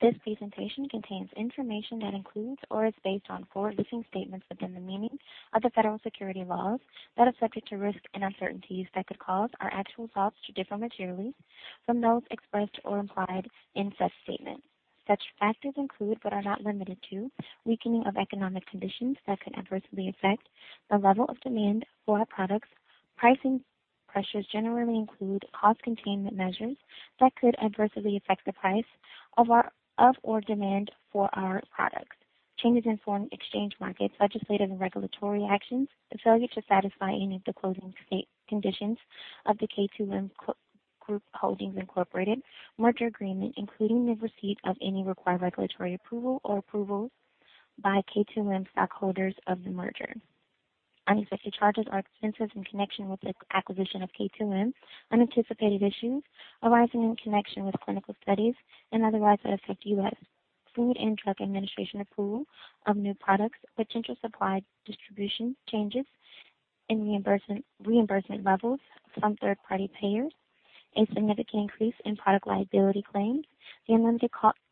This presentation contains information that includes or is based on forward-looking statements within the meaning of the federal securities laws that are subject to risks and uncertainties that could cause our actual results to differ materially from those expressed or implied in such statements. Such factors include, but are not limited to weakening of economic conditions that could adversely affect the level of demand for our products, pricing pressures generally may include cost containment measures that could adversely affect the price of or demand for our products. Changes in foreign exchange markets, legislative and regulatory actions, and failure to satisfy any of the closing conditions of the K2M Group Holdings, Inc. merger agreement, including the receipt of any required regulatory approval or approvals by K2M stockholders of the merger. Unexpected charges or expenses in connection with the acquisition of K2M. Unanticipated issues arising in connection with clinical studies and otherwise that affect U.S. Food and Drug Administration approval of new products. Potential supply distribution changes in reimbursement levels from third-party payers. A significant increase in product liability claims. The amounted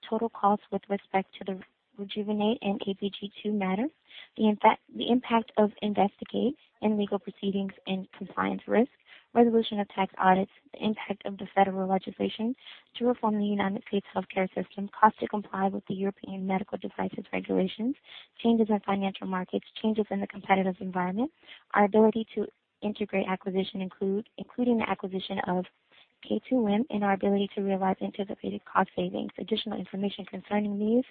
total cost with respect to the Rejuvenate and ABG II1:55:10 matter. The impact of investigative and legal proceedings and compliance risk. Resolution of tax audits. The impact of the federal legislation to reform the U.S. healthcare system. Cost to comply with the European medical devices regulations. Changes in financial markets. Changes in the competitive environment. Our ability to integrate acquisition including the acquisition of K2M and our ability to realize anticipated cost savings. Additional information concerning these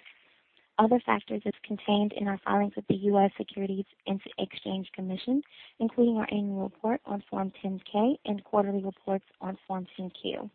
other factors is contained in our filings with the U.S. Securities and Exchange Commission, including our annual report on Form 10-K and quarterly reports on Form 10-Q.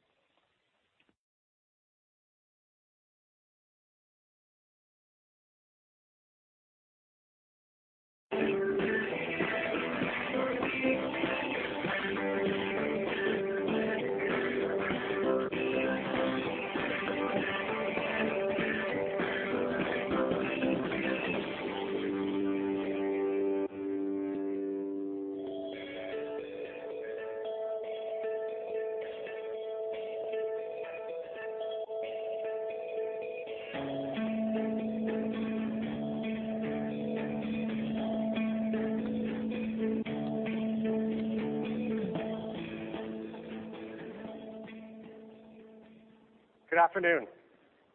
Good afternoon.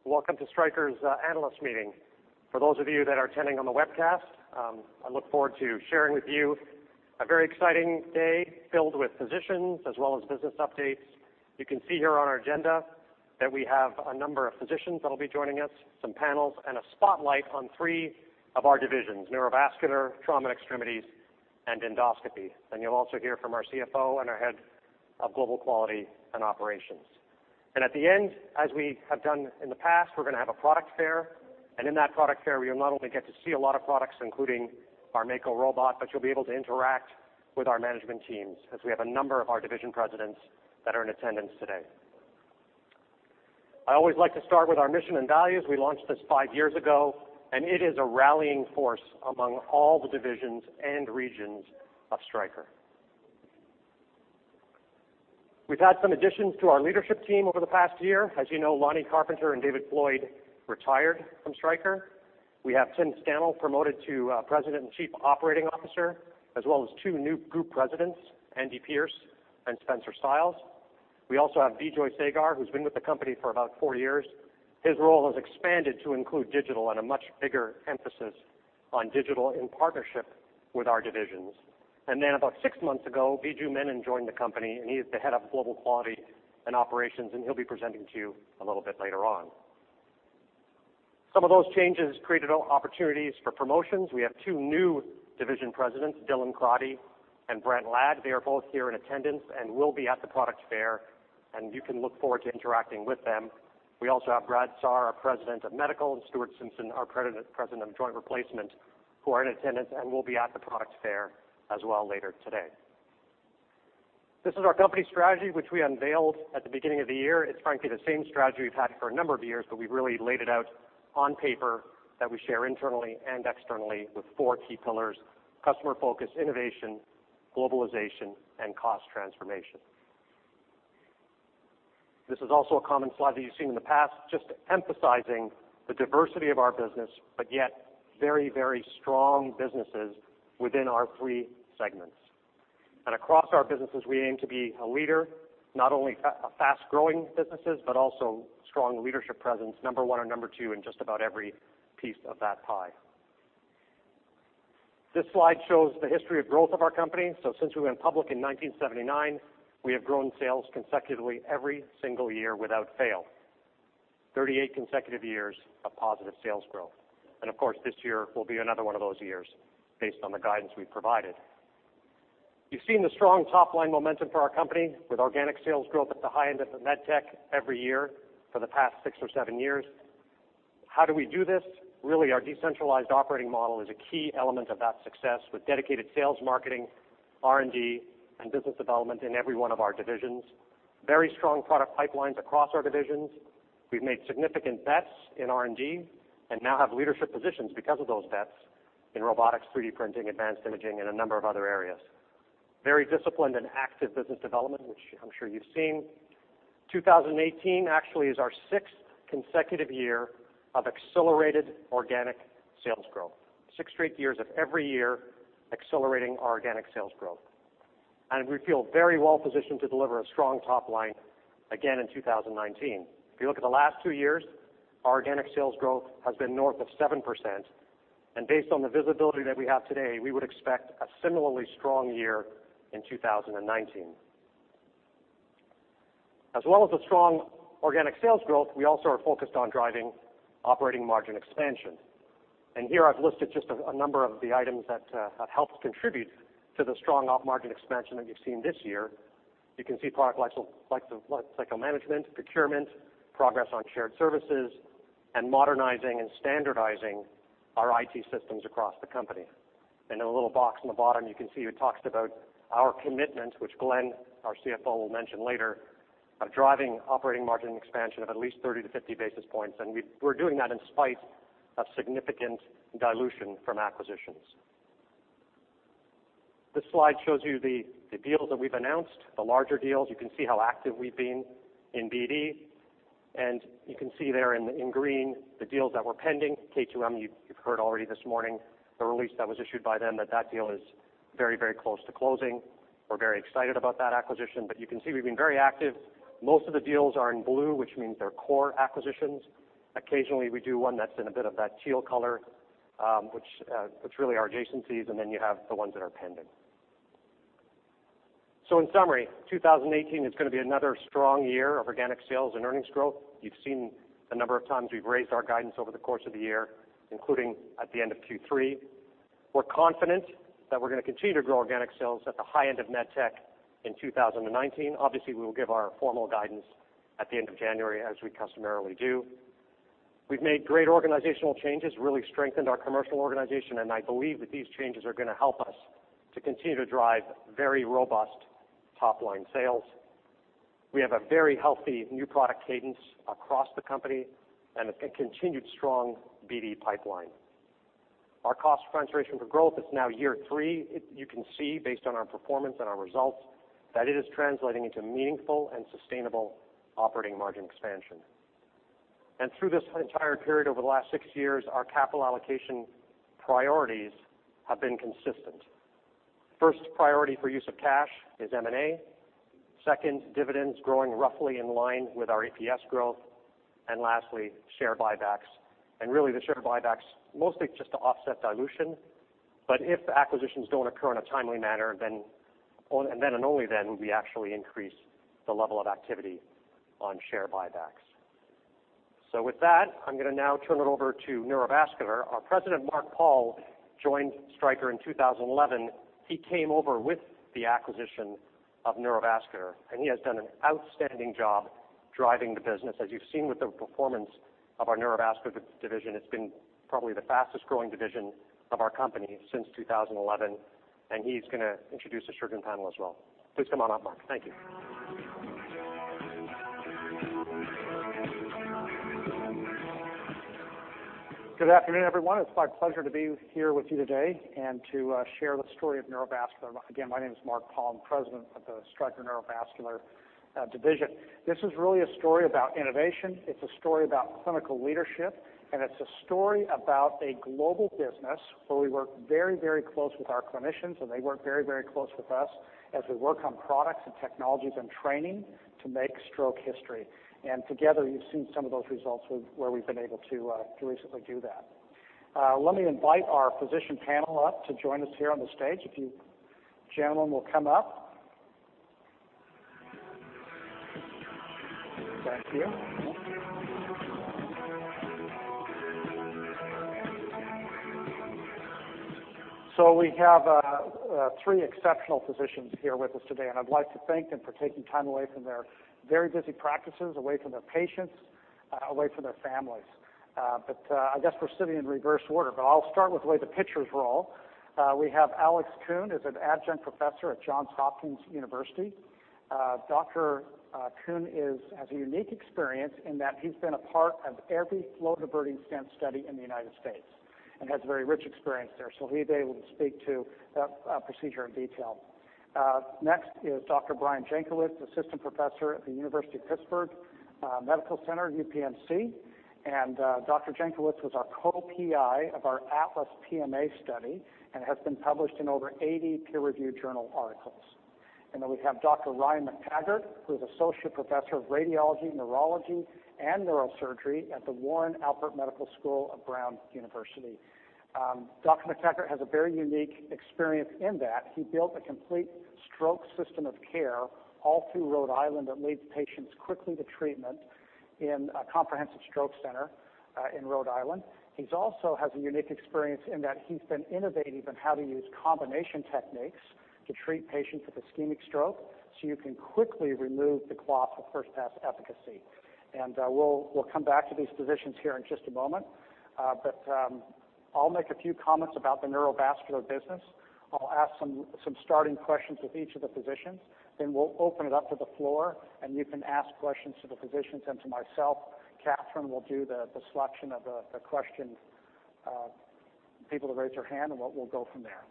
Welcome to Stryker's Analyst Meeting. For those of you that are attending on the webcast, I look forward to sharing with you a very exciting day filled with physicians as well as business updates. You can see here on our agenda that we have a number of physicians that will be joining us, some panels, and a spotlight on three of our divisions, Neurovascular, Trauma & Extremities, and Endoscopy. You'll also hear from our CFO and our head of global quality and operations. At the end, as we have done in the past, we're going to have a product fair. In that product fair, you'll not only get to see a lot of products, including our Mako robot, but you'll be able to interact with our management teams as we have a number of our division presidents that are in attendance today. I always like to start with our mission and values. We launched this five years ago, it is a rallying force among all the divisions and regions of Stryker. We've had some additions to our leadership team over the past year. As you know, Lonny Carpenter and David Floyd retired from Stryker. We have Tim Scannell promoted to President and Chief Operating Officer, as well as two new group presidents, Andy Pierce and Spencer Stiles. We also have Bijoy Sagar, who's been with the company for about four years. His role has expanded to include digital and a much bigger emphasis on digital in partnership with our divisions. Then about six months ago, Viju Menon joined the company, he is the head of global quality and operations, and he'll be presenting to you a little bit later on. Some of those changes created opportunities for promotions. We have two new division presidents, Dylan Crotty and Brent Ladd. They are both here in attendance and will be at the product fair, and you can look forward to interacting with them. We also have Brad Saar, our President of Medical, and Stuart Simpson, our President of Joint Replacement, who are in attendance and will be at the product fair as well later today. This is our company strategy, which we unveiled at the beginning of the year. It's frankly the same strategy we've had for a number of years, but we've really laid it out on paper that we share internally and externally with four key pillars, Customer Focus, Innovation, Globalization, and Cost Transformation. This is also a common slide that you've seen in the past, just emphasizing the diversity of our business, but yet very strong businesses within our three segments. Across our businesses, we aim to be a leader, not only a fast-growing businesses, but also strong leadership presence, number one or number two in just about every piece of that pie. This slide shows the history of growth of our company. Since we went public in 1979, we have grown sales consecutively every single year without fail. 38 consecutive years of positive sales growth and of course, this year will be another one of those years based on the guidance we've provided. You've seen the strong top-line momentum for our company with organic sales growth at the high end of the med tech every year for the past six or seven years. How do we do this? Really, our decentralized operating model is a key element of that success with dedicated sales marketing, R&D, and business development in every one of our divisions. Very strong product pipelines across our divisions. We've made significant bets in R&D and now have leadership positions because of those bets in robotics, 3D printing, advanced imaging, and a number of other areas. Very disciplined and active business development, which I'm sure you've seen. 2018 actually is our sixth consecutive year of accelerated organic sales growth. Six straight years of every year accelerating our organic sales growth. We feel very well-positioned to deliver a strong top line again in 2019. If you look at the last two years, our organic sales growth has been north of 7%, and based on the visibility that we have today, we would expect a similarly strong year in 2019. As well as a strong organic sales growth, we also are focused on driving operating margin expansion. Here I've listed just a number of the items that have helped contribute to the strong op margin expansion that you've seen this year. You can see product life cycle management, procurement, progress on shared services, and modernizing and standardizing our IT systems across the company. In the little box on the bottom, you can see it talks about our commitment, which Glenn, our CFO, will mention later, of driving operating margin expansion of at least 30 to 50 basis points. We're doing that in spite of significant dilution from acquisitions. This slide shows you the deals that we've announced, the larger deals. You can see how active we've been in BD. You can see there in green the deals that were pending. K2M, you've heard already this morning the release that was issued by them that that deal is very close to closing. We're very excited about that acquisition, you can see we've been very active. Most of the deals are in blue, which means they're core acquisitions. Occasionally, we do one that's in a bit of that teal color, which really are adjacencies, and then you have the ones that are pending. In summary, 2018 is going to be another strong year of organic sales and earnings growth. You've seen the number of times we've raised our guidance over the course of the year, including at the end of Q3. We're confident that we're going to continue to grow organic sales at the high end of med tech in 2019. Obviously, we will give our formal guidance at the end of January as we customarily do. We've made great organizational changes, really strengthened our commercial organization, I believe that these changes are going to help us to continue to drive very robust top-line sales. We have a very healthy new product cadence across the company and a continued strong BD pipeline. Our Cost Transformation for Growth is now year three. You can see based on our performance and our results that it is translating into meaningful and sustainable operating margin expansion. Through this entire period over the last six years, our capital allocation priorities have been consistent. First priority for use of cash is M&A, second, dividends growing roughly in line with our EPS growth, and lastly, share buybacks. Really the share buybacks mostly just to offset dilution. If acquisitions don't occur in a timely manner, then and only then will we actually increase the level of activity on share buybacks. With that, I'm going to now turn it over to Neurovascular. Our President, Mark Paul, joined Stryker in 2011. He came over with the acquisition of Neurovascular, he has done an outstanding job driving the business. As you've seen with the performance of our Neurovascular division, it's been probably the fastest-growing division of our company since 2011, he's going to introduce a surgeon panel as well. Please come on up, Mark. Thank you. Good afternoon, everyone. It's my pleasure to be here with you today and to share the story of Neurovascular. Again, my name is Mark Paul, President of the Stryker Neurovascular division. This is really a story about innovation. It's a story about clinical leadership, it's a story about a global business where we work very close with our clinicians and they work very close with us as we work on products and technologies and training to make stroke history. Together, you've seen some of those results where we've been able to recently do that. Let me invite our physician panel up to join us here on the stage. If you gentlemen will come up. Thank you. We have three exceptional physicians here with us today. I'd like to thank them for taking time away from their very busy practices, away from their patients, away from their families. I guess we're sitting in reverse order. I'll start with the way the pictures roll. We have Alex Coon, is an adjunct professor at Johns Hopkins University. Dr. Coon has a unique experience in that he's been a part of every flow diverting stent study in the U.S. and has very rich experience there. He'll be able to speak to procedure in detail. Next is Dr. Brian Jankowitz, assistant professor at the University of Pittsburgh Medical Center, UPMC. Dr. Jankowitz was our co-PI of our ATLAS PMA study and has been published in over 80 peer-reviewed journal articles. We have Dr. Ryan McTaggart, who is associate professor of radiology, neurology, and neurosurgery at The Warren Alpert Medical School of Brown University. Dr. McTaggart has a very unique experience in that he built a complete stroke system of care all through Rhode Island that leads patients quickly to treatment in a comprehensive stroke center in Rhode Island. He also has a unique experience in that he's been innovative in how to use combination techniques to treat patients with ischemic stroke so you can quickly remove the clot for first-pass efficacy. We'll come back to these physicians here in just a moment. I'll make a few comments about the Neurovascular business. I'll ask some starting questions of each of the physicians, then we'll open it up to the floor and you can ask questions to the physicians and to myself. Katherine will do the selection of the questions. People to raise their hand and we'll go from there.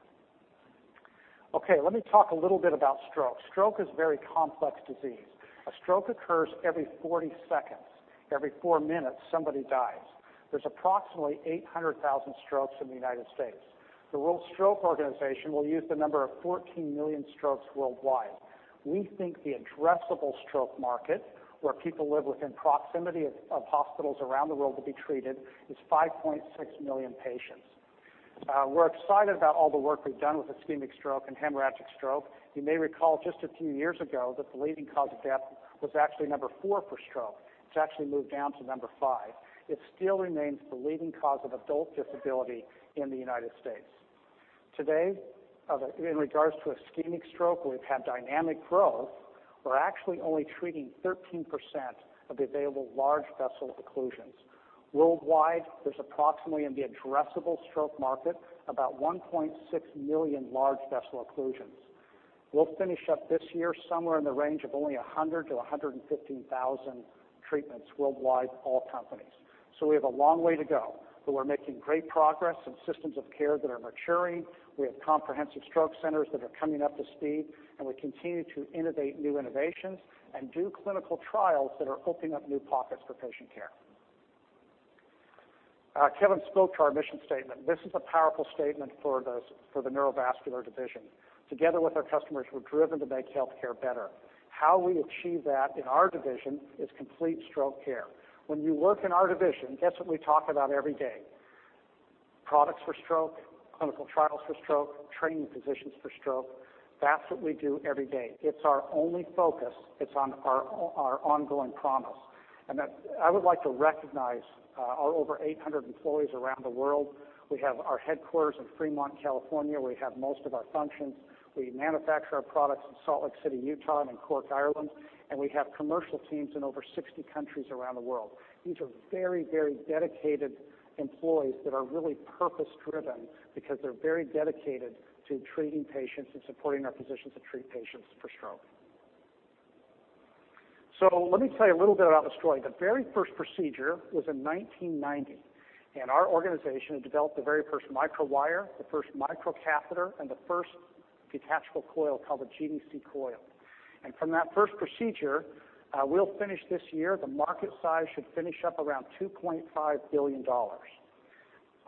Let me talk a little bit about stroke. Stroke is a very complex disease. A stroke occurs every 40 seconds. Every four minutes, somebody dies. There's approximately 800,000 strokes in the U.S. The World Stroke Organization will use the number of 14 million strokes worldwide. We think the addressable stroke market, where people live within proximity of hospitals around the world to be treated, is 5.6 million patients. We're excited about all the work we've done with ischemic stroke and hemorrhagic stroke. You may recall just a few years ago that the leading cause of death was actually number four for stroke. It's actually moved down to number five. It still remains the leading cause of adult disability in the U.S. Today, in regards to ischemic stroke, where we've had dynamic growth, we're actually only treating 13% of the available large vessel occlusions. Worldwide, there's approximately, in the addressable stroke market, about 1.6 million large vessel occlusions. We'll finish up this year somewhere in the range of only 100,000-115,000 treatments worldwide, all companies. We have a long way to go. We're making great progress in systems of care that are maturing. We have comprehensive stroke centers that are coming up to speed. We continue to innovate new innovations and do clinical trials that are opening up new pockets for patient care. Kevin spoke to our mission statement. This is a powerful statement for the Neurovascular division. Together with our customers, we're driven to make healthcare better. How we achieve that in our division is complete stroke care. When you work in our division, that's what we talk about every day. Products for stroke, clinical trials for stroke, training physicians for stroke. That's what we do every day. It's our only focus. It's our ongoing promise. I would like to recognize our over 800 employees around the world. We have our headquarters in Fremont, California, where we have most of our functions. We manufacture our products in Salt Lake City, Utah, and in Cork, Ireland, and we have commercial teams in over 60 countries around the world. These are very dedicated employees that are really purpose-driven because they're very dedicated to treating patients and supporting our physicians to treat patients for stroke. Let me tell you a little bit about the story. The very first procedure was in 1990, our organization had developed the very first microwire, the first microcatheter, and the first detachable coil called the GDC coil. From that first procedure, we'll finish this year, the market size should finish up around $2.5 billion.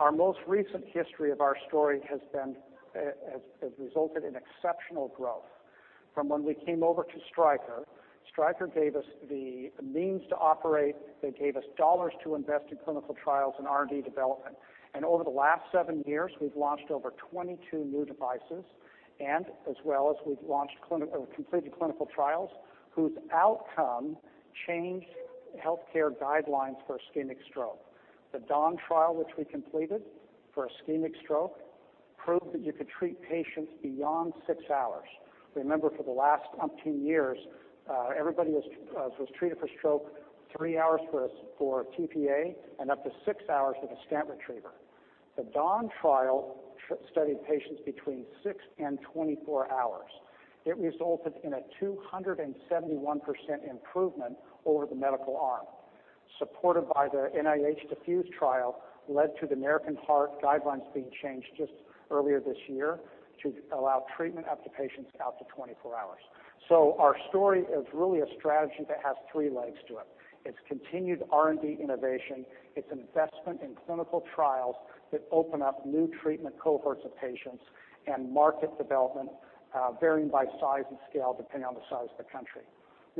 Our most recent history of our story has resulted in exceptional growth. From when we came over to Stryker gave us the means to operate, they gave us dollars to invest in clinical trials and R&D development. Over the last seven years, we've launched over 22 new devices, as well as we've completed clinical trials whose outcome changed healthcare guidelines for ischemic stroke. The DAWN trial, which we completed for ischemic stroke, proved that you could treat patients beyond six hours. Remember, for the last umpteen years, everybody was treated for stroke, three hours for tPA and up to six hours with a stent retriever. The DAWN trial studied patients between six and 24 hours. It resulted in a 271% improvement over the medical arm. Supported by the NIH DEFUSE trial, led to the American Heart guidelines being changed just earlier this year to allow treatment up to patients out to 24 hours. Our story is really a strategy that has three legs to it. It's continued R&D innovation. It's investment in clinical trials that open up new treatment cohorts of patients and market development, varying by size and scale, depending on the size of the country.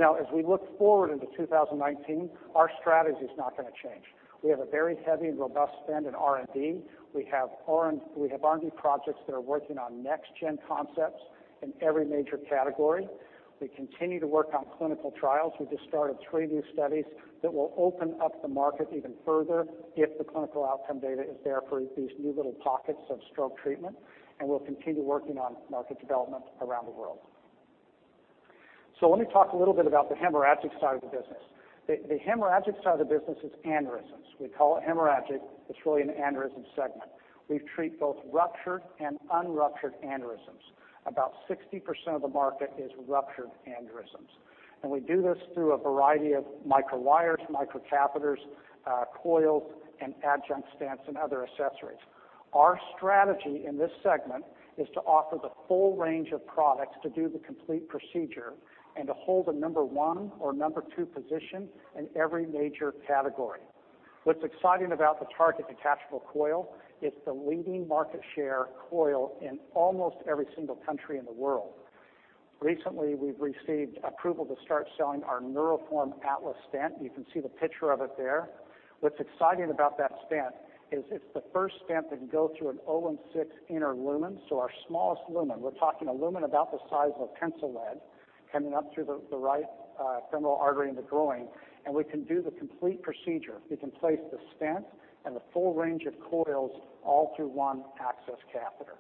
As we look forward into 2019, our strategy's not going to change. We have a very heavy and robust spend in R&D. We have R&D projects that are working on next-gen concepts in every major category. We continue to work on clinical trials. We just started three new studies that will open up the market even further if the clinical outcome data is there for these new little pockets of stroke treatment, and we'll continue working on market development around the world. Let me talk a little bit about the hemorrhagic side of the business. The hemorrhagic side of the business is aneurysms. We call it hemorrhagic. It's really an aneurysm segment. We treat both ruptured and unruptured aneurysms. About 60% of the market is ruptured aneurysms. We do this through a variety of microwires, microcatheters, coils, and adjunct stents, and other accessories. Our strategy in this segment is to offer the full range of products to do the complete procedure and to hold a number one or number two position in every major category. What's exciting about the Target detachable coil, it's the leading market share coil in almost every single country in the world. Recently, we've received approval to start selling our Neuroform Atlas stent. You can see the picture of it there. What's exciting about that stent is it's the first stent that can go through an 016 inner lumen, so our smallest lumen. We're talking a lumen about the size of a pencil lead coming up through the right femoral artery in the groin, we can do the complete procedure. We can place the stent and the full range of coils all through one access catheter.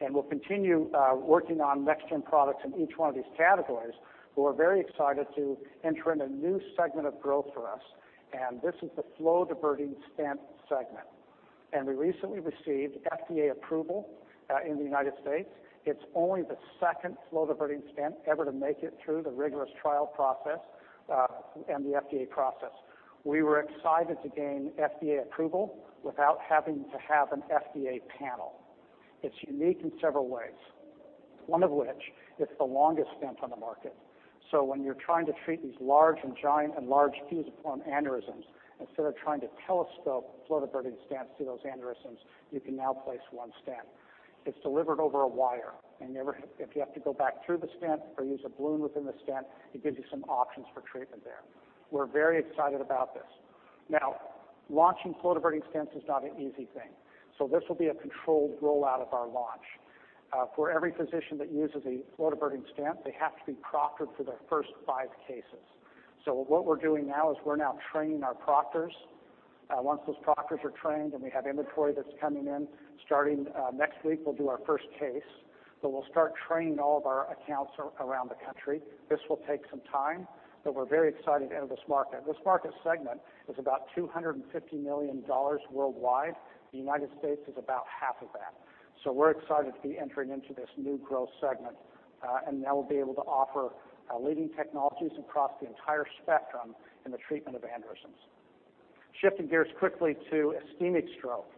We'll continue working on next-gen products in each one of these categories, we're very excited to enter in a new segment of growth for us, this is the flow diverting stent segment. We recently received FDA approval in the United States. It's only the second flow diverting stent ever to make it through the rigorous trial process and the FDA process. We were excited to gain FDA approval without having to have an FDA panel. It's unique in several ways. One of which is the longest stent on the market. When you're trying to treat these large and giant and large fusiform aneurysms, instead of trying to telescope flow diverting stents through those aneurysms, you can now place one stent. It's delivered over a wire, if you have to go back through the stent or use a balloon within the stent, it gives you some options for treatment there. We're very excited about this. Launching flow diverting stents is not an easy thing. This will be a controlled rollout of our launch. For every physician that uses a flow diverting stent, they have to be proctored for their first five cases. What we're doing now is we're now training our proctors. Once those proctors are trained and we have inventory that's coming in, starting next week, we'll do our first case. We'll start training all of our accounts around the country. This will take some time, we're very excited to enter this market. This market segment is about $250 million worldwide. The United States is about half of that. We're excited to be entering into this new growth segment, now we'll be able to offer leading technologies across the entire spectrum in the treatment of aneurysms. Shifting gears quickly to ischemic stroke.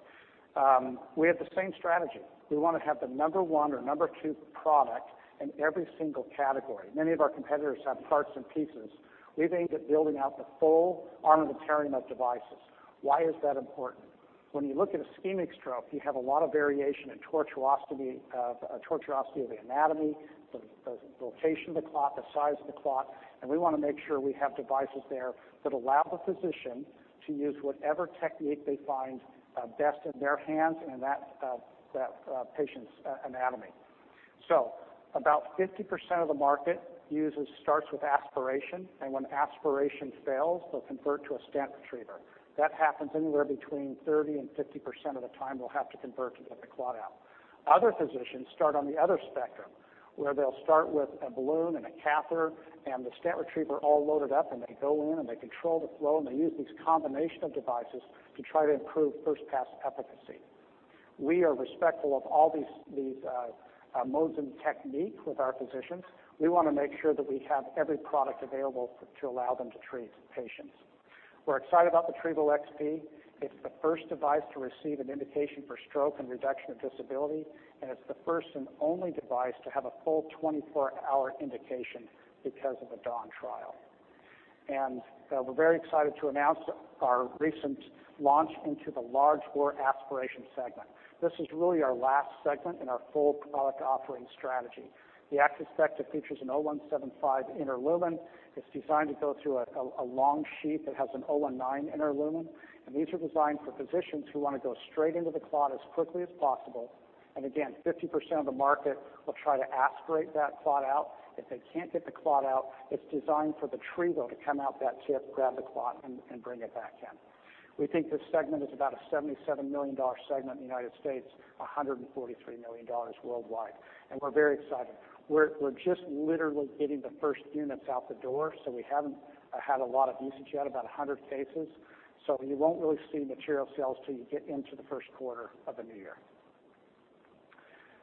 We have the same strategy. We want to have the number one or number two product in every single category. Many of our competitors have parts and pieces. We've aimed at building out the full armamentarium of devices. Why is that important? When you look at ischemic stroke, you have a lot of variation in tortuosity of the anatomy, the location of the clot, the size of the clot, we want to make sure we have devices there that allow the physician to use whatever technique they find best in their hands and in that patient's anatomy. About 50% of the market starts with aspiration, and when aspiration fails, they'll convert to a stent retriever. That happens anywhere between 30%-50% of the time they'll have to convert to get the clot out. Other physicians start on the other spectrum, where they'll start with a balloon and a catheter and the stent retriever all loaded up, and they go in, and they control the flow, and they use these combination of devices to try to improve first-pass efficacy. We are respectful of all these modes and techniques with our physicians. We want to make sure that we have every product available to allow them to treat patients. We're excited about the Trevo XP. It's the first device to receive an indication for stroke and reduction of disability, and it's the first and only device to have a full 24-hour indication because of the DAWN trial. We're very excited to announce our recent launch into the large bore aspiration segment. This is really our last segment in our full product offering strategy. The AXS Vecta features an 0175 inner lumen. It's designed to go through a long sheath that has an 0.19 inner lumen, and these are designed for physicians who want to go straight into the clot as quickly as possible. Again, 50% of the market will try to aspirate that clot out. If they can't get the clot out, it's designed for the Trevo to come out that tip, grab the clot, and bring it back in. We think this segment is about a $77 million segment in the U.S., $143 million worldwide, and we're very excited. We're just literally getting the first units out the door, so we haven't had a lot of usage yet, about 100 cases. You won't really see material sales till you get into the first quarter of the new year.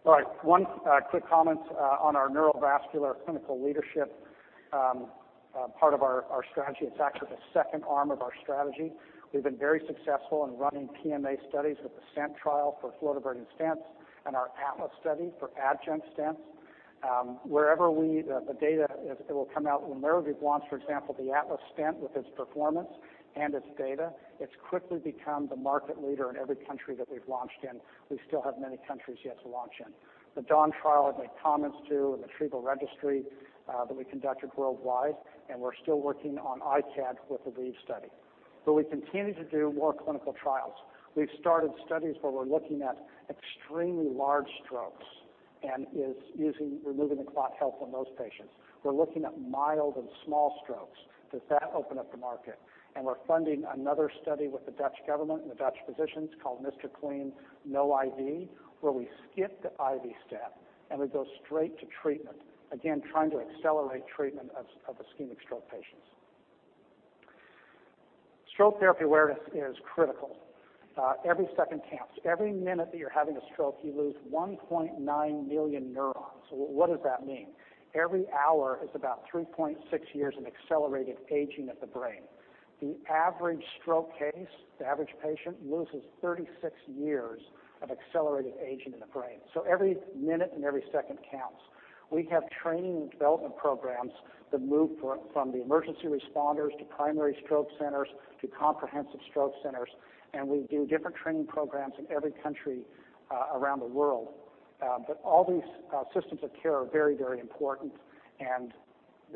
One quick comment on our Neurovascular clinical leadership. Part of our strategy, it's actually the second arm of our strategy. We've been very successful in running PMA studies with the SCENT trial for flow diverting stents and our ATLAS study for adjunct stents. The data, it will come out whenever we've launched, for example, the ATLAS stent with its performance and its data. It's quickly become the market leader in every country that we've launched in. We still have many countries yet to launch in. The DAWN trial I've made comments to and the Trevo registry that we conducted worldwide, and we're still working on ICAD with the REVEAL study. We continue to do more clinical trials. We've started studies where we're looking at extremely large strokes and is removing the clot health in those patients. We're looking at mild and small strokes. Does that open up the market? We're funding another study with the Dutch government and the Dutch physicians called MR CLEAN-NO IV, where we skip the IV step and we go straight to treatment. Again, trying to accelerate treatment of ischemic stroke patients. Stroke therapy awareness is critical. Every second counts. Every minute that you're having a stroke, you lose 1.9 million neurons. What does that mean? Every hour is about 3.6 years of accelerated aging of the brain. The average stroke case, the average patient loses 36 years of accelerated aging in the brain. Every minute and every second counts. We have training and development programs that move from the emergency responders to primary stroke centers to comprehensive stroke centers. We do different training programs in every country around the world. All these systems of care are very, very important, and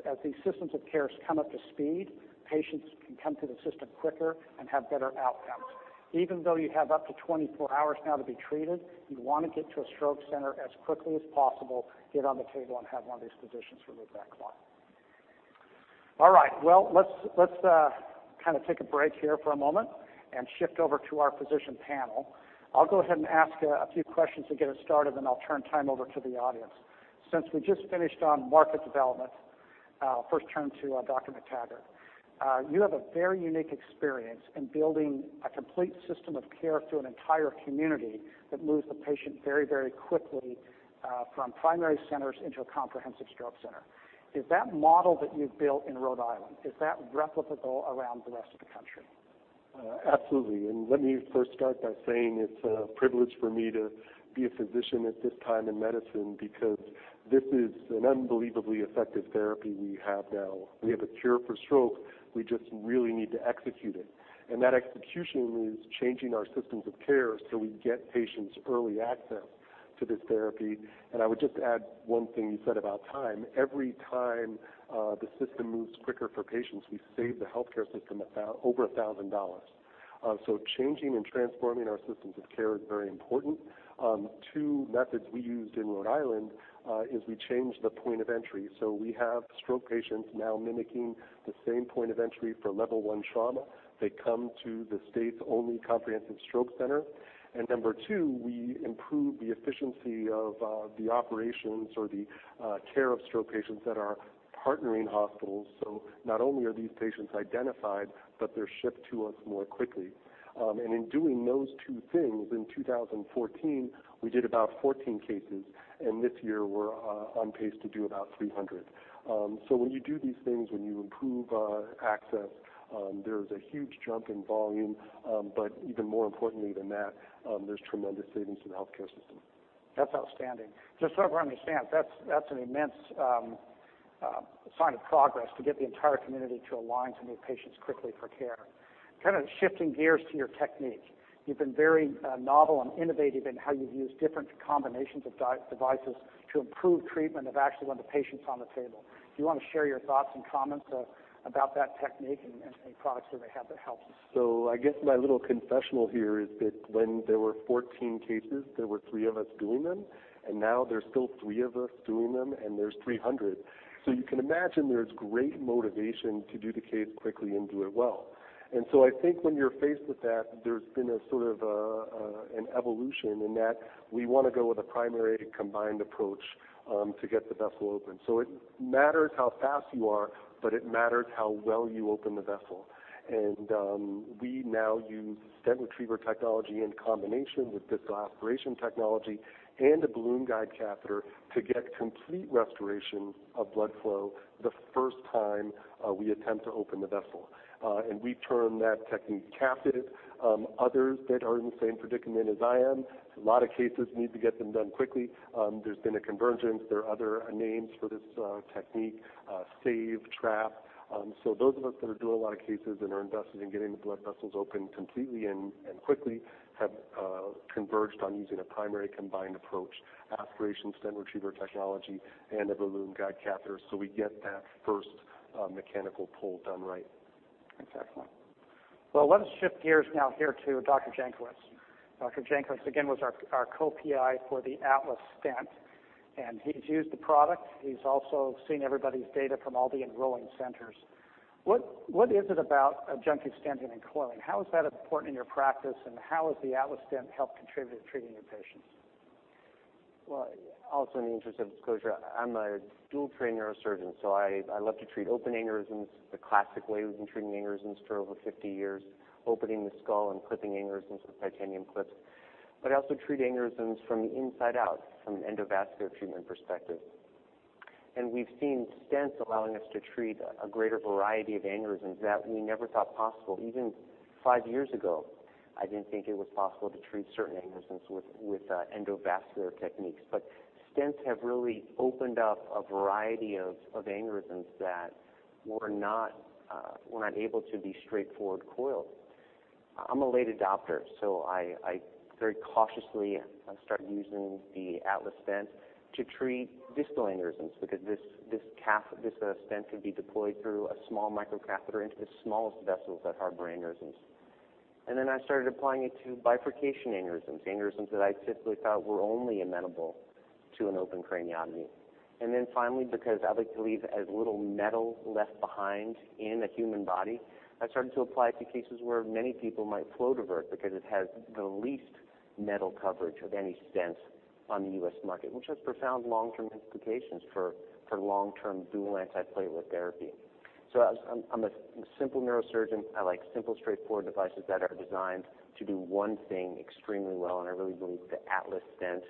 as these systems of care come up to speed, patients can come to the system quicker and have better outcomes. Even though you have up to 24 hours now to be treated, you want to get to a stroke center as quickly as possible, get on the table, and have one of these physicians remove that clot. All right. Let's take a break here for a moment and shift over to our physician panel. I'll go ahead and ask a few questions to get us started, then I'll turn time over to the audience. Since we just finished on market development, I'll first turn to Dr. Ryan McTaggart. You have a very unique experience in building a complete system of care through an entire community that moves the patient very, very quickly from primary centers into a comprehensive stroke center. Is that model that you've built in Rhode Island, is that replicable around the rest of the country? Absolutely. Let me first start by saying it's a privilege for me to be a physician at this time in medicine, because this is an unbelievably effective therapy we have now. We have a cure for stroke. We just really need to execute it. That execution is changing our systems of care so we get patients early access to this therapy. I would just add one thing you said about time. Every time the system moves quicker for patients, we save the healthcare system over $1,000. Changing and transforming our systems of care is very important. Two methods we used in Rhode Island is we changed the point of entry. We have stroke patients now mimicking the same point of entry for level 1 trauma. They come to the state's only comprehensive stroke center. Number 2, we improve the efficiency of the operations or the care of stroke patients that are partnering hospitals. Not only are these patients identified, but they're shipped to us more quickly. In doing those two things in 2014, we did about 14 cases, and this year we're on pace to do about 300. When you do these things, when you improve access, there's a huge jump in volume. Even more importantly than that, there's tremendous savings to the healthcare system. That's outstanding. Just so everyone understands, that's an immense sign of progress to get the entire community to align to move patients quickly for care. Shifting gears to your technique. You've been very novel and innovative in how you use different combinations of devices to improve treatment of actually when the patient's on the table. Do you want to share your thoughts and comments about that technique and any products that they have that helps? I guess my little confessional here is that when there were 14 cases, there were three of us doing them, and now there's still three of us doing them, and there's 300. You can imagine there's great motivation to do the case quickly and do it well. I think when you're faced with that, there's been a sort of an evolution in that we want to go with a primary combined approach to get the vessel open. It matters how fast you are, but it matters how well you open the vessel. We now use stent retriever technology in combination with distal aspiration technology and a balloon guide catheter to get complete restoration of blood flow the first time we attempt to open the vessel. We term that technique CAPTIVE. Others that are in the same predicament as I am, a lot of cases need to get them done quickly. There's been a convergence. There are other names for this technique, SAVE, TRAP. Those of us that do a lot of cases and are invested in getting the blood vessels open completely and quickly have converged on using a primary combined approach, aspiration stent retriever technology, and a balloon guide catheter, so we get that first mechanical pull done right. Excellent. Let us shift gears now here to Dr. Jankowitz. Dr. Jankowitz, again, was our co-PI for the Atlas stent, and he's used the product. He's also seen everybody's data from all the enrolling centers. What is it about adjunctive stenting and coiling? How is that important in your practice, and how has the Atlas stent helped contribute to treating your patients? Also in the interest of disclosure, I'm a dual trained neurosurgeon, I love to treat open aneurysms the classic way we've been treating aneurysms for over 50 years, opening the skull and clipping aneurysms with titanium clips, but I also treat aneurysms from the inside out, from an endovascular treatment perspective. We've seen stents allowing us to treat a greater variety of aneurysms that we never thought possible. Even five years ago, I didn't think it was possible to treat certain aneurysms with endovascular techniques. Stents have really opened up a variety of aneurysms that were not able to be straightforward coiled. I'm a late adopter, I very cautiously started using the Atlas stent to treat distal aneurysms because this stent could be deployed through a small microcatheter into the smallest vessels that harbor aneurysms. I started applying it to bifurcation aneurysms that I typically thought were only amenable to an open craniotomy. Finally, because I like to leave as little metal left behind in a human body, I started to apply it to cases where many people might flow divert because it has the least metal coverage of any stents on the U.S. market, which has profound long-term implications for long-term dual antiplatelet therapy. I'm a simple neurosurgeon. I like simple, straightforward devices that are designed to do one thing extremely well, I really believe the Atlas stent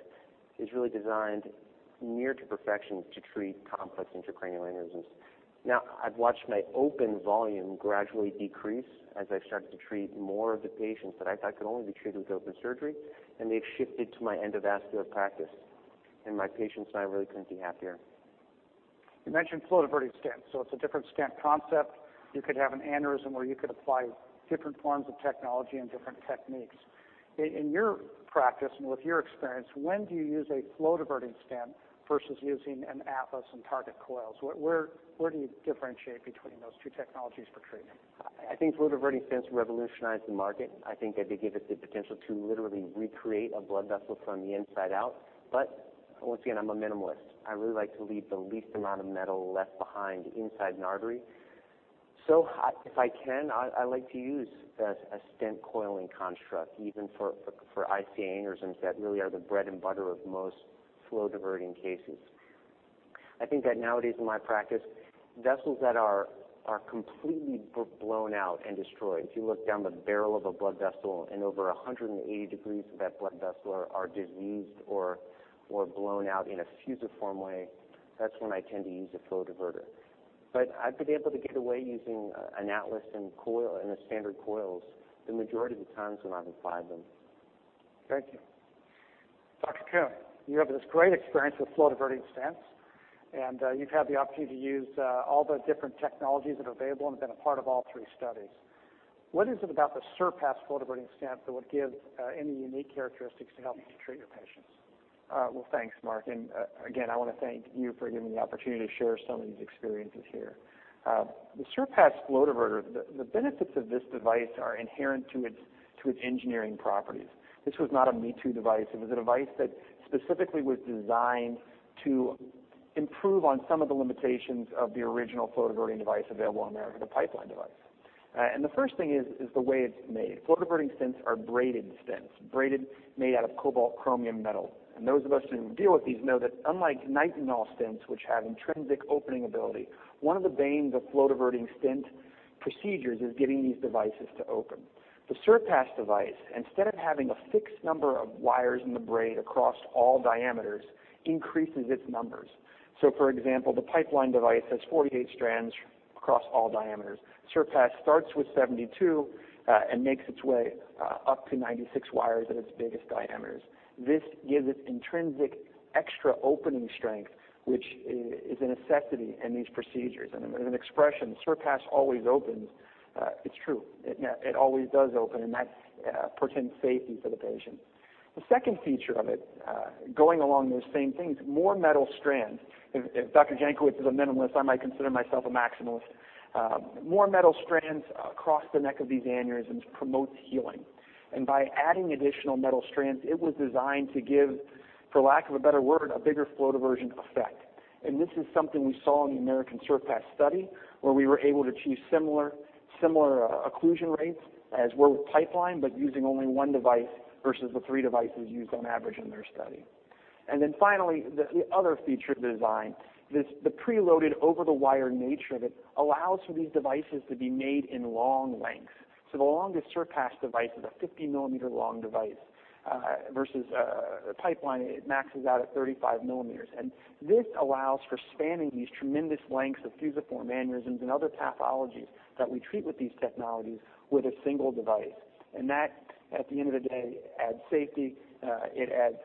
is really designed near to perfection to treat complex intracranial aneurysms. I've watched my open volume gradually decrease as I've started to treat more of the patients that I thought could only be treated with open surgery, they've shifted to my endovascular practice. My patients and I really couldn't be happier. You mentioned flow diverting stents. It's a different stent concept. You could have an aneurysm where you could apply different forms of technology and different techniques. In your practice and with your experience, when do you use a flow diverting stent versus using an Atlas and Target coils? Where do you differentiate between those two technologies for treatment? I think flow diverting stents revolutionized the market. I think they give us the potential to literally recreate a blood vessel from the inside out. Once again, I'm a minimalist. I really like to leave the least amount of metal left behind inside an artery. If I can, I like to use a stent coiling construct, even for ICA aneurysms that really are the bread and butter of most flow diverting cases. I think that nowadays in my practice, vessels that are completely blown out and destroyed. If you look down the barrel of a blood vessel and over 180 degrees of that blood vessel are diseased or blown out in a fusiform way, that's when I tend to use a flow diverter. I've been able to get away using an Atlas and coil and the standard coils the majority of the times when I've applied them. Thank you. Dr. Coon, you have this great experience with flow-diverting stents, and you've had the opportunity to use all the different technologies that are available and have been a part of all three studies. What is it about the Surpass flow-diverting stent that would give any unique characteristics to help you treat your patients? Thanks, Mark, again, I want to thank you for giving me the opportunity to share some of these experiences here. The Surpass flow diverter, the benefits of this device are inherent to its engineering properties. This was not a me-too device. It was a device that specifically was designed to improve on some of the limitations of the original flow-diverting device available on the American Pipeline device. The first thing is the way it's made. Flow-diverting stents are braided stents, braided made out of cobalt-chromium metal. Those of us who deal with these know that unlike Nitinol stents, which have intrinsic opening ability, one of the banes of flow-diverting stent procedures is getting these devices to open. The Surpass device, instead of having a fixed number of wires in the braid across all diameters, increases its numbers. For example, the Pipeline device has 48 strands across all diameters. Surpass starts with 72 and makes its way up to 96 wires at its biggest diameters. This gives it intrinsic extra opening strength, which is a necessity in these procedures. There's an expression, Surpass always opens. It's true. It always does open, and that portends safety for the patient. The second feature of it, going along those same things, more metal strands. If Dr. Jankowitz is a minimalist, I might consider myself a maximalist. More metal strands across the neck of these aneurysms promotes healing. By adding additional metal strands, it was designed to give, for lack of a better word, a bigger flow diversion effect. This is something we saw in the American Surpass study, where we were able to achieve similar occlusion rates as were with Pipeline, but using only one device versus the three devices used on average in their study. Finally, the other feature of the design, the preloaded over-the-wire nature of it allows for these devices to be made in long lengths. The longest Surpass device is a 50-millimeter long device, versus a Pipeline, it maxes out at 35 millimeters. This allows for spanning these tremendous lengths of fusiform aneurysms and other pathologies that we treat with these technologies with a single device. That, at the end of the day, adds safety, it adds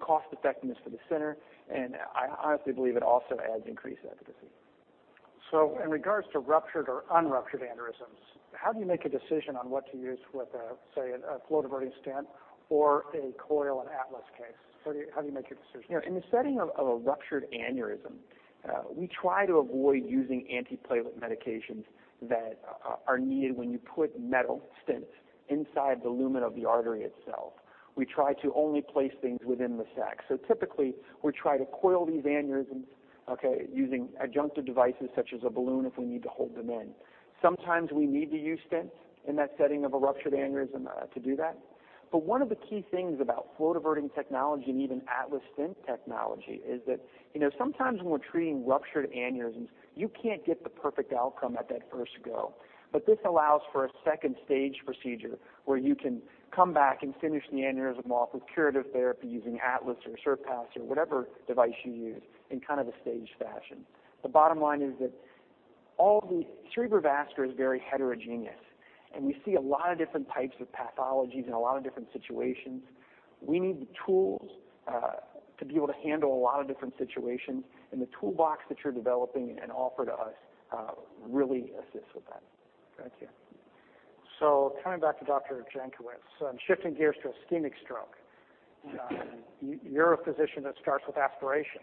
cost effectiveness for the center, and I honestly believe it also adds increased efficacy. In regards to ruptured or unruptured aneurysms, how do you make a decision on what to use with, say, a flow-diverting stent or a coil and Atlas case? How do you make your decision? In the setting of a ruptured aneurysm, we try to avoid using antiplatelet medications that are needed when you put metal stents inside the lumen of the artery itself. We try to only place things within the sac. Typically, we try to coil these aneurysms using adjunctive devices such as a balloon if we need to hold them in. Sometimes we need to use stents in that setting of a ruptured aneurysm to do that. One of the key things about flow-diverting technology and even Atlas stent technology is that sometimes when we're treating ruptured aneurysms, you can't get the perfect outcome at that first go. This allows for a 2 stage procedure where you can come back and finish the aneurysm off with curative therapy using Atlas or Surpass or whatever device you use in kind of a staged fashion. The bottom line is that cerebrovascular is very heterogeneous, we see a lot of different types of pathologies and a lot of different situations. We need the tools to be able to handle a lot of different situations, the toolbox that you're developing and offer to us really assists with that. Thank you. Coming back to Dr. Jankowitz, I'm shifting gears to ischemic stroke. You're a physician that starts with aspiration,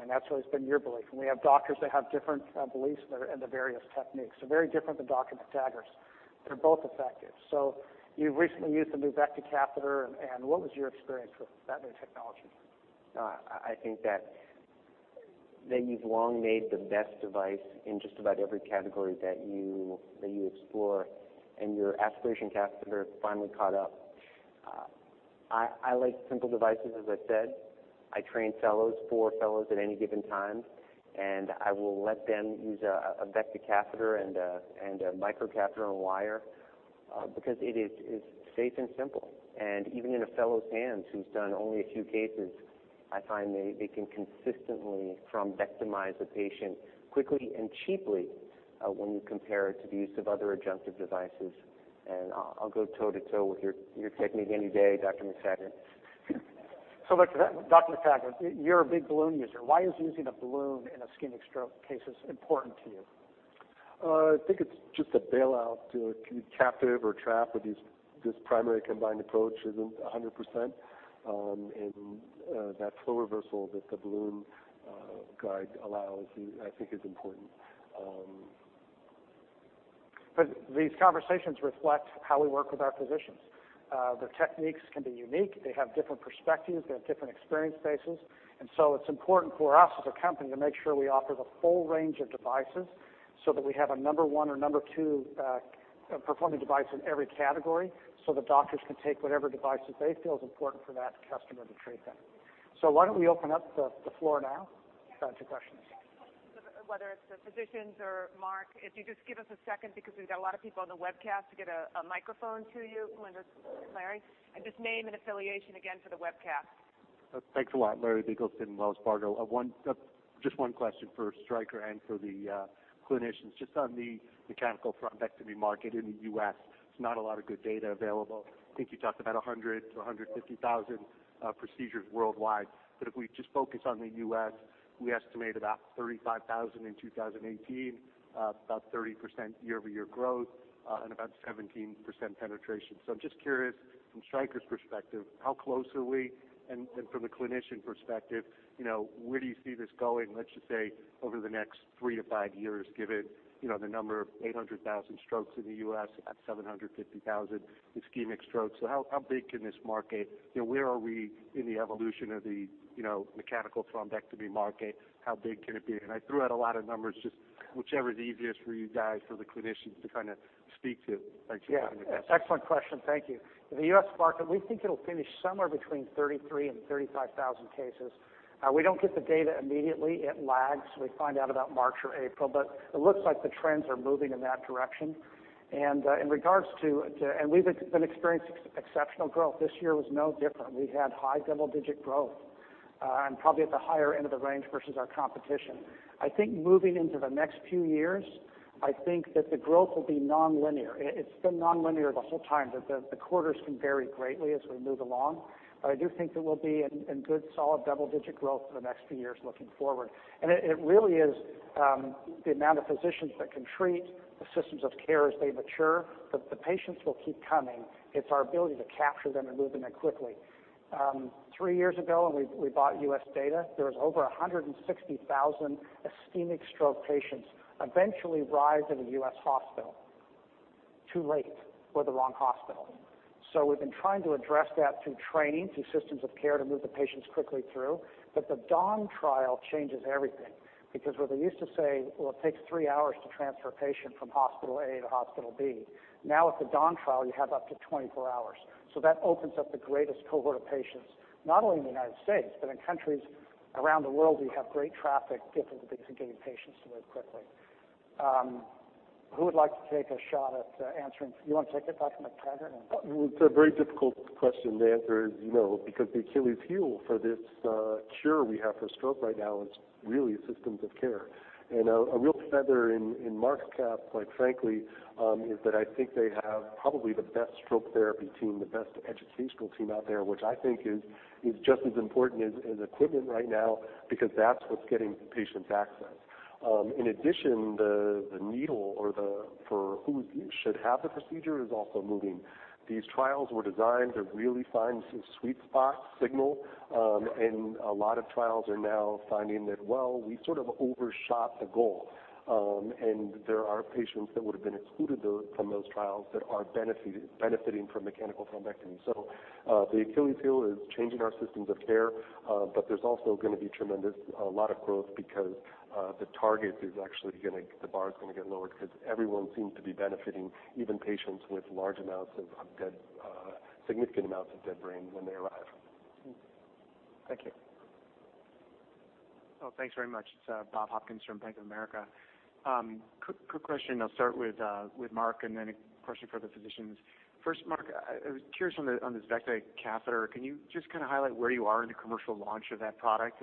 and that's always been your belief. We have doctors that have different beliefs and the various techniques. Very different than Dr. McTaggart's. They're both effective. You've recently used the new Vecta catheter, and what was your experience with that new technology? I think that you've long made the best device in just about every category that you explore, your aspiration catheter finally caught up. I like simple devices, as I said. I train fellows, four fellows at any given time, I will let them use a Vecta catheter and a microcatheter and a wire because it is safe and simple. Even in a fellow's hands who's done only a few cases, I find they can consistently thrombectomize the patient quickly and cheaply when you compare it to the use of other adjunctive devices. I'll go toe to toe with your technique any day, Dr. McTaggart. Dr. McTaggart, you're a big balloon user. Why is using a balloon in ischemic stroke cases important to you? I think it's just a bailout if you're CAPTIVE or TRAP with this primary combined approach isn't 100%, and that flow reversal that the balloon guide allows, I think is important. These conversations reflect how we work with our physicians. Their techniques can be unique. They have different perspectives. They have different experience bases. It's important for us as a company to make sure we offer the full range of devices so that we have a number 1 or number 2 performing device in every category so the doctors can take whatever devices they feel is important for that customer to treat them. Why don't we open up the floor now to questions. Whether it's the physicians or Mark, if you just give us a second because we've got a lot of people on the webcast to get a microphone to you, Larry, and just name and affiliation again for the webcast. Thanks a lot. Larry Biegelsen, Wells Fargo. Just one question for Stryker and for the clinicians. Just on the mechanical thrombectomy market in the U.S., there's not a lot of good data available. I think you talked about 100,000-150,000 procedures worldwide. If we just focus on the U.S., we estimate about 35,000 in 2018, about 30% year-over-year growth, and about 17% penetration. I'm just curious, from Stryker's perspective, how close are we? From the clinician perspective, where do you see this going, let's just say over the next three to five years, given the number of 800,000 strokes in the U.S., about 750,000 ischemic strokes. How big can this market, where are we in the evolution of the mechanical thrombectomy market? How big can it be? I threw out a lot of numbers, just whichever is easiest for you guys, for the clinicians to speak to. Thanks. Yeah. Excellent question. Thank you. The U.S. market, we think it'll finish somewhere between 33,000 and 35,000 cases. We don't get the data immediately. It lags. We find out about March or April, but it looks like the trends are moving in that direction. We've been experiencing exceptional growth. This year was no different. We had high double-digit growth, and probably at the higher end of the range versus our competition. I think moving into the next few years, I think that the growth will be non-linear. It's been non-linear the whole time, that the quarters can vary greatly as we move along. I do think that we'll be in good, solid double-digit growth for the next few years looking forward. It really is the amount of physicians that can treat the systems of care as they mature. The patients will keep coming. It's our ability to capture them and move them there quickly. Three years ago, when we bought U.S. data, there was over 160,000 ischemic stroke patients, eventually arrive at a U.S. hospital too late or the wrong hospital. We've been trying to address that through training, through systems of care to move the patients quickly through, the DAWN trial changes everything. Where they used to say, "Well, it takes 3 hours to transfer a patient from hospital A to hospital B," now with the DAWN trial, you have up to 24 hours. That opens up the greatest cohort of patients, not only in the United States, but in countries around the world where you have great traffic difficulties in getting patients to move quickly. Who would like to take a shot at answering? You want to take it, Ryan McTaggart? It's a very difficult question to answer because the Achilles heel for this cure we have for stroke right now is really systems of care. A real feather in Mark's cap, quite frankly, is that I think they have probably the best stroke therapy team, the best educational team out there, which I think is just as important as equipment right now because that's what's getting patients access. In addition, the needle for who should have the procedure is also moving. These trials were designed to really find some sweet spot signal, a lot of trials are now finding that, well, we sort of overshot the goal. There are patients that would've been excluded from those trials that are benefiting from mechanical thrombectomy. The Achilles heel is changing our systems of care. There's also going to be a lot of growth because the target is actually, the bar is going to get lowered because everyone seems to be benefiting, even patients with large amounts of significant amounts of dead brain when they arrive. Thank you. Thanks very much. It's Bob Hopkins from Bank of America. Quick question. I'll start with Mark and then a question for the physicians. First, Mark, I was curious on this Vecta catheter, can you just highlight where you are in the commercial launch of that product?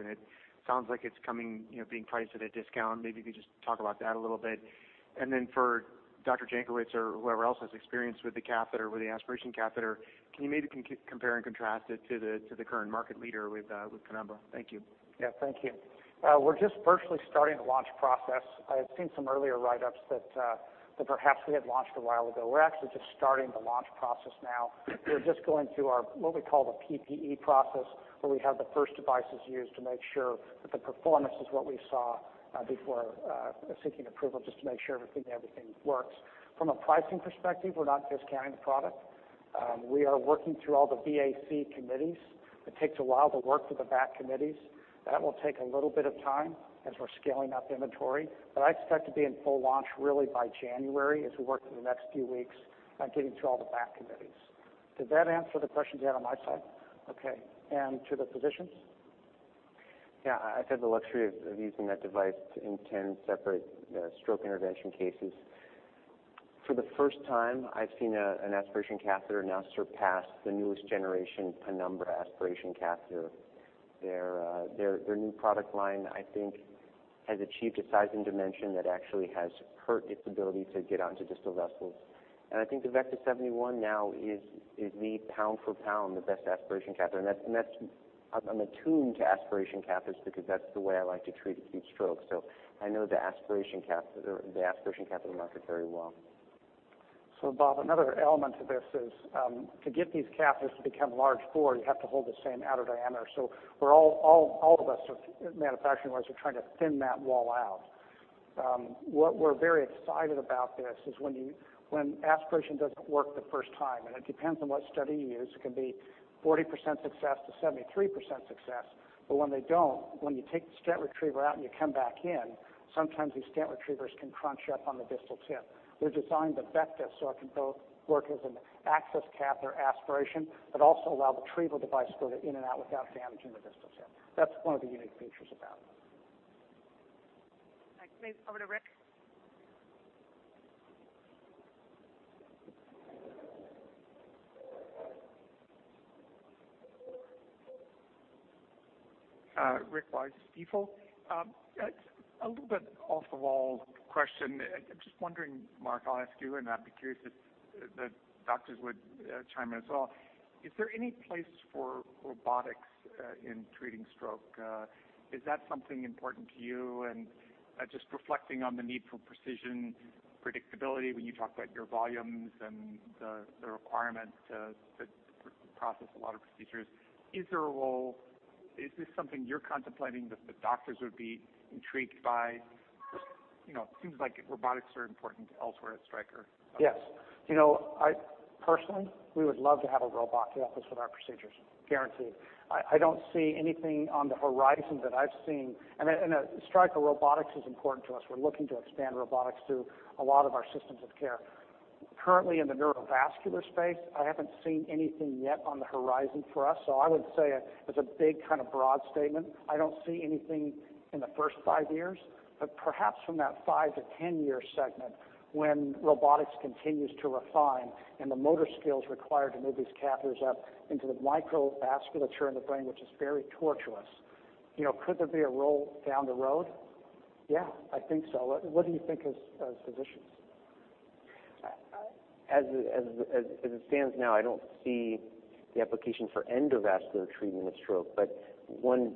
It sounds like it's coming, being priced at a discount. Maybe if you could just talk about that a little bit. Then for Dr. Jankowitz or whoever else has experience with the catheter, with the aspiration catheter, can you maybe compare and contrast it to the current market leader with Penumbra? Thank you. Thank you. We're just virtually starting the launch process. I had seen some earlier write-ups that perhaps we had launched a while ago. We're actually just starting the launch process now. We're just going through our, what we call the PPE process, where we have the first devices used to make sure that the performance is what we saw before seeking approval, just to make sure everything works. From a pricing perspective, we're not discounting the product. We are working through all the VAC committees. It takes a while to work through the VAC committees. That will take a little bit of time as we're scaling up inventory. I expect to be in full launch really by January as we work through the next few weeks on getting through all the VAC committees. Did that answer the question you had on my side? Okay. To the physicians? I've had the luxury of using that device in 10 separate stroke intervention cases. For the first time, I've seen an aspiration catheter now surpass the newest generation Penumbra aspiration catheter. Their new product line, I think, has achieved a size and dimension that actually has hurt its ability to get onto distal vessels. I think the Vecta 71 now is the pound-for-pound the best aspiration catheter. I'm attuned to aspiration catheters because that's the way I like to treat acute stroke. I know the aspiration catheter market very well. Bob, another element to this is, to get these catheters to become large bore, you have to hold the same outer diameter. All of us, manufacturing-wise, are trying to thin that wall out. What we're very excited about this is when aspiration doesn't work the first time, and it depends on what study you use, it can be 40%-73% success. When they don't, when you take the stent retriever out and you come back in, sometimes these stent retrievers can crunch up on the distal tip. We designed the Vecta so it can both work as an access catheter aspiration, but also allow the retrieval device to go in and out without damaging the distal tip. That's one of the unique features about it. Thanks. Over to Rick. Rick, a little bit off the wall question. I'm just wondering, Mark, I'll ask you, and I'd be curious if the doctors would chime in as well. Is there any place for robotics in treating stroke? Is that something important to you? Just reflecting on the need for precision, predictability, when you talk about your volumes and the requirement to process a lot of procedures. Is there a role? Is this something you're contemplating that the doctors would be intrigued by? It seems like robotics are important elsewhere at Stryker. Yes. Personally, we would love to have a robot help us with our procedures, guaranteed. I don't see anything on the horizon that I've seen. At Stryker, robotics is important to us. We're looking to expand robotics to a lot of our systems of care. Currently in the Neurovascular space, I haven't seen anything yet on the horizon for us. I would say, as a big, broad statement, I don't see anything in the first five years. Perhaps from that five to 10-year segment, when robotics continues to refine and the motor skills required to move these catheters up into the microvasculature in the brain, which is very tortuous, could there be a role down the road? Yeah, I think so. What do you think as physicians? As it stands now, I don't see the application for endovascular treatment of stroke. One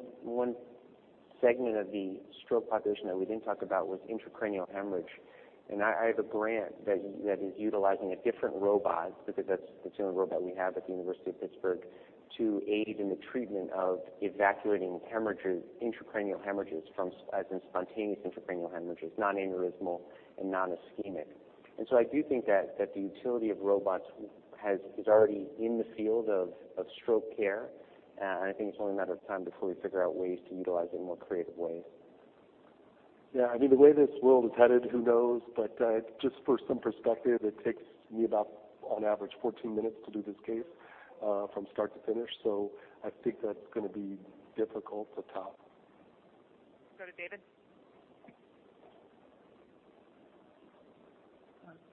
segment of the stroke population that we didn't talk about was intracranial hemorrhage. I have a grant that is utilizing a different robot, because that's the only robot we have at the University of Pittsburgh, to aid in the treatment of evacuating intracranial hemorrhages, as in spontaneous intracranial hemorrhages, non-aneurysmal and non-ischemic. I do think that the utility of robots is already in the field of stroke care. I think it's only a matter of time before we figure out ways to utilize it in more creative ways. Yeah. I mean, the way this world is headed, who knows. Just for some perspective, it takes me about, on average, 14 minutes to do this case from start to finish. I think that's going to be difficult to top. Go to David.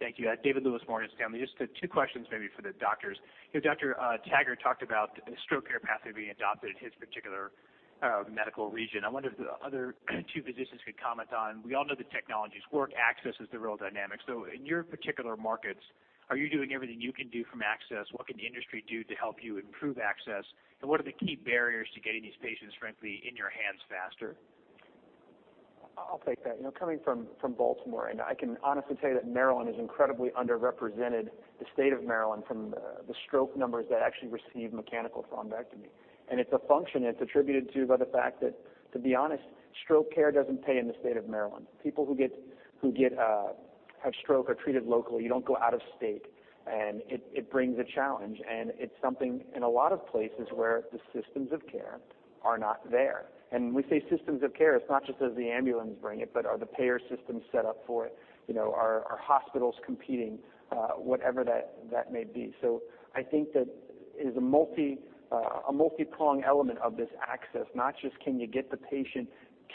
Thank you. David Lewis, Morgan Stanley. Just two questions maybe for the doctors. Dr. Taggart talked about the stroke care pathway being adopted in his particular medical region. I wonder if the other two physicians could comment on, we all know the technologies work. Access is the real dynamic. In your particular markets, are you doing everything you can do from access? What can the industry do to help you improve access? What are the key barriers to getting these patients, frankly, in your hands faster? Coming from Baltimore, I can honestly say that Maryland is incredibly underrepresented, the state of Maryland, from the stroke numbers that actually receive mechanical thrombectomy. It's a function, and it's attributed to by the fact that, to be honest, stroke care doesn't pay in the state of Maryland. People who have stroke are treated locally. You don't go out of state, and it brings a challenge. It's something in a lot of places where the systems of care are not there. When we say systems of care, it's not just does the ambulance bring it, but are the payer systems set up for it? Are hospitals competing? Whatever that may be. I think that is a multi-prong element of this access, not just can you get the patient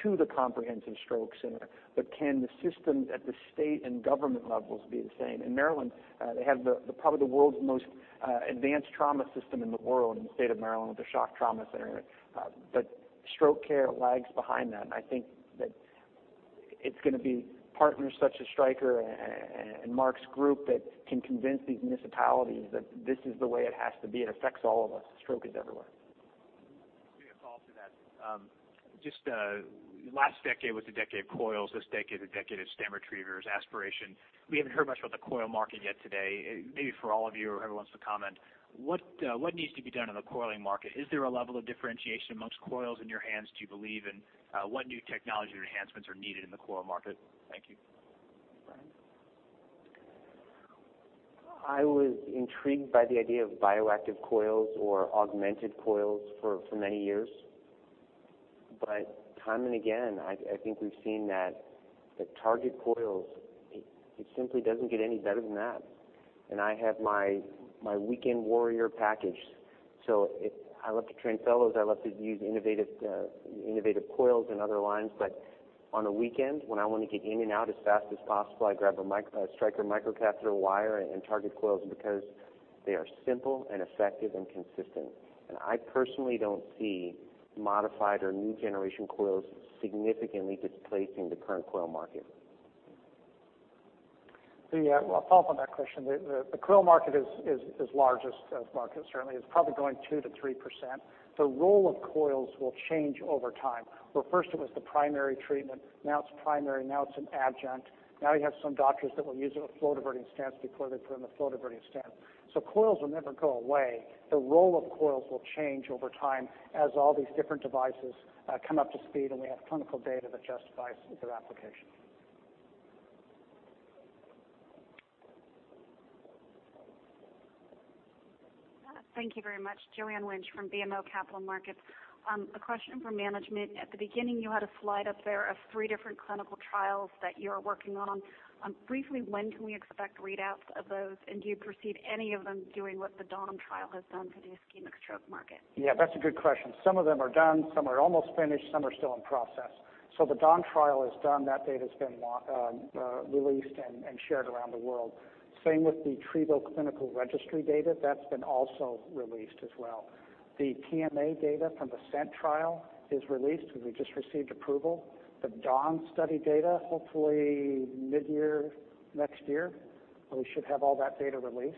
to the comprehensive stroke center, but can the system at the state and government levels be the same? In Maryland, they have probably the world's most advanced trauma system in the world in the state of Maryland with the Shock Trauma Center. Stroke care lags behind that, and I think that it's going to be partners such as Stryker and Mark's group that can convince these municipalities that this is the way it has to be. It affects all of us. Stroke is everywhere. Let me add a follow-up to that. Just last decade was the decade of coils. This decade, the decade of stent retrievers, aspiration. We haven't heard much about the coil market yet today. Maybe for all of you or whoever wants to comment, what needs to be done in the coiling market? Is there a level of differentiation amongst coils in your hands, do you believe? What new technology or enhancements are needed in the coil market? Thank you. Brian? I was intrigued by the idea of bioactive coils or augmented coils for many years. Time and again, I think we've seen that Target coils, it simply doesn't get any better than that. I have my weekend warrior package. I love to train fellows. I love to use innovative coils and other lines. On a weekend, when I want to get in and out as fast as possible, I grab a Stryker microcatheter wire and Target coils because they are simple and effective and consistent. I personally don't see modified or new generation coils significantly displacing the current coil market. I'll follow up on that question. The coil market is the largest of markets, certainly. It's probably growing 2%-3%. The role of coils will change over time, where first it was the primary treatment. Now it's primary, now it's an adjunct. Now you have some doctors that will use it with flow-diverting stents before they put in the flow-diverting stent. Coils will never go away. The role of coils will change over time as all these different devices come up to speed and we have clinical data that justifies their application. Thank you very much. Joanne Wuensch from BMO Capital Markets. A question for management. At the beginning, you had a slide up there of three different clinical trials that you are working on. Briefly, when can we expect readouts of those? Do you perceive any of them doing what the DAWN trial has done for the ischemic stroke market? That's a good question. Some of them are done, some are almost finished, some are still in process. The DAWN trial is done. That data's been released and shared around the world. Same with the Trevo clinical registry data, that's been also released as well. The PMA data from the SCENT trial is released, because we just received approval. The DAWN study data, hopefully mid-year next year, we should have all that data released.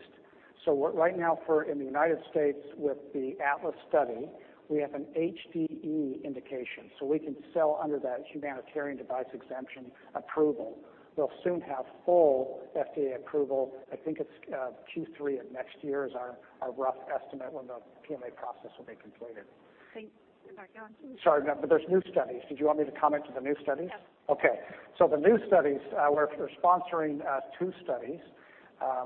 Right now, in the U.S. with the ATLAS study, we have an HDE indication. We can sell under that humanitarian device exemption approval. We'll soon have full FDA approval. I think it's Q3 of next year is our rough estimate when the PMA process will be completed. Thanks. Dr. Jovin? Sorry. No. There's new studies. Did you want me to comment to the new studies? Yes. Okay. The new studies, we're sponsoring two studies,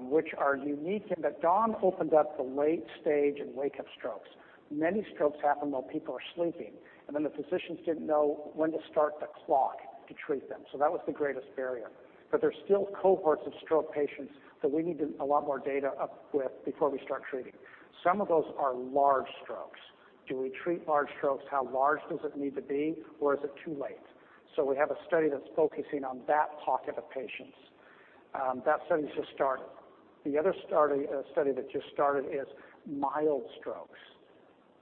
which are unique in that DAWN opened up the late stage in wake-up strokes. Many strokes happen while people are sleeping, the physicians didn't know when to start the clock to treat them. That was the greatest barrier. There's still cohorts of stroke patients that we need a lot more data up with before we start treating. Some of those are large strokes. Do we treat large strokes? How large does it need to be? Is it too late? We have a study that's focusing on that pocket of patients. That study's just started. The other study that just started is mild strokes.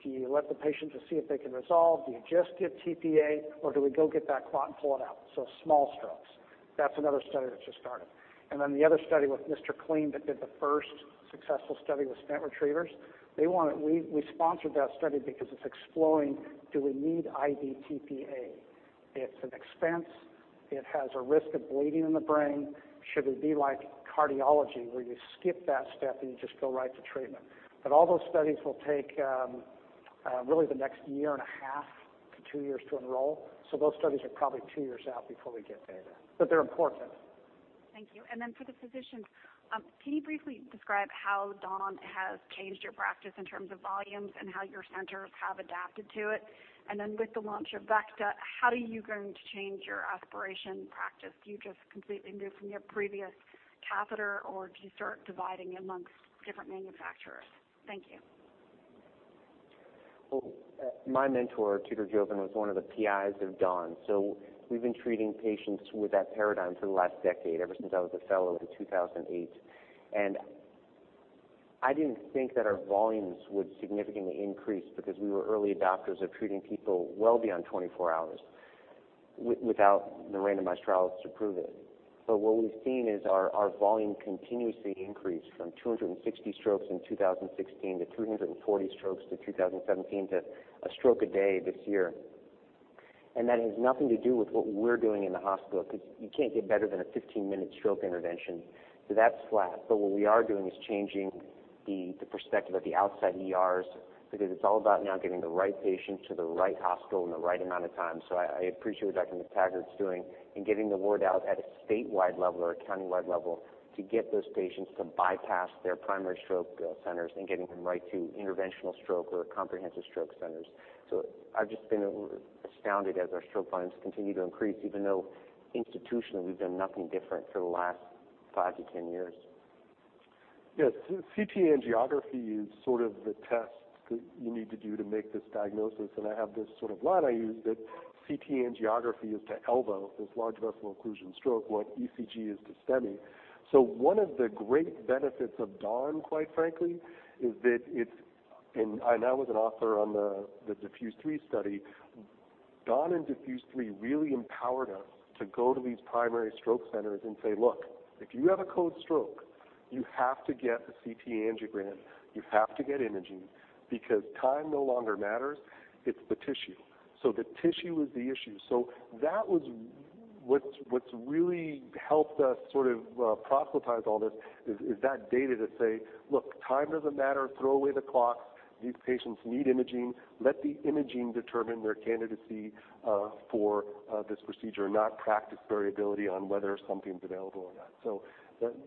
Do you let the patient to see if they can resolve? Do you just give tPA, or do we go get that clot and pull it out? Small strokes. That's another study that just started. The other study with MR CLEAN that did the first successful study with stent retrievers. We sponsored that study because it's exploring, do we need IV tPA? It's an expense. It has a risk of bleeding in the brain. Should it be like cardiology where you skip that step and you just go right to treatment? All those studies will take really the next one and a half to two years to enroll. Those studies are probably two years out before we get data. They're important. Thank you. For the physicians, can you briefly describe how DAWN has changed your practice in terms of volumes and how your centers have adapted to it? With the launch of Vecta, how are you going to change your aspiration practice? Do you just completely move from your previous catheter, or do you start dividing amongst different manufacturers? Thank you. Well, my mentor, Tudor Jovin, was one of the PIs of DAWN. We've been treating patients with that paradigm for the last decade, ever since I was a fellow in 2008. I didn't think that our volumes would significantly increase because we were early adopters of treating people well beyond 24 hours without the randomized trials to prove it. What we've seen is our volume continuously increase from 260 strokes in 2016 to 340 strokes to 2017 to a stroke a day this year. That has nothing to do with what we're doing in the hospital, because you can't get better than a 15-minute stroke intervention. That's flat. What we are doing is changing the perspective of the outside ERs, because it's all about now getting the right patient to the right hospital in the right amount of time. I appreciate what Dr. McTaggart's doing in getting the word out at a statewide level or a countywide level to get those patients to bypass their primary stroke centers and getting them right to interventional stroke or comprehensive stroke centers. I've just been astounded as our stroke volumes continue to increase, even though institutionally, we've done nothing different for the last five to 10 years. Yes. CT angiography is sort of the test that you need to do to make this diagnosis. I have this sort of line I use that CT angiography is to ELVO, this large vessel occlusion stroke, what ECG is to STEMI. One of the great benefits of DAWN, quite frankly, is that I now was an author on the DEFUSE 3 study. DAWN and DEFUSE 3 really empowered us to go to these primary stroke centers and say, "Look, if you have a code stroke, you have to get a CT angiogram. You have to get imaging because time no longer matters. It's the tissue." The tissue is the issue. That was what's really helped us sort of proselytize all this, is that data to say, "Look, time doesn't matter. Throw away the clocks. These patients need imaging. Let the imaging determine their candidacy for this procedure, and not practice variability on whether something's available or not."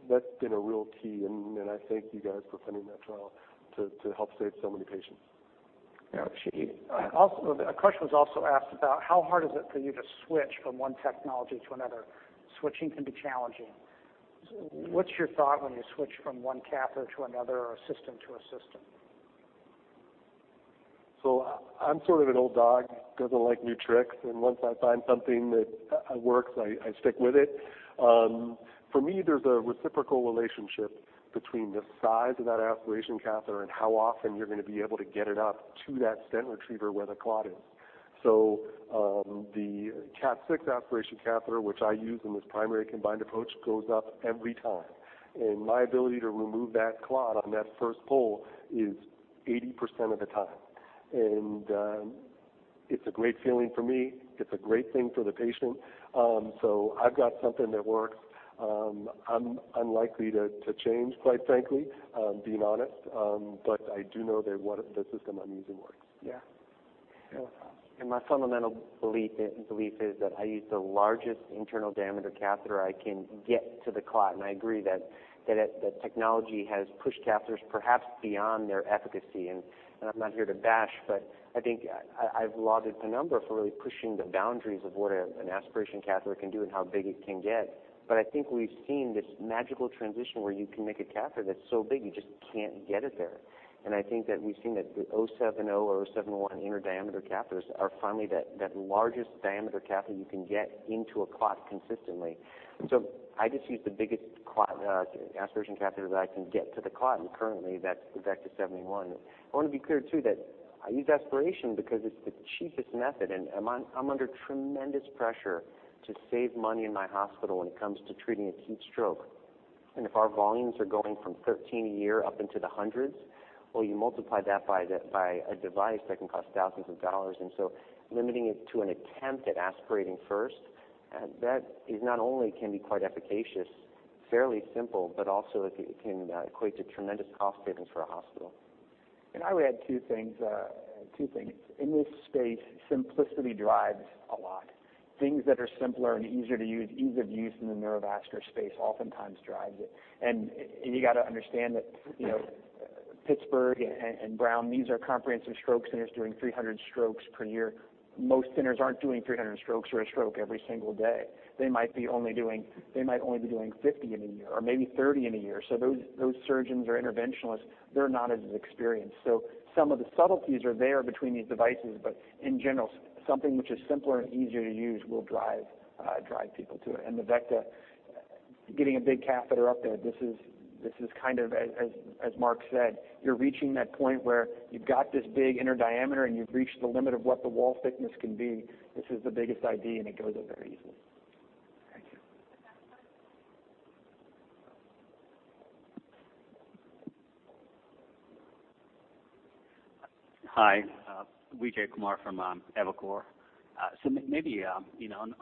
That's been a real key, and I thank you guys for funding that trial to help save so many patients. Yeah. A question was also asked about how hard is it for you to switch from one technology to another. Switching can be challenging. What's your thought when you switch from one catheter to another, or a system to a system? I'm sort of an old dog, doesn't like new tricks. Once I find something that works, I stick with it. For me, there's a reciprocal relationship between the size of that aspiration catheter and how often you're going to be able to get it up to that stent retriever where the clot is. The CAT 6 aspiration catheter, which I use in this primary combined approach, goes up every time. My ability to remove that clot on that first pull is 80% of the time. It's a great feeling for me. It's a great thing for the patient. I've got something that works. I'm unlikely to change, quite frankly, being honest. I do know the system I'm using works. Yeah. My fundamental belief is that I use the largest internal diameter catheter I can get to the clot. I agree that technology has pushed catheters perhaps beyond their efficacy. I'm not here to bash, but I think I've lauded Penumbra for really pushing the boundaries of what an aspiration catheter can do and how big it can get. I think we've seen this magical transition where you can make a catheter that's so big, you just can't get it there. I think that we've seen that the 0.70 or 0.71 inner diameter catheters are finally that largest diameter catheter you can get into a clot consistently. I just use the biggest aspiration catheter that I can get to the clot, and currently that's the Vecta 71. I want to be clear too that I use aspiration because it's the cheapest method, and I'm under tremendous pressure to save money in my hospital when it comes to treating acute stroke. And if our volumes are going from 13 a year up into the hundreds, well, you multiply that by a device that can cost thousands of dollars. Limiting it to an attempt at aspirating first, that is not only can be quite efficacious, fairly simple, but also it can equate to tremendous cost savings for a hospital. I would add two things. In this space, simplicity drives a lot. Things that are simpler and easier to use, ease of use in the Neurovascular space oftentimes drives it. You got to understand that Pittsburgh and Brown, these are comprehensive stroke centers doing 300 strokes per year. Most centers aren't doing 300 strokes or a stroke every single day. They might only be doing 50 in a year, or maybe 30 in a year. Those surgeons or interventionalists, they're not as experienced. Some of the subtleties are there between these devices. In general, something which is simpler and easier to use will drive people to it. The Vecta, getting a big catheter up there, this is kind of as Mark said, you're reaching that point where you've got this big inner diameter and you've reached the limit of what the wall thickness can be. This is the biggest ID. It goes up very easily. Thank you. Hi. Vijay Kumar from Evercore. Maybe, on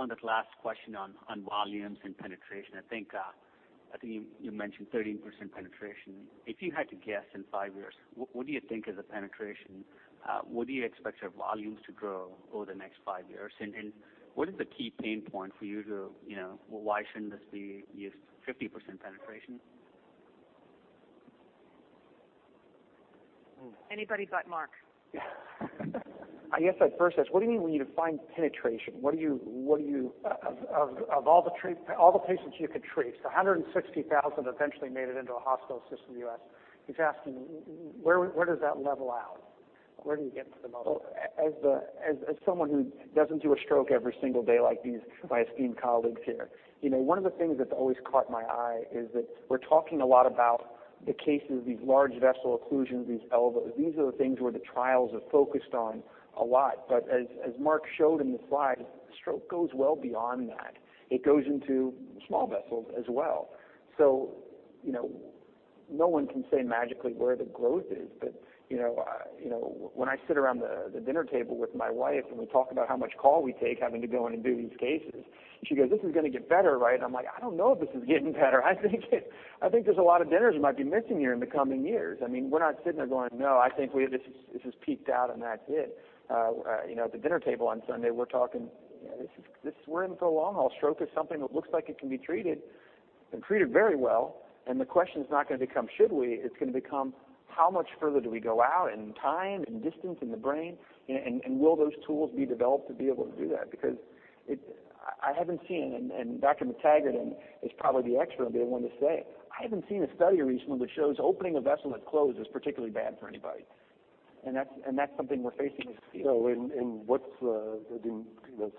that last question on volumes and penetration, I think you mentioned 13% penetration. If you had to guess in five years, what do you think is the penetration? What do you expect your volumes to grow over the next five years? What is the key pain point for you to Well, why shouldn't this be 50% penetration? Anybody but Mark. I guess I'd first ask, what do you mean when you define penetration? Of all the patients you could treat, the 160,000 that eventually made it into a hospital system in the U.S., he's asking where does that level out? Where do you get to the model? As someone who doesn't do a stroke every single day like these, my esteemed colleagues here, one of the things that's always caught my eye is that we're talking a lot about the cases, these large vessel occlusions, these ELVOs. These are the things where the trials have focused on a lot. As Mark showed in the slide, stroke goes well beyond that. It goes into small vessels as well. No one can say magically where the growth is. When I sit around the dinner table with my wife and we talk about how much call we take having to go in and do these cases, she goes, "This is going to get better, right?" I'm like, "I don't know if this is getting better. I think there's a lot of dinners we might be missing here in the coming years." We're not sitting there going, "No, I think this has peaked out, and that's it." At the dinner table on Sunday, we're talking, we're in for the long haul. Stroke is something that looks like it can be treated, and treated very well. The question's not going to become should we, it's going to become how much further do we go out in time, in distance in the brain, and will those tools be developed to be able to do that? I haven't seen, and Dr. McTaggart is probably the expert and be the one to say. I haven't seen a study recently that shows opening a vessel that's closed is particularly bad for anybody. That's something we're facing as a field.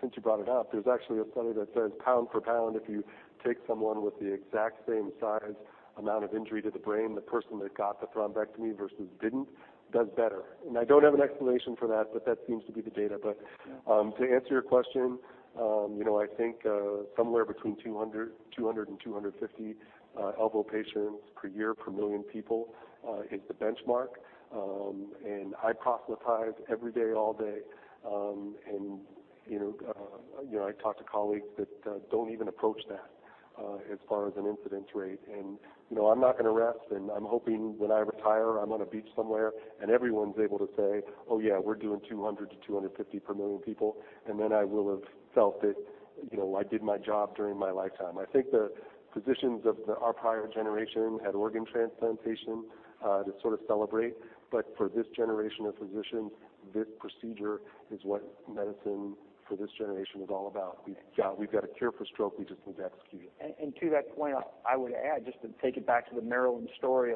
Since you brought it up, there's actually a study that says pound for pound, if you take someone with the exact same size amount of injury to the brain, the person that got the thrombectomy versus didn't, does better. I don't have an explanation for that, but that seems to be the data. To answer your question, I think, somewhere between 200 and 250 ELVO patients per year, per million people, is the benchmark. I proselytize every day, all day. I talk to colleagues that don't even approach that, as far as an incidence rate. I'm not going to rest, and I'm hoping when I retire, I'm on a beach somewhere and everyone's able to say, "Oh, yeah, we're doing 200 to 250 per million people." Then I will have felt that I did my job during my lifetime. I think the physicians of our prior generation had organ transplantation to sort of celebrate. For this generation of physicians, this procedure is what medicine for this generation is all about. We've got a cure for stroke. We just need to execute it. To that point, I would add, just to take it back to the Maryland story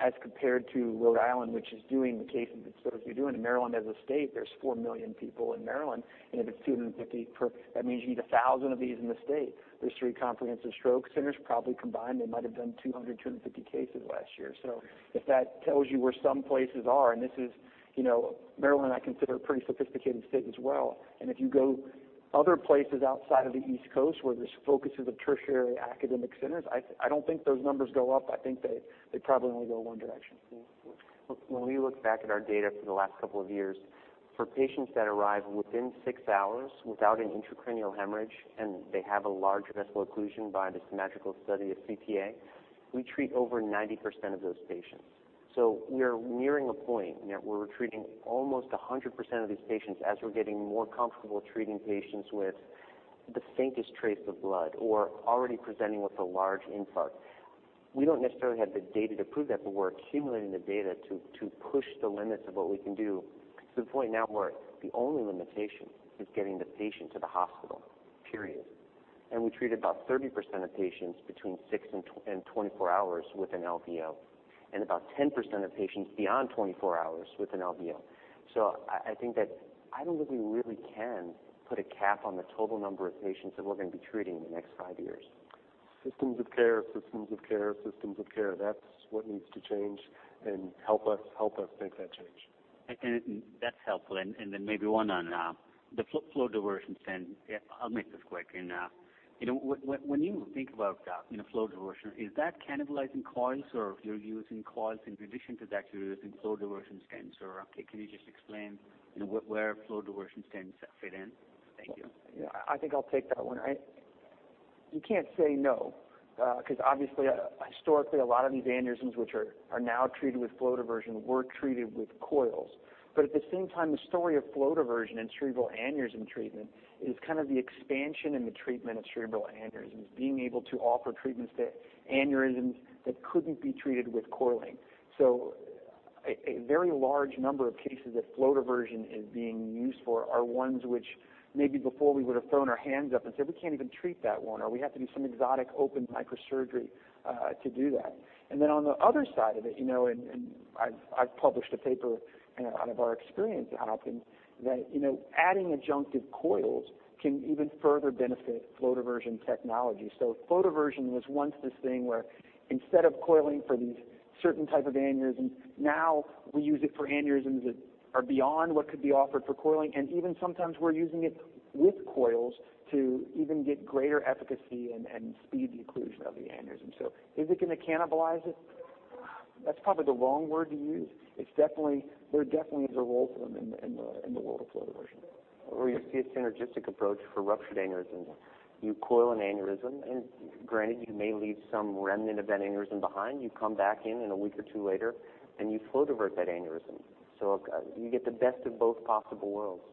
as compared to Rhode Island, which is doing the cases at the scope you're doing. In Maryland as a state, there's 4 million people in Maryland. If it's 250 per, that means you need 1,000 of these in the state. There's three comprehensive stroke centers. Probably combined, they might have done 200, 250 cases last year. If that tells you where some places are, and Maryland I consider a pretty sophisticated state as well. If you go other places outside of the East Coast where there's focuses of tertiary academic centers, I don't think those numbers go up. I think they probably only go one direction. When we look back at our data for the last couple of years, for patients that arrive within six hours without an intracranial hemorrhage, and they have a large vessel occlusion by the symmetrical study of CTA, we treat over 90% of those patients. We're nearing a point where we're treating almost 100% of these patients as we're getting more comfortable treating patients with the faintest trace of blood or already presenting with a large infarct. We don't necessarily have the data to prove that, but we're accumulating the data to push the limits of what we can do to the point now where the only limitation is getting the patient to the hospital, period. We treat about 30% of patients between six and 24 hours with an LVO, and about 10% of patients beyond 24 hours with an LVO. I think that I don't know that we really can put a cap on the total number of patients that we're going to be treating in the next five years. Systems of care. That's what needs to change and help us make that change. I think that's helpful. Then maybe one on the flow diversion stent. I'll make this quick. When you think about flow diversion, is that cannibalizing coils, or if you're using coils in addition to that, you're using flow diversion stents? Can you just explain where flow diversion stents fit in? Thank you. I think I'll take that one. You can't say no, because obviously, historically, a lot of these aneurysms which are now treated with flow diversion, were treated with coils. The story of flow diversion in cerebral aneurysm treatment is the expansion in the treatment of cerebral aneurysms, being able to offer treatments to aneurysms that couldn't be treated with coiling. A very large number of cases that flow diversion is being used for are ones which maybe before we would have thrown our hands up and said, "We can't even treat that one," or, "We have to do some exotic open microsurgery to do that." On the other side of it, I've published a paper out of our experience at Hopkins that adding adjunctive coils can even further benefit flow diversion technology. Flow diversion was once this thing where instead of coiling for these certain type of aneurysms, now we use it for aneurysms that are beyond what could be offered for coiling, and even sometimes we're using it with coils to even get greater efficacy and speed the occlusion of the aneurysm. Is it going to cannibalize it? That's probably the wrong word to use. There definitely is a role for them in the world of flow diversion. You see a synergistic approach for ruptured aneurysms. You coil an aneurysm, you may leave some remnant of that aneurysm behind. You come back in a week or two later you flow divert that aneurysm. You get the best of both possible worlds.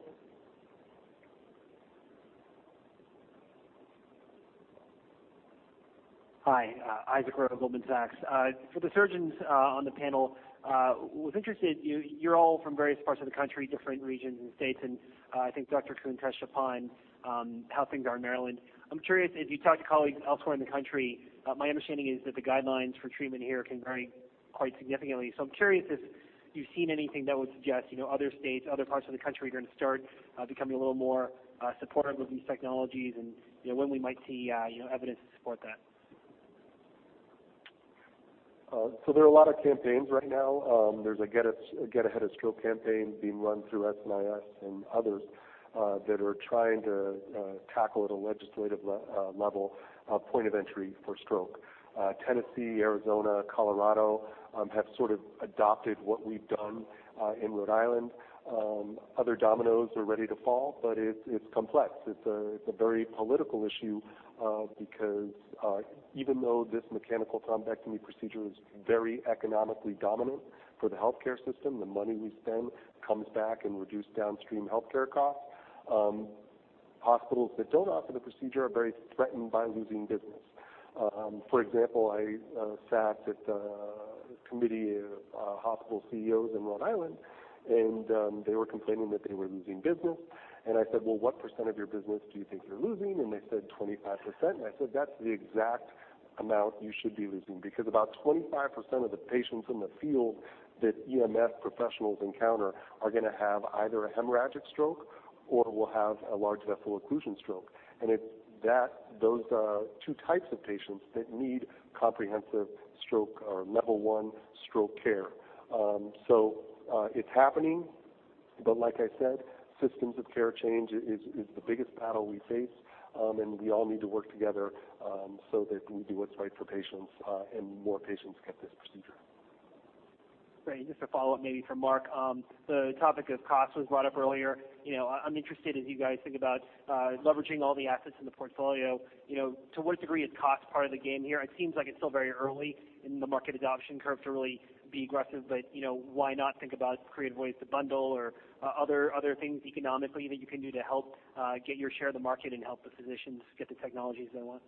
Hi, Isaac Ro, Goldman Sachs. For the surgeons on the panel, was interested, you're all from various parts of the country, different regions and states, and I think Dr. Coon touched upon how things are in Maryland. I'm curious if you talk to colleagues elsewhere in the country, my understanding is that the guidelines for treatment here can vary quite significantly. I'm curious if you've seen anything that would suggest other states, other parts of the country are going to start becoming a little more supportive of these technologies and when we might see evidence to support that. There are a lot of campaigns right now. There's a Get Ahead of Stroke campaign being run through SNIS and others that are trying to tackle at a legislative level, a point of entry for stroke. Tennessee, Arizona, Colorado have sort of adopted what we've done in Rhode Island. It's complex. It's a very political issue because even though this mechanical thrombectomy procedure is very economically dominant for the healthcare system, the money we spend comes back in reduced downstream healthcare costs. Hospitals that don't offer the procedure are very threatened by losing business. For example, I sat at a committee of hospital CEOs in Rhode Island, and they were complaining that they were losing business. I said, "Well, what % of your business do you think you're losing?" They said 25%. I said, "That's the exact amount you should be losing." Because about 25% of the patients in the field that EMS professionals encounter are going to have either a hemorrhagic stroke or will have a large vessel occlusion stroke. It's those 2 types of patients that need comprehensive stroke or level 1 stroke care. It's happening, but like I said, systems of care change is the biggest battle we face. We all need to work together so that we do what's right for patients, and more patients get this procedure. Great. Just a follow-up, maybe for Mark. The topic of cost was brought up earlier. I'm interested as you guys think about leveraging all the assets in the portfolio, to what degree is cost part of the game here? It seems like it's still very early in the market adoption curve to really be aggressive, but why not think about creative ways to bundle or other things economically that you can do to help get your share of the market and help the physicians get the technologies they want?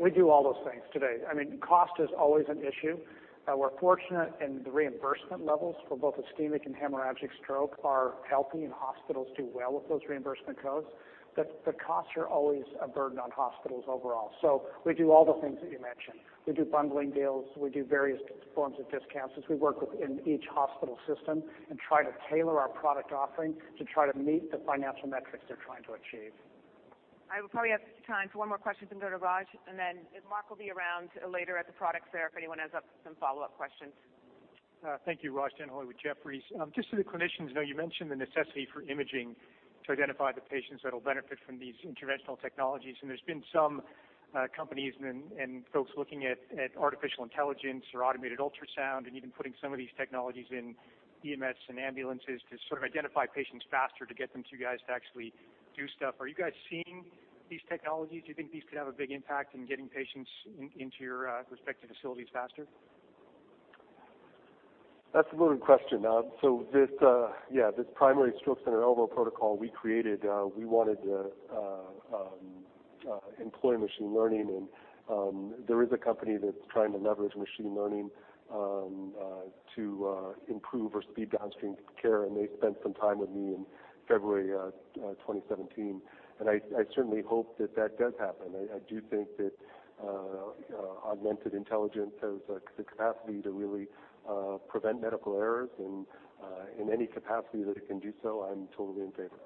We do all those things today. Cost is always an issue. We're fortunate in the reimbursement levels for both ischemic and hemorrhagic stroke are healthy and hospitals do well with those reimbursement codes. The costs are always a burden on hospitals overall. We do all the things that you mentioned. We do bundling deals, we do various forms of discounts as we work within each hospital system and try to tailor our product offering to try to meet the financial metrics they're trying to achieve. I probably have time for one more question from Raj, then Mark will be around later at the product fair if anyone has some follow-up questions. Thank you. Raj Denhoy with Jefferies. Just so the clinicians know, you mentioned the necessity for imaging to identify the patients that'll benefit from these interventional technologies. There's been some companies and folks looking at artificial intelligence or automated ultrasound and even putting some of these technologies in EMS and ambulances to sort of identify patients faster to get them to you guys to actually do stuff. Are you guys seeing these technologies? Do you think these could have a big impact in getting patients into your respective facilities faster? That's a loaded question. This primary stroke center ELVO protocol we created, we wanted to employ machine learning. There is a company that's trying to leverage machine learning to improve or speed downstream care. They spent some time with me in February 2017. I certainly hope that that does happen. I do think that augmented intelligence has the capacity to really prevent medical errors. In any capacity that it can do so, I'm totally in favor.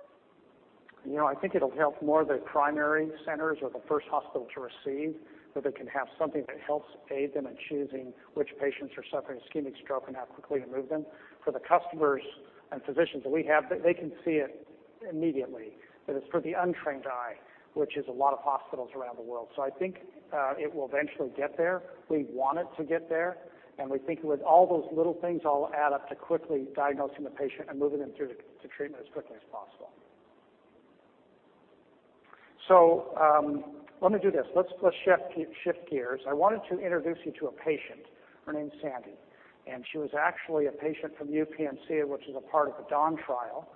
I think it'll help more the primary centers or the first hospital to receive, so they can have something that helps aid them in choosing which patients are suffering ischemic stroke and how quickly to move them. For the customers and physicians that we have, they can see it immediately. It's for the untrained eye, which is a lot of hospitals around the world. I think it will eventually get there. We want it to get there, and we think with all those little things all add up to quickly diagnosing the patient and moving them through to treatment as quickly as possible. Let me do this. Let's shift gears. I wanted to introduce you to a patient. Her name's Sandy, and she was actually a patient from UPMC, which is a part of the DAWN Trial.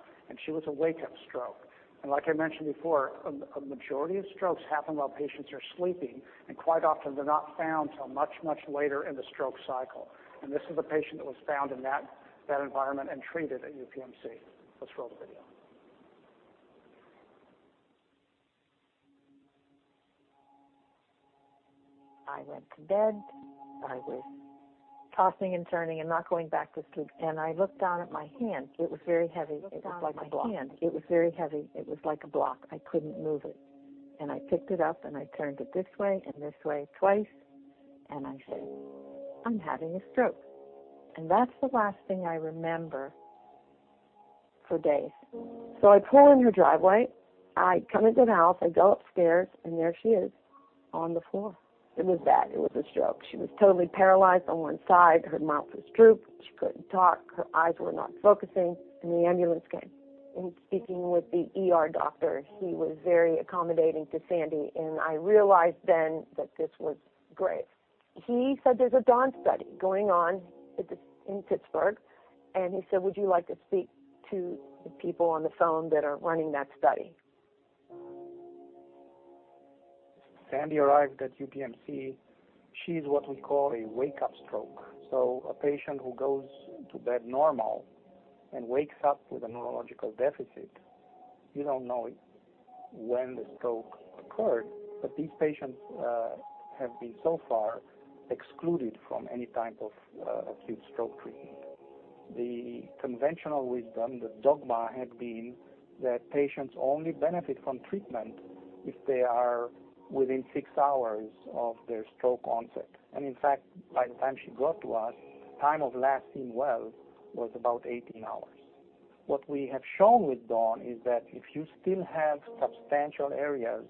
She was a wake-up stroke. Like I mentioned before, a majority of strokes happen while patients are sleeping, and quite often they're not found till much, much later in the stroke cycle. This is a patient that was found in that environment and treated at UPMC. Let's roll the video. I went to bed. I was tossing and turning and not going back to sleep, I looked down at my hand. It was very heavy. It was like a block. I couldn't move it. I picked it up, and I turned it this way and this way twice, and I said, "I'm having a stroke." That's the last thing I remember for days. I pull in her driveway. I come into the house, I go upstairs, there she is on the floor. It was bad. It was a stroke. She was totally paralyzed on one side. Her mouth was drooped. She couldn't talk. Her eyes were not focusing. The ambulance came. In speaking with the ER doctor, he was very accommodating to Sandy, and I realized then that this was grave. He said, "There's a DAWN study going on in Pittsburgh." He said, "Would you like to speak to the people on the phone that are running that study? Sandy arrived at UPMC. She's what we call a wake-up stroke. A patient who goes to bed normal and wakes up with a neurological deficit. You don't know when the stroke occurred, but these patients have been so far excluded from any type of acute stroke treatment. The conventional wisdom, the dogma had been that patients only benefit from treatment if they are within six hours of their stroke onset. In fact, by the time she got to us, time of last seen well was about 18 hours. What we have shown with DAWN is that if you still have substantial areas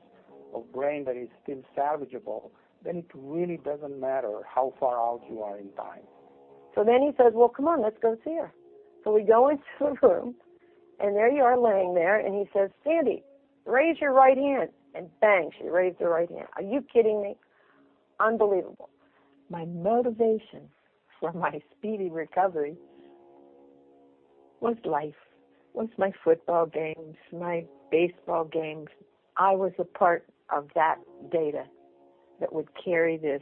of brain that is still salvageable, then it really doesn't matter how far out you are in time. He says, "Well, come on, let's go see her." We go into the room, and there you are laying there, and he says, "Sandy, raise your right hand." Bang, she raised her right hand. Are you kidding me? Unbelievable. My motivation for my speedy recovery was life, was my football games, my baseball games. I was a part of that data that would carry this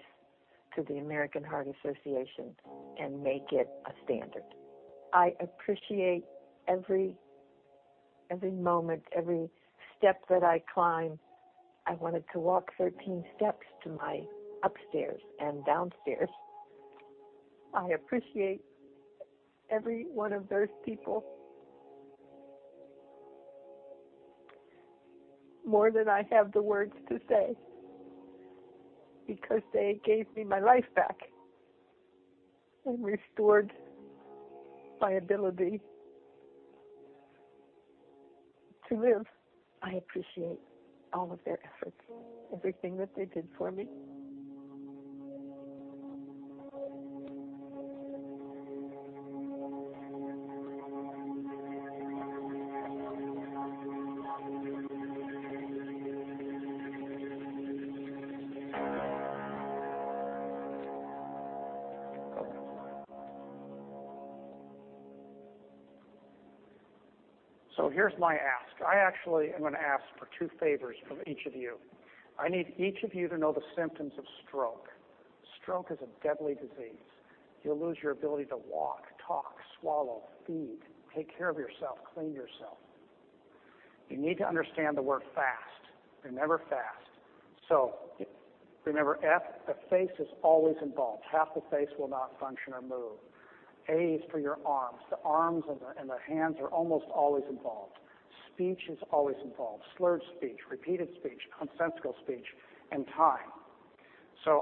to the American Heart Association and make it a standard. I appreciate every moment, every step that I climb. I wanted to walk 13 steps to my upstairs and downstairs. I appreciate every one of those people more than I have the words to say because they gave me my life back and restored my ability to live. I appreciate all of their efforts, everything that they did for me. Here's my ask. I actually am going to ask for two favors from each of you. I need each of you to know the symptoms of stroke. Stroke is a deadly disease. You'll lose your ability to walk, talk, swallow, feed, take care of yourself, clean yourself. You need to understand the word FAST. Remember FAST. Remember F, the face is always involved. Half the face will not function or move. A is for your arms. The arms and the hands are almost always involved. Speech is always involved. Slurred speech, repeated speech, nonsensical speech, and time.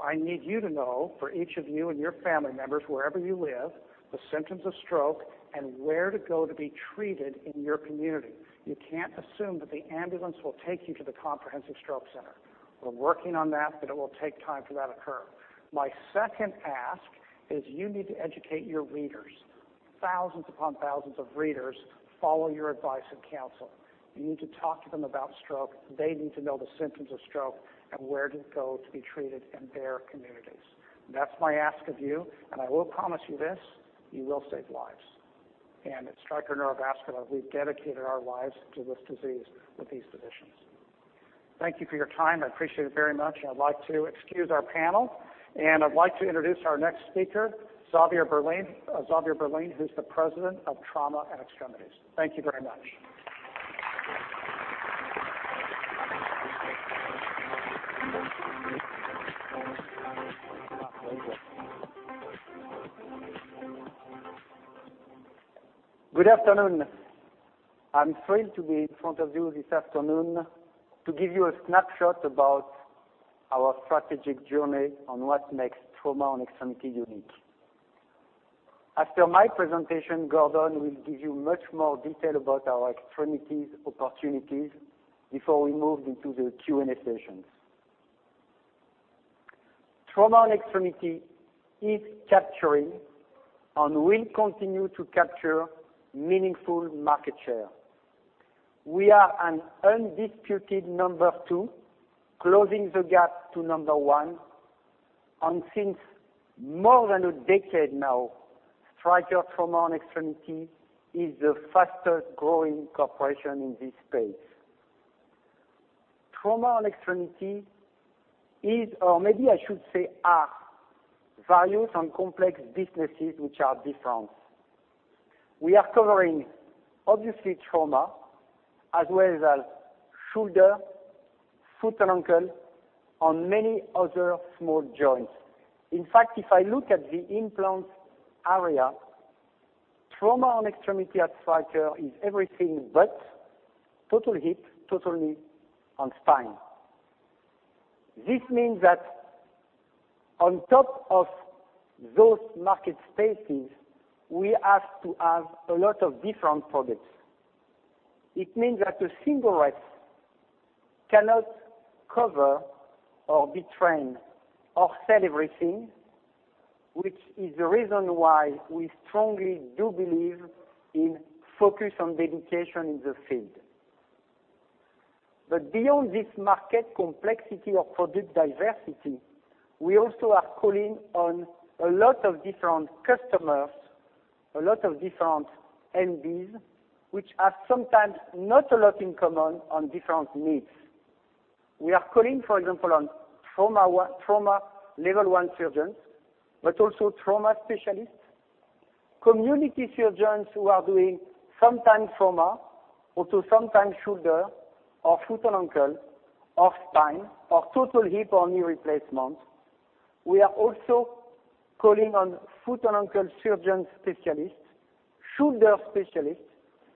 I need you to know for each of you and your family members, wherever you live, the symptoms of stroke and where to go to be treated in your community. You can't assume that the ambulance will take you to the comprehensive stroke center. We're working on that, it will take time for that occur. My second ask is you need to educate your readers. Thousands upon thousands of readers follow your advice and counsel. You need to talk to them about stroke. They need to know the symptoms of stroke and where to go to be treated in their communities. That's my ask of you, I will promise you this, you will save lives. At Stryker Neurovascular, we've dedicated our lives to this disease with these physicians. Thank you for your time. I appreciate it very much, I'd like to excuse our panel, and I'd like to introduce our next speaker, Xavier Berling, who's the President of Trauma and Extremities. Thank you very much. Good afternoon. I am thrilled to be in front of you this afternoon to give you a snapshot about our strategic journey on what makes Trauma & Extremities unique. After my presentation, Gordon will give you much more detail about our extremities opportunities before we move into the Q&A sessions. Trauma & Extremities is capturing and will continue to capture meaningful market share. We are an undisputed number 2, closing the gap to number 1. Since more than a decade now, Stryker Trauma & Extremities is the fastest-growing corporation in this space. Trauma & Extremities is, or maybe I should say are, values and complex businesses which are different. We are covering, obviously, trauma, as well as shoulder, foot and ankle, and many other small joints. In fact, if I look at the implant area, Trauma & Extremities at Stryker is everything but total hip, total knee, and spine. This means that on top of those market spaces, we have to have a lot of different products. It means that a single rep cannot cover or be trained or sell everything, which is the reason why we strongly do believe in focus and dedication in the field. Beyond this market complexity of product diversity, we also are calling on a lot of different customers, a lot of different MDs, which have sometimes not a lot in common on different needs. We are calling, for example, on trauma level 1 surgeons, but also trauma specialists, community surgeons who are doing sometimes trauma, or to sometimes shoulder, or foot and ankle, or spine, or total hip or knee replacement. We are also calling on foot and ankle surgeons specialists, shoulder specialists,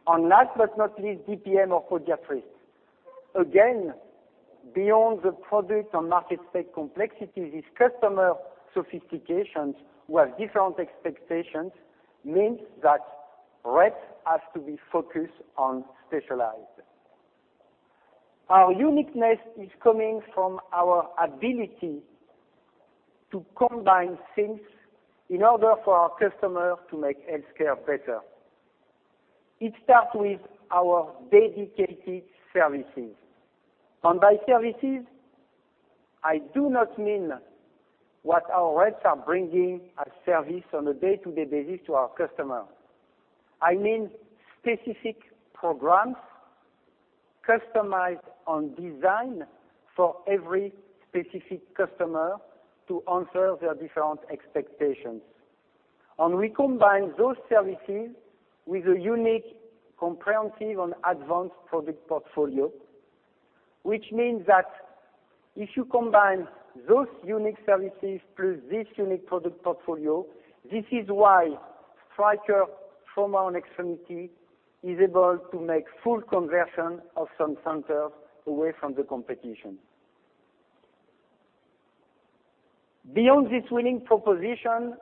and last but not least, DPM or podiatrists. Again, beyond the product and market spec complexity, these customer sophistications who have different expectations means that reps have to be focused and specialized. Our uniqueness is coming from our ability to combine things in order for our customers to make healthcare better. It starts with our dedicated services. By services, I do not mean what our reps are bringing as service on a day-to-day basis to our customers. I mean specific programs customized and designed for every specific customer to answer their different expectations. We combine those services with a unique, comprehensive, and advanced product portfolio, which means that if you combine those unique services plus this unique product portfolio, this is why Stryker Trauma & Extremities is able to make full conversion of some centers away from the competition. Beyond this winning proposition,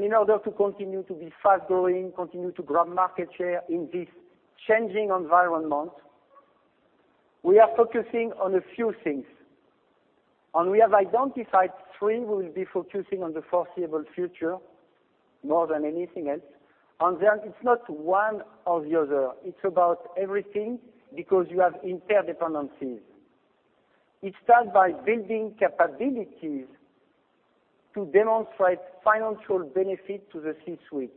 in order to continue to be fast-growing, continue to grab market share in this changing environment, we are focusing on a few things. We have identified three we will be focusing on the foreseeable future more than anything else. It is not one or the other. It is about everything, because you have interdependencies. It starts by building capabilities to demonstrate financial benefit to the C-suite.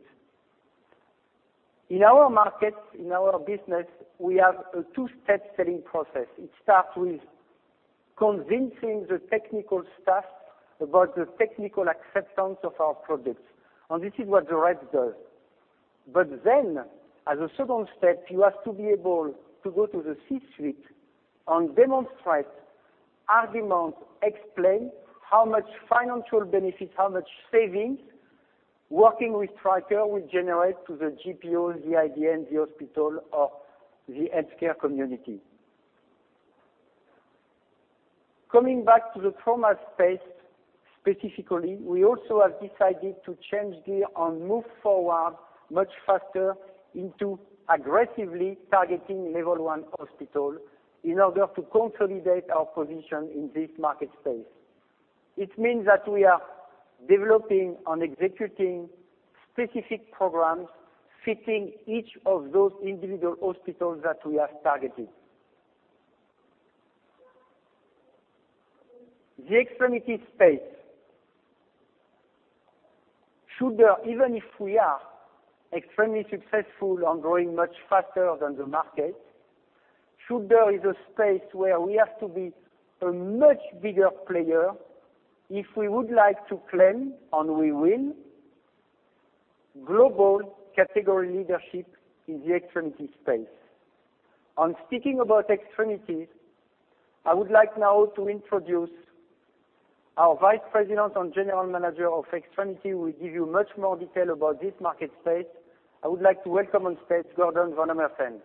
In our market, in our business, we have a two-step selling process. It starts with convincing the technical staff about the technical acceptance of our products, this is what the rep does. Then, as a second step, you have to be able to go to the C-suite and demonstrate arguments, explain how much financial benefits, how much savings working with Stryker will generate to the GPO, the IDN, the hospital, or the healthcare community. Coming back to the Trauma space specifically, we also have decided to change gear and move forward much faster into aggressively targeting level 1 hospital in order to consolidate our position in this market space. It means that we are developing and executing specific programs fitting each of those individual hospitals that we have targeted. The Extremities space. Shoulder, even if we are extremely successful and growing much faster than the market, Shoulder is a space where we have to be a much bigger player if we would like to claim, and we will global category leadership in the Extremities space. Speaking about Extremities, I would like now to introduce our Vice President and General Manager of Extremities, who will give you much more detail about this market space. I would like to welcome on stage Gordon Van Ommeren.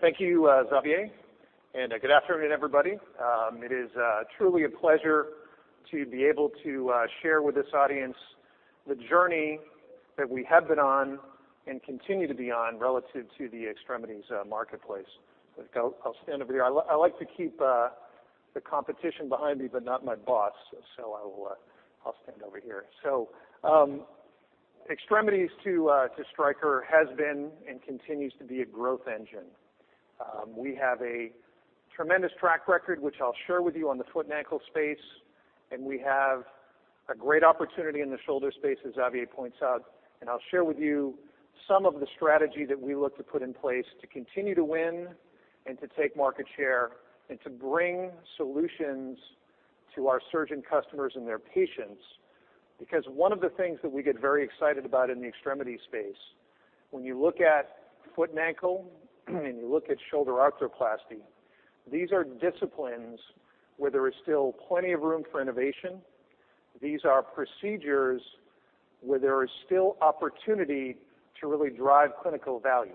Thank you, Xavier, and good afternoon, everybody. It is truly a pleasure to be able to share with this audience the journey that we have been on and continue to be on relative to the Extremities marketplace. I'll stand over here. I like to keep the competition behind me, but not my boss, so I'll stand over here. Extremities to Stryker has been and continues to be a growth engine. We have a tremendous track record, which I'll share with you on the Foot and Ankle space, and we have a great opportunity in the Shoulder space, as Xavier points out. I'll share with you some of the strategy that we look to put in place to continue to win and to take market share and to bring solutions to our surgeon customers and their patients. One of the things that we get very excited about in the Extremities space, when you look at Foot and Ankle and you look at Shoulder arthroplasty, these are disciplines where there is still plenty of room for innovation. These are procedures where there is still opportunity to really drive clinical value.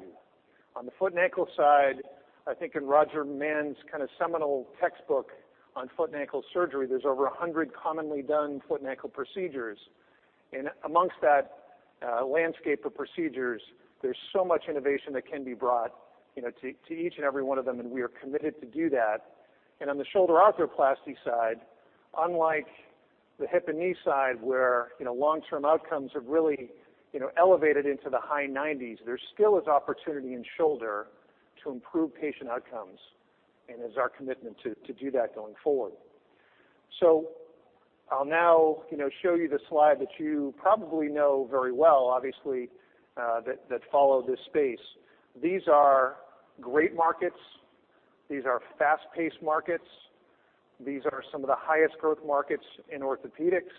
The Foot and Ankle side, I think in Roger Mann's kind of seminal textbook on Foot and Ankle surgery, there's over 100 commonly done Foot and Ankle procedures. Amongst that landscape of procedures, there's so much innovation that can be brought to each and every one of them, and we are committed to do that. On the Shoulder arthroplasty side, unlike the Hip and Knee side, where long-term outcomes have really elevated into the high 90s, there still is opportunity in Shoulder to improve patient outcomes and is our commitment to do that going forward. I'll now show you the slide that you probably know very well, obviously, that follow this space. These are great markets. These are fast-paced markets. These are some of the highest growth markets in Orthopaedics,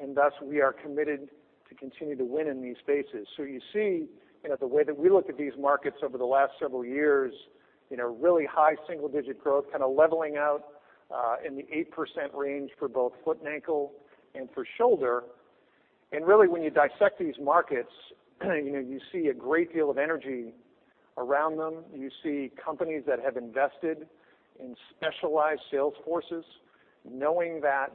and thus we are committed to continue to win in these spaces. You see the way that we look at these markets over the last several years, really high single-digit growth kind of leveling out in the 8% range for both Foot and Ankle and for Shoulder. Really, when you dissect these markets, you see a great deal of energy around them. You see companies that have invested in specialized sales forces, knowing that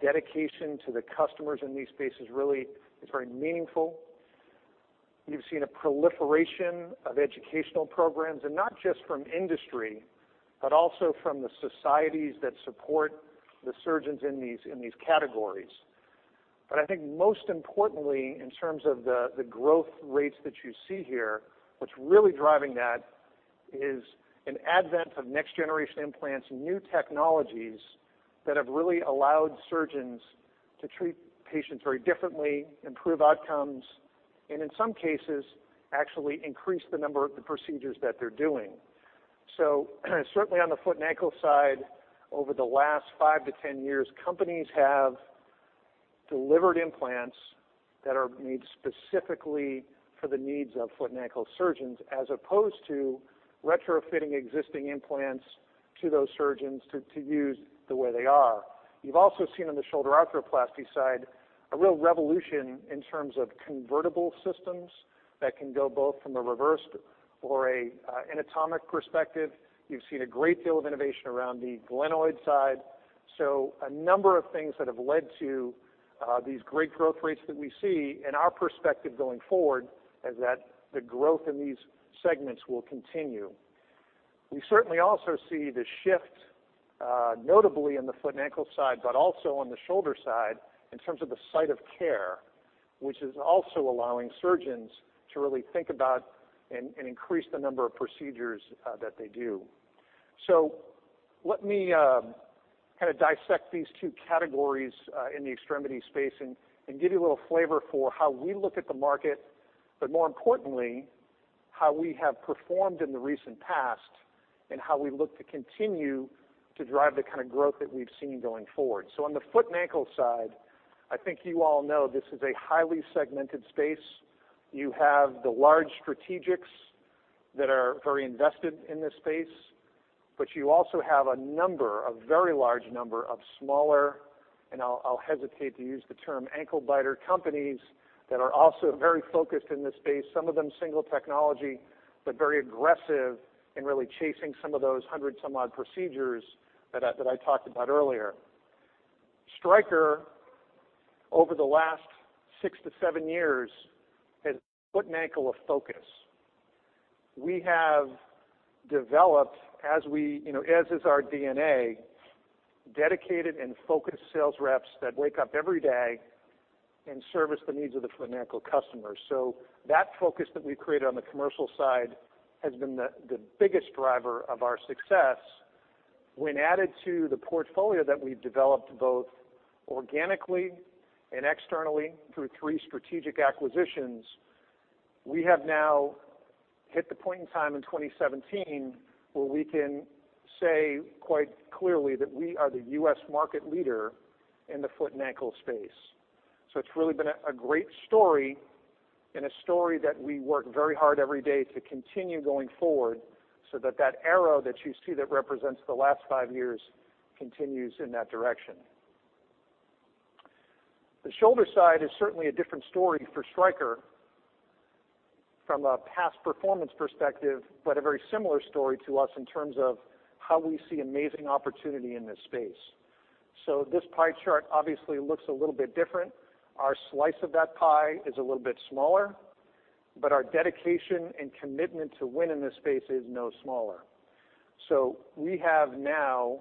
dedication to the customers in these spaces really is very meaningful. You've seen a proliferation of educational programs, not just from industry, but also from the societies that support the surgeons in these categories. I think most importantly, in terms of the growth rates that you see here, what's really driving that is an advent of next-generation implants, new technologies that have really allowed surgeons to treat patients very differently, improve outcomes, and in some cases, actually increase the number of the procedures that they're doing. Certainly on the foot and ankle side, over the last 5 to 10 years, companies have delivered implants that are made specifically for the needs of foot and ankle surgeons, as opposed to retrofitting existing implants to those surgeons to use the way they are. You've also seen on the shoulder arthroplasty side a real revolution in terms of convertible systems that can go both from a reverse or an anatomic perspective. You've seen a great deal of innovation around the glenoid side. A number of things that have led to these great growth rates that we see and our perspective going forward is that the growth in these segments will continue. We certainly also see the shift, notably in the foot and ankle side, but also on the shoulder side in terms of the site of care, which is also allowing surgeons to really think about and increase the number of procedures that they do. Let me kind of dissect these two categories in the extremity space and give you a little flavor for how we look at the market, but more importantly, how we have performed in the recent past and how we look to continue to drive the kind of growth that we've seen going forward. I think you all know this is a highly segmented space. You have the large strategics that are very invested in this space, but you also have a number, a very large number of smaller, and I'll hesitate to use the term ankle biter companies that are also very focused in this space. Some of them single technology, but very aggressive in really chasing some of those 100-some odd procedures that I talked about earlier. Stryker, over the last 6 to 7 years, has foot and ankle of focus. We have developed, as is our DNA, dedicated and focused sales reps that wake up every day and service the needs of the foot and ankle customers. That focus that we've created on the commercial side has been the biggest driver of our success. When added to the portfolio that we've developed both organically and externally through three strategic acquisitions. We have now hit the point in time in 2017 where we can say quite clearly that we are the U.S. market leader in the foot and ankle space. It's really been a great story and a story that we work very hard every day to continue going forward, so that that arrow that you see that represents the last 5 years continues in that direction. The shoulder side is certainly a different story for Stryker from a past performance perspective, but a very similar story to us in terms of how we see amazing opportunity in this space. This pie chart obviously looks a little bit different. Our slice of that pie is a little bit smaller, but our dedication and commitment to win in this space is no smaller. We have now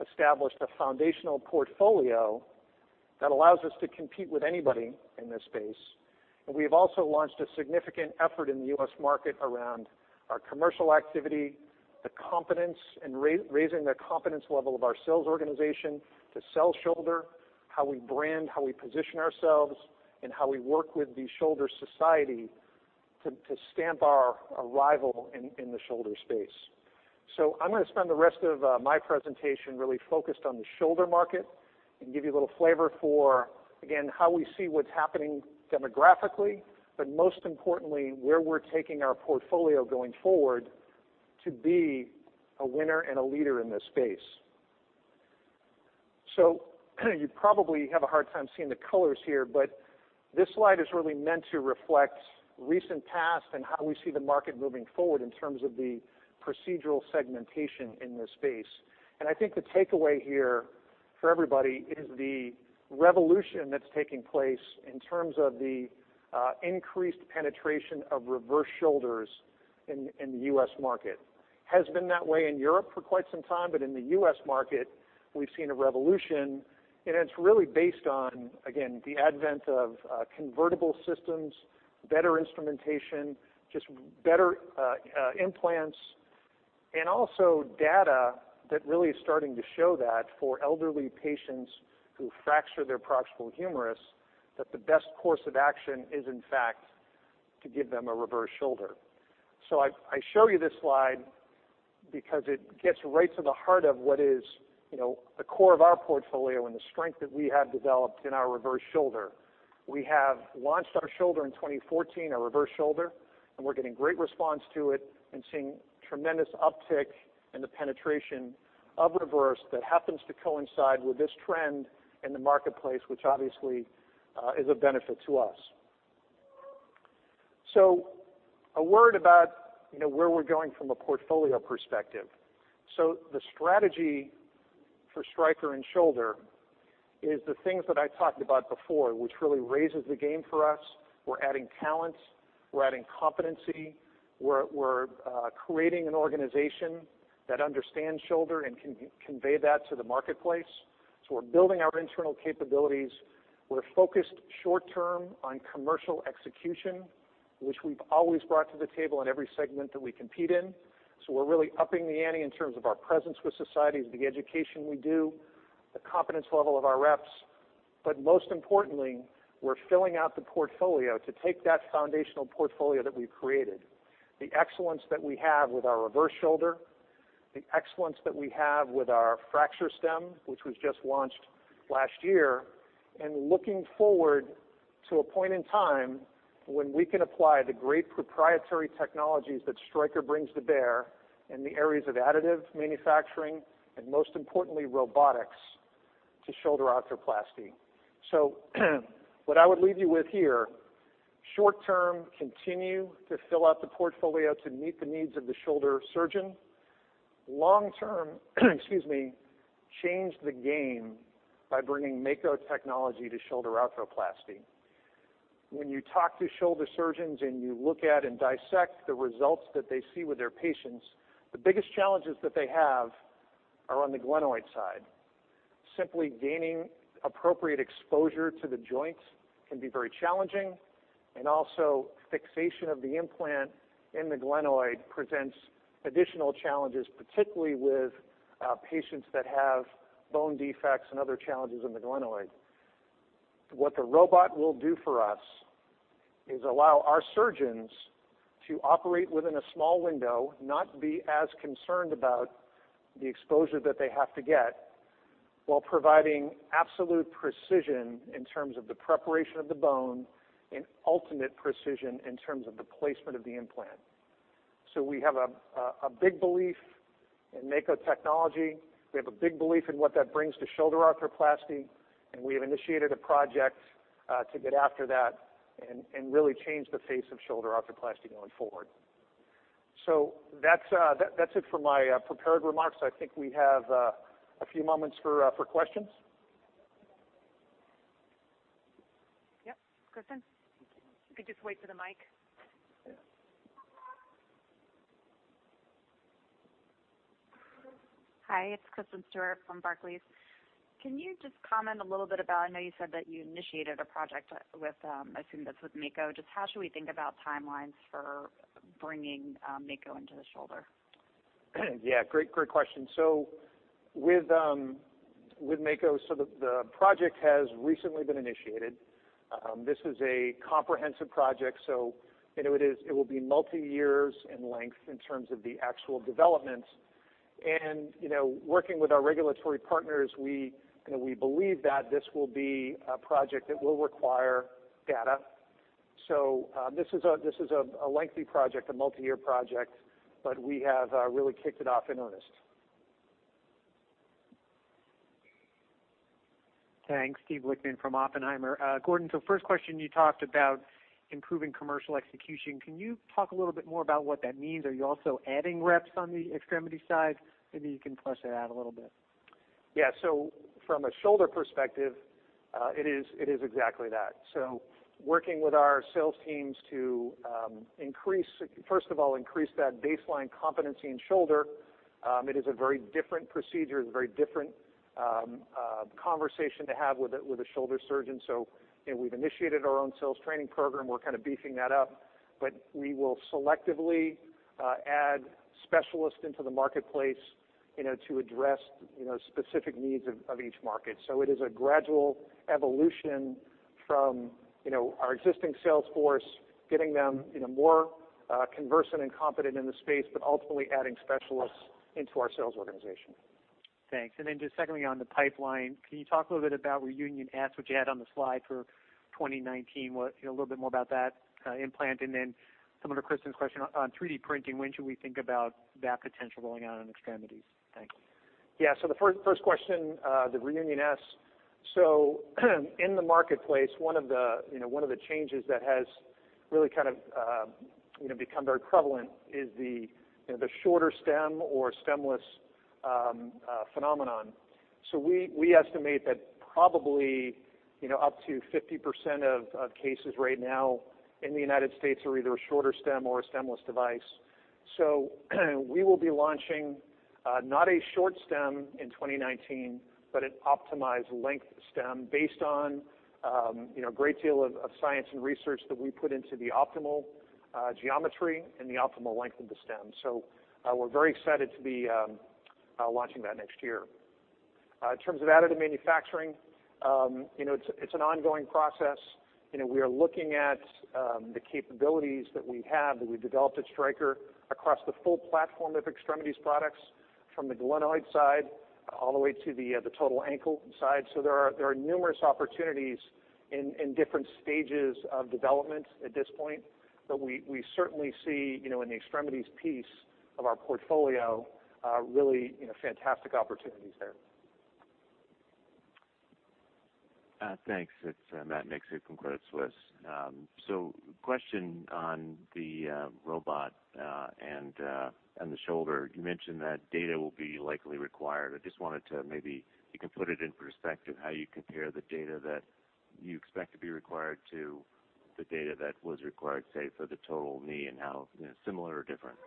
established a foundational portfolio that allows us to compete with anybody in this space. We've also launched a significant effort in the U.S. market around our commercial activity, the competence, and raising the competence level of our sales organization to sell shoulder, how we brand, how we position ourselves, and how we work with the shoulder society to stamp our arrival in the shoulder space. I'm going to spend the rest of my presentation really focused on the shoulder market and give you a little flavor for, again, how we see what's happening demographically, but most importantly, where we're taking our portfolio going forward to be a winner and a leader in this space. You probably have a hard time seeing the colors here, but this slide is really meant to reflect recent past and how we see the market moving forward in terms of the procedural segmentation in this space. I think the takeaway here for everybody is the revolution that's taking place in terms of the increased penetration of reverse shoulders in the U.S. market. Has been that way in Europe for quite some time, but in the U.S. market, we've seen a revolution, and it's really based on, again, the advent of convertible systems, better instrumentation, just better implants, and also data that really is starting to show that for elderly patients who fracture their proximal humerus, that the best course of action is, in fact, to give them a reverse shoulder. I show you this slide because it gets right to the heart of what is the core of our portfolio and the strength that we have developed in our reverse shoulder. We have launched our shoulder in 2014, our reverse shoulder, and we're getting great response to it and seeing tremendous uptick in the penetration of reverse that happens to coincide with this trend in the marketplace, which obviously is of benefit to us. A word about where we're going from a portfolio perspective. The strategy for Stryker in shoulder is the things that I talked about before, which really raises the game for us. We're adding talent, we're adding competency, we're creating an organization that understands shoulder and can convey that to the marketplace. We're building our internal capabilities. We're focused short term on commercial execution, which we've always brought to the table in every segment that we compete in. We're really upping the ante in terms of our presence with societies, the education we do, the competence level of our reps. Most importantly, we're filling out the portfolio to take that foundational portfolio that we've created, the excellence that we have with our reverse shoulder, the excellence that we have with our fracture stem, which was just launched last year, and looking forward to a point in time when we can apply the great proprietary technologies that Stryker brings to bear in the areas of additive manufacturing and, most importantly, robotics to shoulder arthroplasty. What I would leave you with here, short term, continue to fill out the portfolio to meet the needs of the shoulder surgeon. Long term, excuse me, change the game by bringing Mako technology to shoulder arthroplasty. When you talk to shoulder surgeons and you look at and dissect the results that they see with their patients, the biggest challenges that they have are on the glenoid side. Simply gaining appropriate exposure to the joints can be very challenging, also fixation of the implant in the glenoid presents additional challenges, particularly with patients that have bone defects and other challenges in the glenoid. What the robot will do for us is allow our surgeons to operate within a small window, not be as concerned about the exposure that they have to get, while providing absolute precision in terms of the preparation of the bone and ultimate precision in terms of the placement of the implant. We have a big belief in Mako technology. We have a big belief in what that brings to shoulder arthroplasty, we have initiated a project to get after that and really change the face of shoulder arthroplasty going forward. That's it for my prepared remarks. I think we have a few moments for questions. Yep. Kristen? If you could just wait for the mic. Yeah. Hi, it's Kristen Stewart from Barclays. Can you just comment a little bit about, I know you said that you initiated a project with, I assume that's with Mako. Just how should we think about timelines for bringing Mako into the shoulder? Great question. With Mako, the project has recently been initiated. This is a comprehensive project, so it will be multi-year in length in terms of the actual development. Working with our regulatory partners, we believe that this will be a project that will require data. This is a lengthy project, a multi-year project, but we have really kicked it off in earnest. Thanks. Steve Lichtman from Oppenheimer. Gordon, first question, you talked about improving commercial execution. Can you talk a little bit more about what that means? Are you also adding reps on the extremity side? Maybe you can flesh that out a little bit. Yeah. From a shoulder perspective, it is exactly that. Working with our sales teams to, first of all, increase that baseline competency in shoulder. It is a very different procedure. It's a very different conversation to have with a shoulder surgeon. We've initiated our own sales training program. We're kind of beefing that up. We will selectively add specialists into the marketplace to address specific needs of each market. It is a gradual evolution from our existing sales force, getting them more conversant and competent in the space, but ultimately adding specialists into our sales organization. Thanks. Just secondly on the pipeline, can you talk a little bit about ReUnion S, which you had on the slide for 2019? A little bit more about that implant and then similar to Kristen's question on 3D printing, when should we think about that potential rolling out in extremities? Thanks. The first question, the ReUnion S. In the marketplace, one of the changes that has really kind of become very prevalent is the shorter stem or stemless phenomenon. We estimate that probably up to 50% of cases right now in the U.S. are either a shorter stem or a stemless device. We will be launching not a short stem in 2019, but an optimized length stem based on a great deal of science and research that we put into the optimal geometry and the optimal length of the stem. We're very excited to be launching that next year. In terms of additive manufacturing, it's an ongoing process. We are looking at the capabilities that we have, that we've developed at Stryker across the full platform of extremities products, from the glenoid side all the way to the total ankle side. There are numerous opportunities in different stages of development at this point. We certainly see in the extremities piece of our portfolio, really fantastic opportunities there. Thanks. It's Matt Miksic from Credit Suisse. Question on the robot and the shoulder. You mentioned that data will be likely required. Maybe you can put it in perspective how you compare the data that you expect to be required to the data that was required, say, for the total knee and how similar or different.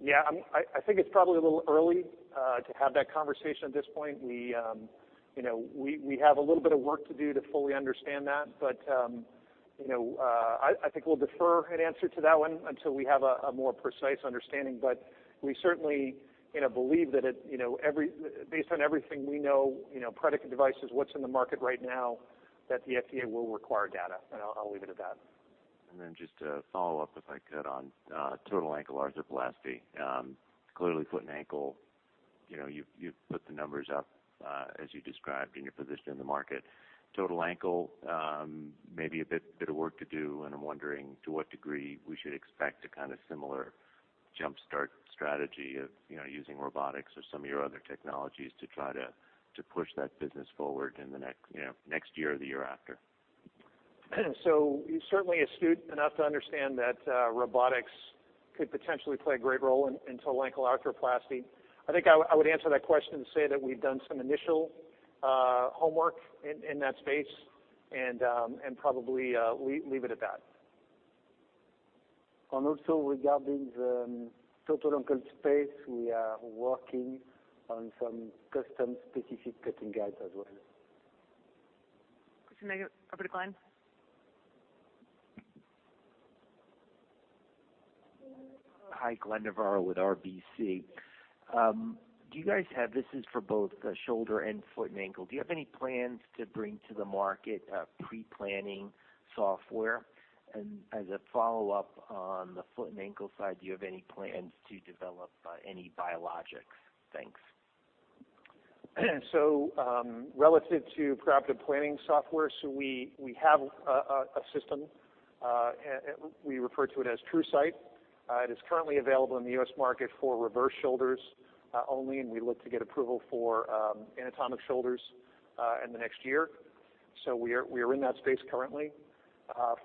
I think it's probably a little early to have that conversation at this point. We have a little bit of work to do to fully understand that. I think we'll defer an answer to that one until we have a more precise understanding. We certainly believe that based on everything we know, predicate devices, what's in the market right now, that the FDA will require data, and I'll leave it at that. Just to follow up, if I could, on total ankle arthroplasty. Clearly foot and ankle, you've put the numbers up as you described in your position in the market. Total ankle maybe a bit of work to do, and I'm wondering to what degree we should expect a kind of similar jumpstart strategy of using robotics or some of your other technologies to try to push that business forward in the next year or the year after. You're certainly astute enough to understand that robotics could potentially play a great role in total ankle arthroplasty. I think I would answer that question and say that we've done some initial homework in that space and probably leave it at that. Regarding the total ankle space, we are working on some custom specific cutting guides as well. Kristen again. Over to Glenn. Hi, Glenn Novarro with RBC. This is for both the shoulder and foot and ankle, do you have any plans to bring to the market pre-planning software? As a follow-up on the foot and ankle side, do you have any plans to develop any biologics? Thanks. Relative to preoperative planning software, we have a system, we refer to it as TruRize. It is currently available in the U.S. market for reverse shoulders only, and we look to get approval for anatomic shoulders in the next year. We are in that space currently.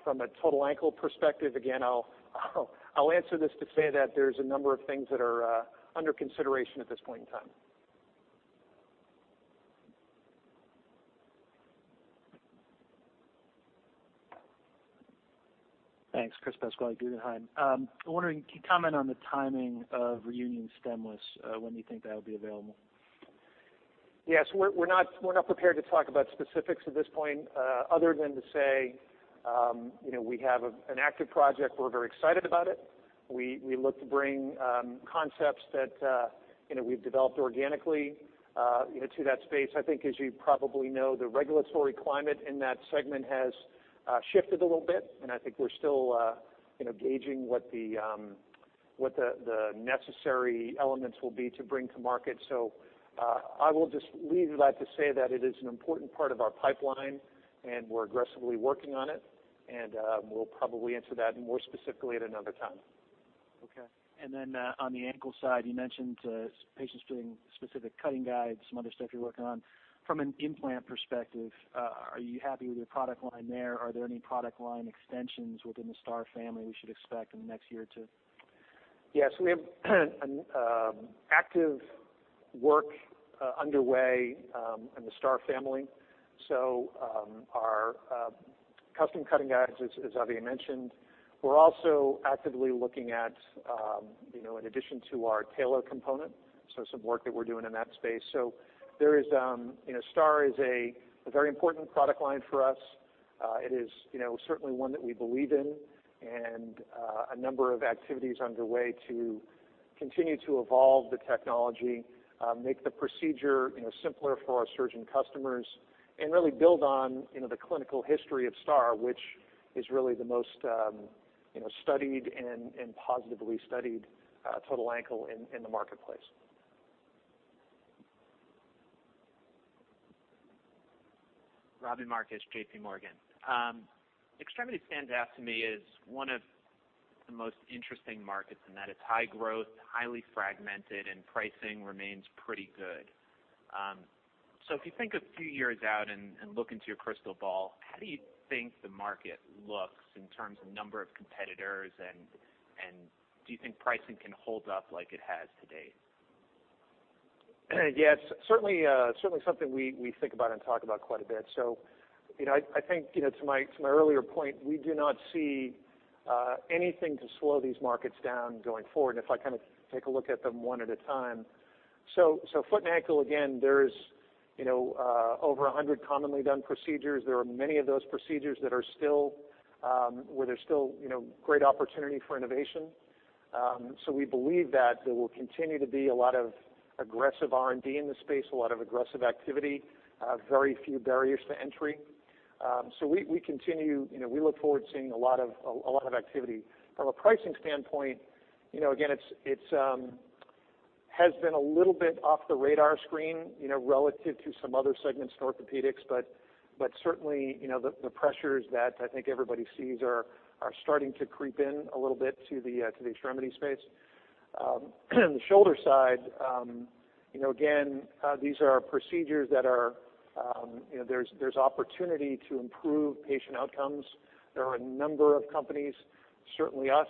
From a total ankle perspective, again, I'll answer this to say that there's a number of things that are under consideration at this point in time. Thanks. Chris Pasquale, Guggenheim. I'm wondering, can you comment on the timing of ReUnion stemless, when you think that'll be available? Yes, we're not prepared to talk about specifics at this point, other than to say we have an active project. We're very excited about it. We look to bring concepts that we've developed organically to that space. I think as you probably know, the regulatory climate in that segment has shifted a little bit, and I think we're still gauging what the necessary elements will be to bring to market. I will just leave it at to say that it is an important part of our pipeline, and we're aggressively working on it, and we'll probably answer that more specifically at another time. Okay. Then on the ankle side, you mentioned patients doing specific cutting guides, some other stuff you're working on. From an implant perspective, are you happy with your product line there? Are there any product line extensions within the STAR family we should expect in the next year or two? Yes. We have an active work underway in the STAR family. Our custom cutting guides, as Avi mentioned. We're also actively looking at, in addition to our talar component, some work that we're doing in that space. STAR is a very important product line for us. It is certainly one that we believe in and a number of activities underway to continue to evolve the technology, make the procedure simpler for our surgeon customers, and really build on the clinical history of STAR, which is really the most studied and positively studied total ankle in the marketplace. Robbie Marcus, JPMorgan. Extremity stands out to me as one of the most interesting markets in that it's high growth, highly fragmented, and pricing remains pretty good. If you think a few years out and look into your crystal ball, how do you think the market looks in terms of number of competitors? Do you think pricing can hold up like it has to date? Yes. Certainly something we think about and talk about quite a bit. I think to my earlier point, we do not see anything to slow these markets down going forward, and if I kind of take a look at them one at a time. Foot and ankle, again, there's over 100 commonly done procedures. There are many of those procedures where there's still great opportunity for innovation. We believe that there will continue to be a lot of aggressive R&D in the space, a lot of aggressive activity, very few barriers to entry. We look forward to seeing a lot of activity. From a pricing standpoint, again, it has been a little bit off the radar screen, relative to some other segments in orthopedics. Certainly, the pressures that I think everybody sees are starting to creep in a little bit to the extremity space. The shoulder side, again, these are procedures that there's opportunity to improve patient outcomes. There are a number of companies, certainly us,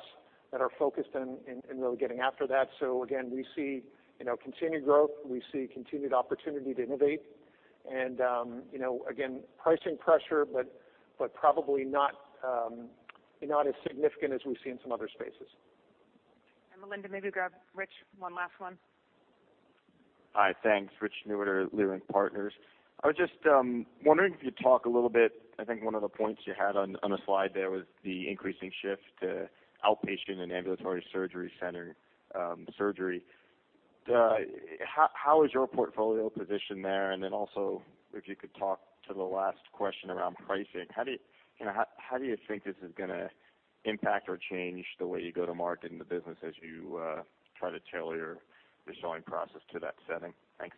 that are focused in really getting after that. Again, we see continued growth. We see continued opportunity to innovate, again, pricing pressure, probably not as significant as we've seen some other spaces. Melinda, maybe grab Rich, one last one. Hi, thanks. Rich Newitter, Leerink Partners. I was just wondering if you'd talk a little bit, I think one of the points you had on a slide there was the increasing shift to outpatient and ambulatory surgery center surgery. How is your portfolio positioned there? Also, if you could talk to the last question around pricing, how do you think this is going to impact or change the way you go to market in the business as you try to tailor your selling process to that setting? Thanks.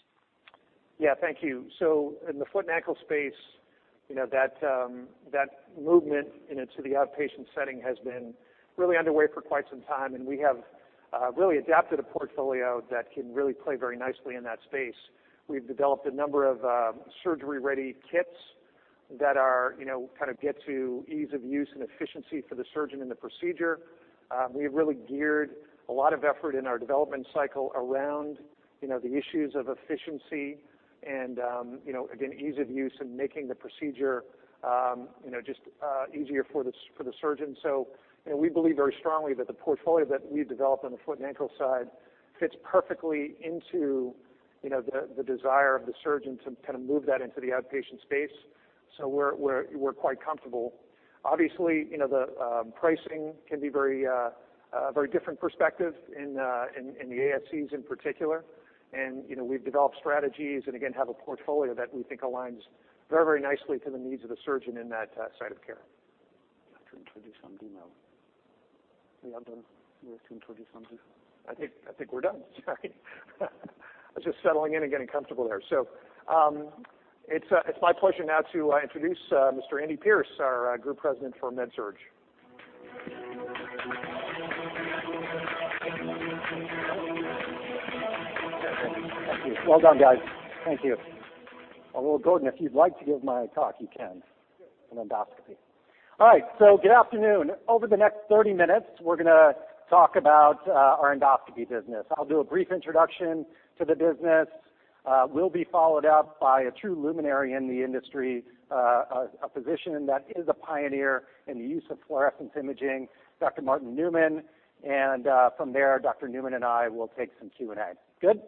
Yeah, thank you. In the foot and ankle space, that movement into the outpatient setting has been really underway for quite some time, we have really adapted a portfolio that can really play very nicely in that space. We've developed a number of surgery-ready kits that kind of get to ease of use and efficiency for the surgeon in the procedure. We have really geared a lot of effort in our development cycle around the issues of efficiency, again, ease of use and making the procedure just easier for the surgeon. We believe very strongly that the portfolio that we've developed on the foot and ankle side fits perfectly into the desire of the surgeon to kind of move that into the outpatient space. We're quite comfortable. Obviously, the pricing can be very different perspective in the ASCs in particular. We've developed strategies and again, have a portfolio that we think aligns very nicely to the needs of the surgeon in that site of care. You have to introduce something now. You have to introduce something. I think we're done. Sorry. I was just settling in and getting comfortable there. It's my pleasure now to introduce Mr. Andy Pierce, our Group President for MedSurg. Thank you. Well done, guys. Thank you. Gordon, if you'd like to give my talk, you can on endoscopy. Good afternoon. Over the next 30 minutes, we're going to talk about our endoscopy business. I'll do a brief introduction to the business. We'll be followed up by a true luminary in the industry, a physician that is a pioneer in the use of fluorescence imaging, Dr. Martin Newman, and from there, Dr. Newman and I will take some Q&A. Good?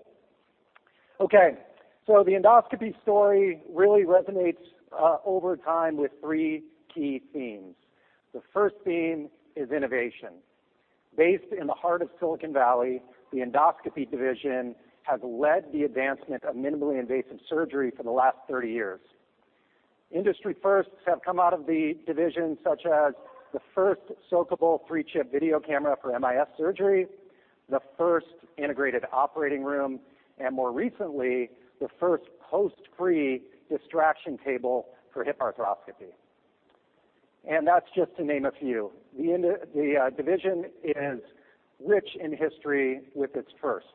The endoscopy story really resonates over time with three key themes. The first theme is innovation. Based in the heart of Silicon Valley, the Endoscopy division has led the advancement of minimally invasive surgery for the last 30 years. Industry firsts have come out of the division, such as the first soakable three-chip video camera for MIS surgery, the first integrated operating room, and more recently, the first post-free distraction table for hip arthroscopy. That's just to name a few. The division is rich in history with its firsts.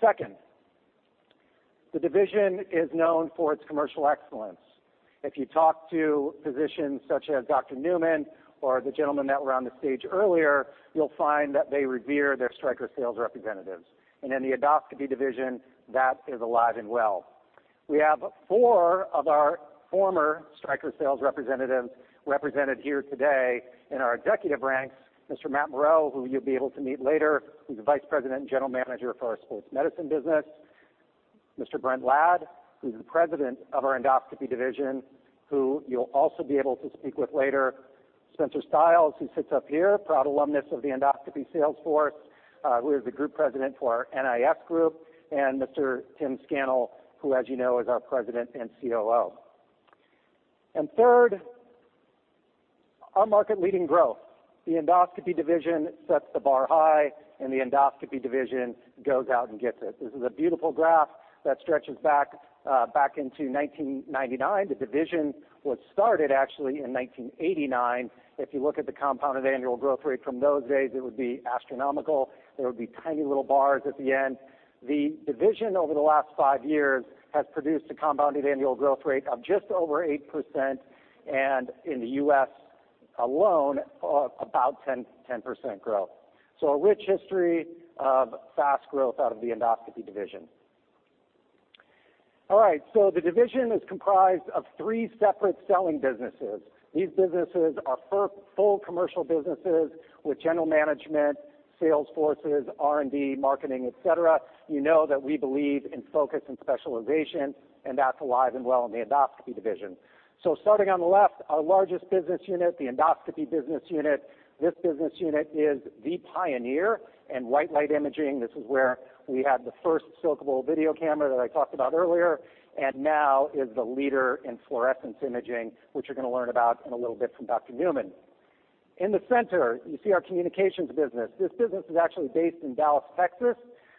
Second, the division is known for its commercial excellence. If you talk to physicians such as Dr. Newman or the gentleman that were on the stage earlier, you'll find that they revere their Stryker sales representatives. In the Endoscopy division, that is alive and well. We have four of our former Stryker sales representatives represented here today in our executive ranks. Mr. Matt Moreau, who you'll be able to meet later, who's the Vice President and General Manager for our sports medicine business. Mr. Brent Ladd, who's the President of our Endoscopy division, who you'll also be able to speak with later. Spencer Stiles, who sits up here, proud alumnus of the Endoscopy sales force, who is the Group President for our NIF group, and Mr. Tim Scannell, who, as you know, is our President and COO. Third, our market-leading growth. The Endoscopy division sets the bar high, and the Endoscopy division goes out and gets it. This is a beautiful graph that stretches back into 1999. The division was started actually in 1989. If you look at the compounded annual growth rate from those days, it would be astronomical. There would be tiny little bars at the end. The division over the last five years has produced a compounded annual growth rate of just over 8%, and in the U.S. alone, about 10% growth. A rich history of fast growth out of the Endoscopy division. All right, the division is comprised of three separate selling businesses. These businesses are full commercial businesses with general management, sales forces, R&D, marketing, et cetera. You know that we believe in focus and specialization, and that's alive and well in the Endoscopy division. Starting on the left, our largest business unit, the Endoscopy business unit. This business unit is the pioneer in white light imaging. This is where we had the first soakable video camera that I talked about earlier, and now is the leader in fluorescence imaging, which you're going to learn about in a little bit from Dr. Newman. In the center, you see our communications business. This business is actually based in Dallas, Texas.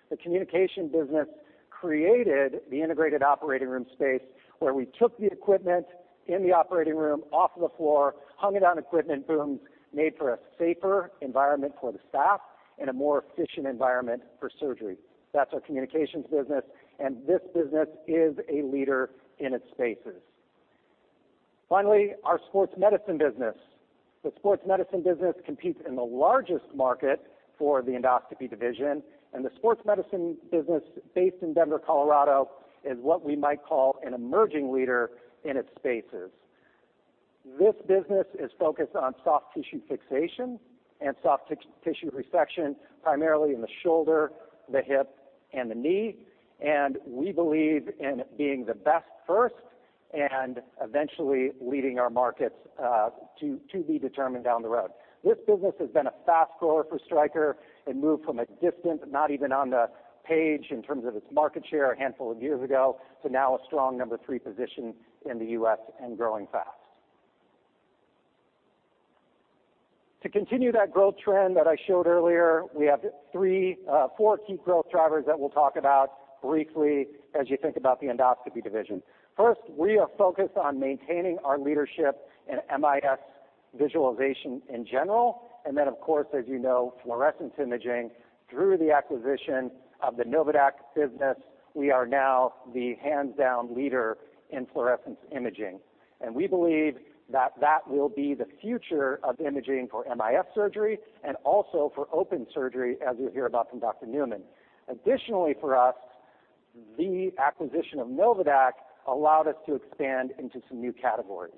The communication business created the integrated operating room space where we took the equipment in the operating room off the floor, hung it on equipment booms, made for a safer environment for the staff and a more efficient environment for surgery. That's our communications business, and this business is a leader in its spaces. Finally, our sports medicine business. The sports medicine business competes in the largest market for the Endoscopy division, and the sports medicine business based in Denver, Colorado, is what we might call an emerging leader in its spaces. This business is focused on soft tissue fixation and soft tissue resection, primarily in the shoulder, the hip, and the knee. We believe in being the best first and eventually leading our markets to be determined down the road. This business has been a fast grower for Stryker. It moved from a distant, not even on the page in terms of its market share a handful of years ago, to now a strong number 3 position in the U.S. and growing fast. To continue that growth trend that I showed earlier, we have four key growth drivers that we'll talk about briefly as you think about the Endoscopy division. First, we are focused on maintaining our leadership in MIS visualization in general. Then, of course, as you know, fluorescence imaging through the acquisition of the Novadaq business, we are now the hands-down leader in fluorescence imaging. We believe that that will be the future of imaging for MIS surgery and also for open surgery, as you'll hear about from Dr. Newman. Additionally, for us, the acquisition of Novadaq allowed us to expand into some new categories,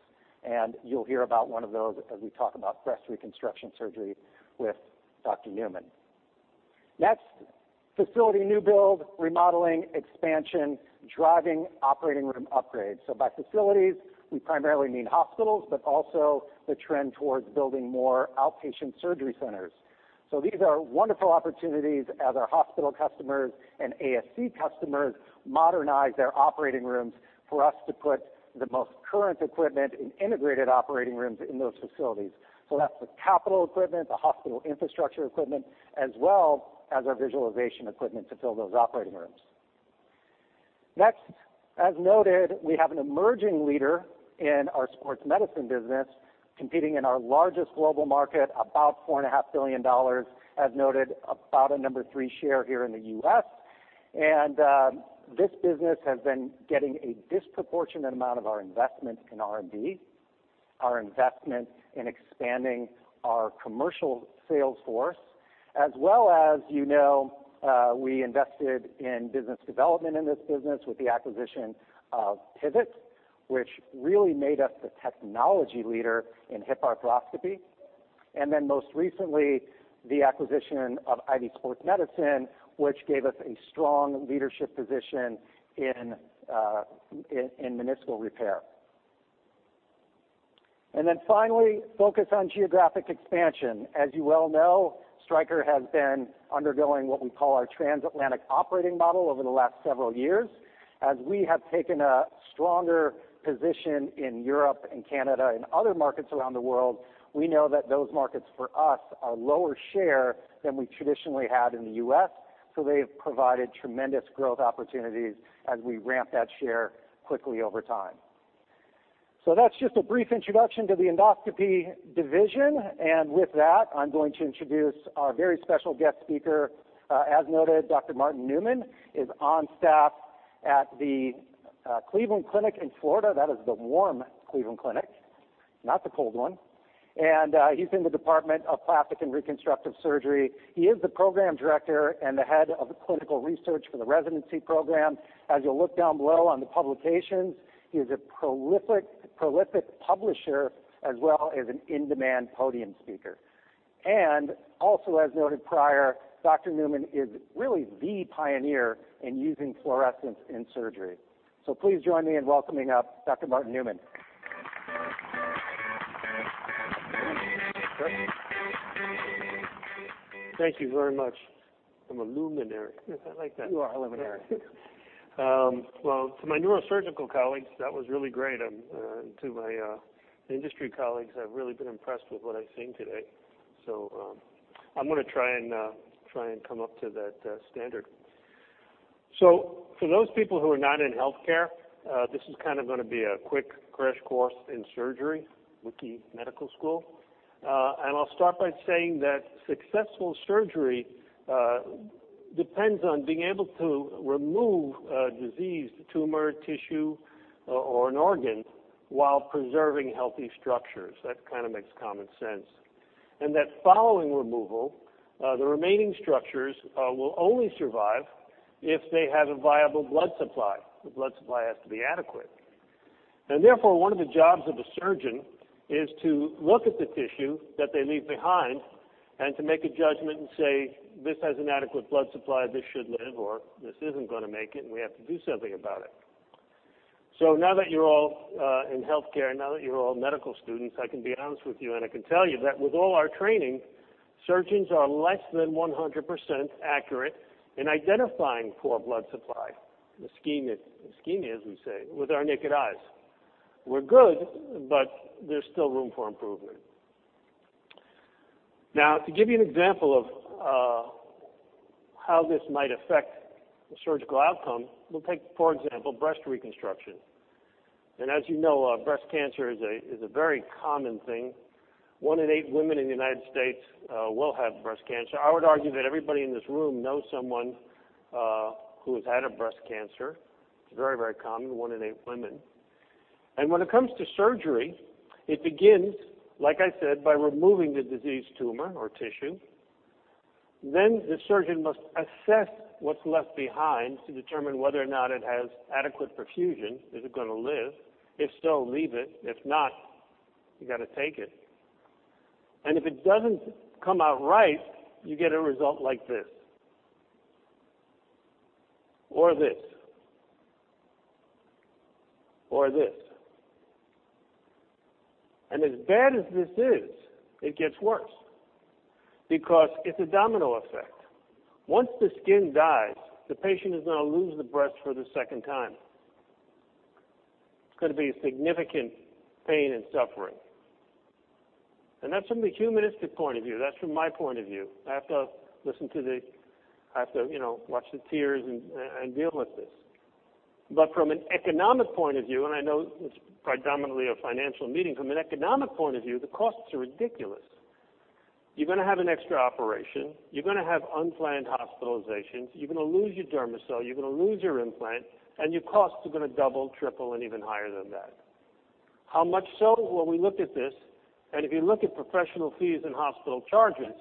and you'll hear about one of those as we talk about breast reconstruction surgery with Dr. Newman. Next, facility new build, remodeling, expansion, driving operating room upgrades. By facilities, we primarily mean hospitals, but also the trend towards building more outpatient surgery centers. These are wonderful opportunities as our hospital customers and ASC customers modernize their operating rooms for us to put the most current equipment in integrated operating rooms in those facilities. That's the capital equipment, the hospital infrastructure equipment, as well as our visualization equipment to fill those operating rooms. Next, as noted, we have an emerging leader in our sports medicine business competing in our largest global market, about $4.5 billion. As noted, about a number 3 share here in the U.S. This business has been getting a disproportionate amount of our investment in R&D, our investment in expanding our commercial sales force, as well as we invested in business development in this business with the acquisition of Pivot, which really made us the technology leader in hip arthroscopy. Most recently, the acquisition of Ivy Sports Medicine, which gave us a strong leadership position in meniscal repair. Finally, focus on geographic expansion. You well know, Stryker has been undergoing what we call our trans-Atlantic operating model over the last several years. We have taken a stronger position in Europe and Canada and other markets around the world, we know that those markets for us are lower share than we traditionally had in the U.S., they have provided tremendous growth opportunities as we ramp that share quickly over time. That's just a brief introduction to the Endoscopy division. With that, I'm going to introduce our very special guest speaker. As noted, Dr. Martin Newman is on staff at the Cleveland Clinic in Florida. That is the warm Cleveland Clinic, not the cold one. He's in the Department of Plastic and Reconstructive Surgery. He is the program director and the head of the clinical research for the residency program. You'll look down below on the publications, he is a prolific publisher as well as an in-demand podium speaker. Also, as noted prior, Dr. Newman is really the pioneer in using fluorescence in surgery. Please join me in welcoming up Dr. Martin Newman. Thank you very much. I'm a luminary. I like that. You are a luminary. Well, to my neurosurgical colleagues, that was really great. To my industry colleagues, I've really been impressed with what I've seen today. I'm going to try and come up to that standard. For those people who are not in healthcare, this is going to be a quick crash course in surgery, Wiki Medical School. I'll start by saying that successful surgery depends on being able to remove a diseased tumor, tissue, or an organ while preserving healthy structures. That kind of makes common sense. That following removal, the remaining structures will only survive if they have a viable blood supply. The blood supply has to be adequate. Therefore, one of the jobs of a surgeon is to look at the tissue that they leave behind and to make a judgment and say, "This has an adequate blood supply. This should live," or "This isn't going to make it, and we have to do something about it." Now that you're all in healthcare, now that you're all medical students, I can be honest with you, I can tell you that with all our training, surgeons are less than 100% accurate in identifying poor blood supply, ischemia, as we say, with our naked eyes. We're good, but there's still room for improvement. Now, to give you an example of how this might affect the surgical outcome, we'll take, for example, breast reconstruction. As you know, breast cancer is a very common thing. One in eight women in the U.S. will have breast cancer. I would argue that everybody in this room knows someone who has had a breast cancer. It's very common, one in eight women. When it comes to surgery, it begins, like I said, by removing the diseased tumor or tissue. The surgeon must assess what's left behind to determine whether or not it has adequate perfusion. Is it going to live? If so, leave it. If not, you got to take it. If it doesn't come out right, you get a result like this, or this, or this. As bad as this is, it gets worse because it's a domino effect. Once the skin dies, the patient is going to lose the breast for the second time. It's going to be significant pain and suffering. That's from the humanistic point of view, that's from my point of view. I have to watch the tears and deal with this. From an economic point of view, and I know it's predominantly a financial meeting, from an economic point of view, the costs are ridiculous. You're going to have an extra operation. You're going to have unplanned hospitalizations. You're going to lose your dermis, so you're going to lose your implant, your costs are going to double, triple, and even higher than that. How much so? Well, we looked at this, if you look at professional fees and hospital charges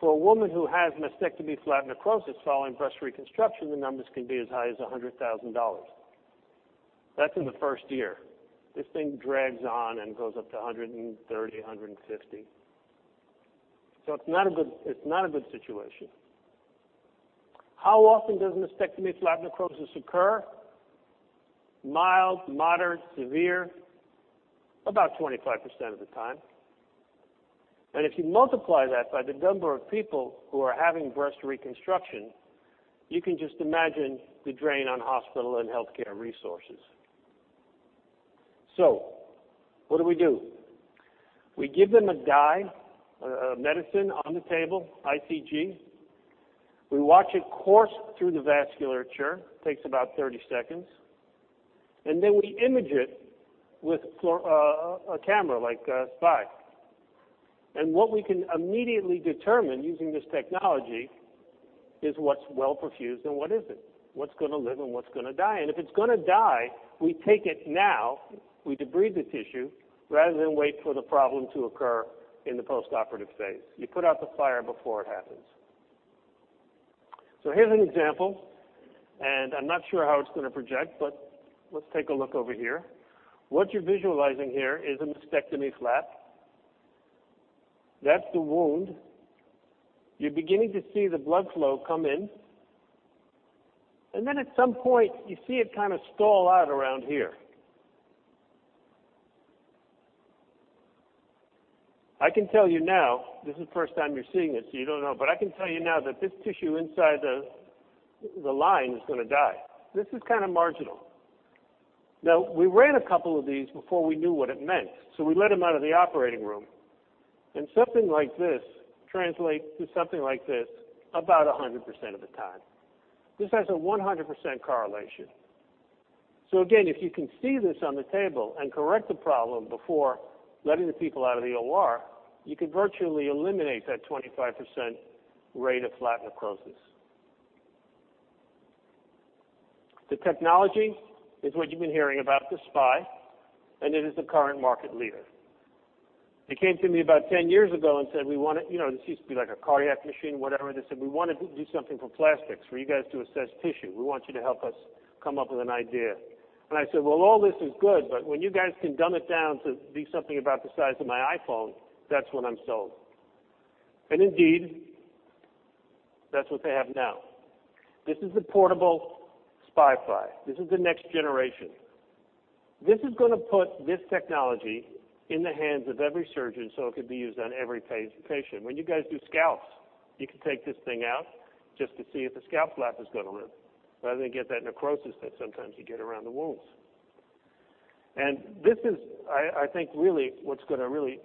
for a woman who has mastectomy flap necrosis following breast reconstruction, the numbers can be as high as $100,000. That's in the first year. This thing drags on and goes up to $130,000, $150,000. It's not a good situation. How often does mastectomy flap necrosis occur? Mild, moderate, severe, about 25% of the time. If you multiply that by the number of people who are having breast reconstruction, you can just imagine the drain on hospital and healthcare resources. What do we do? We give them a dye, a medicine on the table, ICG. We watch it course through the vasculature, takes about 30 seconds, then we image it with a camera, like a SPY. What we can immediately determine using this technology is what's well perfused and what isn't, what's going to live and what's going to die. If it's going to die, we take it now, we debride the tissue rather than wait for the problem to occur in the postoperative phase. You put out the fire before it happens. Here's an example, I'm not sure how it's going to project, let's take a look over here. What you're visualizing here is a mastectomy flap. That's the wound. You're beginning to see the blood flow come in, then at some point you see it kind of stall out around here. I can tell you now, this is the first time you're seeing this, you don't know, I can tell you now that this tissue inside the line is going to die. This is kind of marginal. We ran a couple of these before we knew what it meant, we let him out of the operating room, something like this translates to something like this about 100% of the time. This has a 100% correlation. Again, if you can see this on the table and correct the problem before letting the people out of the OR, you could virtually eliminate that 25% rate of flap necrosis. The technology is what you've been hearing about, the SPY, and it is the current market leader. They came to me about 10 years ago and said, "This used to be like a cardiac machine, whatever, they said, "We want to do something for plastics, for you guys to assess tissue. We want you to help us come up with an idea." I said, "Well, all this is good, but when you guys can dumb it down to be something about the size of my iPhone, that's when I'm sold." Indeed, that's what they have now. This is the portable SPY-PHI. This is the next generation. This is going to put this technology in the hands of every surgeon so it can be used on every patient. When you guys do scalps, you can take this thing out just to see if the scalp flap is going to rip, rather than get that necrosis that sometimes you get around the wounds. This is, I think, really what's going to,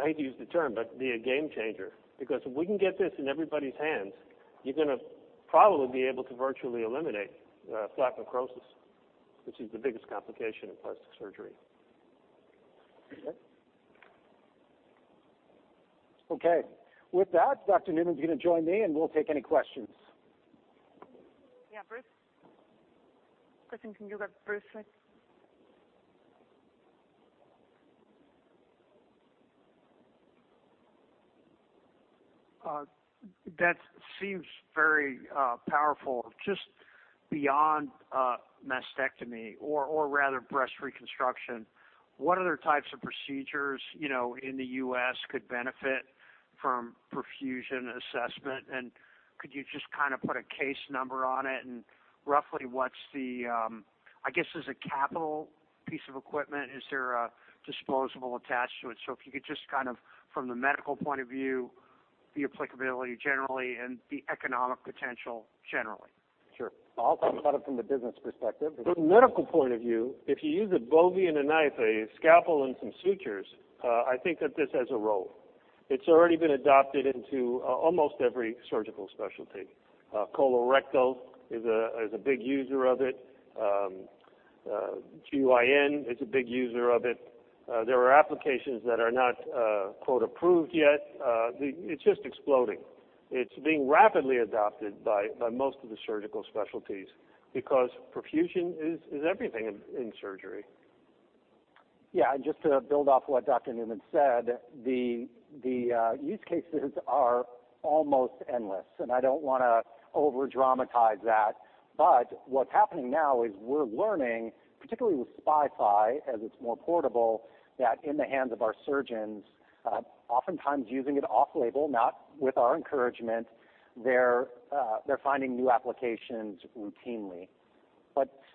I hate to use the term, but be a game changer. Because if we can get this in everybody's hands, you're going to probably be able to virtually eliminate flap necrosis, which is the biggest complication of plastic surgery. Okay. With that, Dr. Newman's going to join me, and we'll take any questions. Yeah, Bruce. Kristen, can you go to Bruce, please? That seems very powerful. Just beyond mastectomy or rather breast reconstruction, what other types of procedures in the U.S. could benefit from perfusion assessment? Could you just kind of put a case number on it, and roughly what's the as a capital piece of equipment, is there a disposable attached to it? If you could just kind of from the medical point of view, the applicability generally, and the economic potential generally. Sure. I'll talk about it from the business perspective. From the medical point of view, if you use a Bovie and a knife, a scalpel, and some sutures, I think that this has a role. It's already been adopted into almost every surgical specialty. Colorectal is a big user of it. GYN is a big user of it. There are applications that are not "approved" yet. It's just exploding. It's being rapidly adopted by most of the surgical specialties because perfusion is everything in surgery. Just to build off what Dr. Newman said, the use cases are almost endless, and I don't want to over-dramatize that, but what's happening now is we're learning, particularly with SPY-PHI, as it's more portable, that in the hands of our surgeons, oftentimes using it off-label, not with our encouragement, they're finding new applications routinely.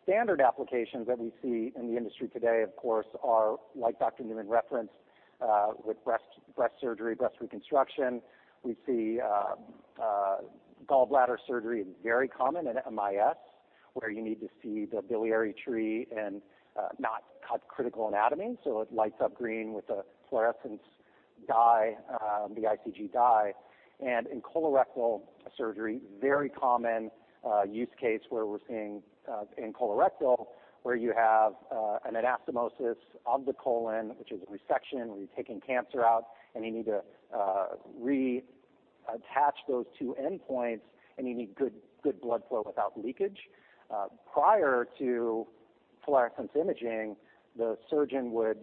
Standard applications that we see in the industry today, of course, are like Dr. Newman referenced with breast surgery, breast reconstruction. We see gallbladder surgery is very common in MIS, where you need to see the biliary tree and not cut critical anatomy, so it lights up green with a fluorescence dye, the ICG dye. In colorectal surgery, very common use case where we're seeing in colorectal, where you have an anastomosis of the colon, which is a resection, where you're taking cancer out, and you need to reattach those two endpoints, and you need good blood flow without leakage. Prior to fluorescence imaging, the surgeon would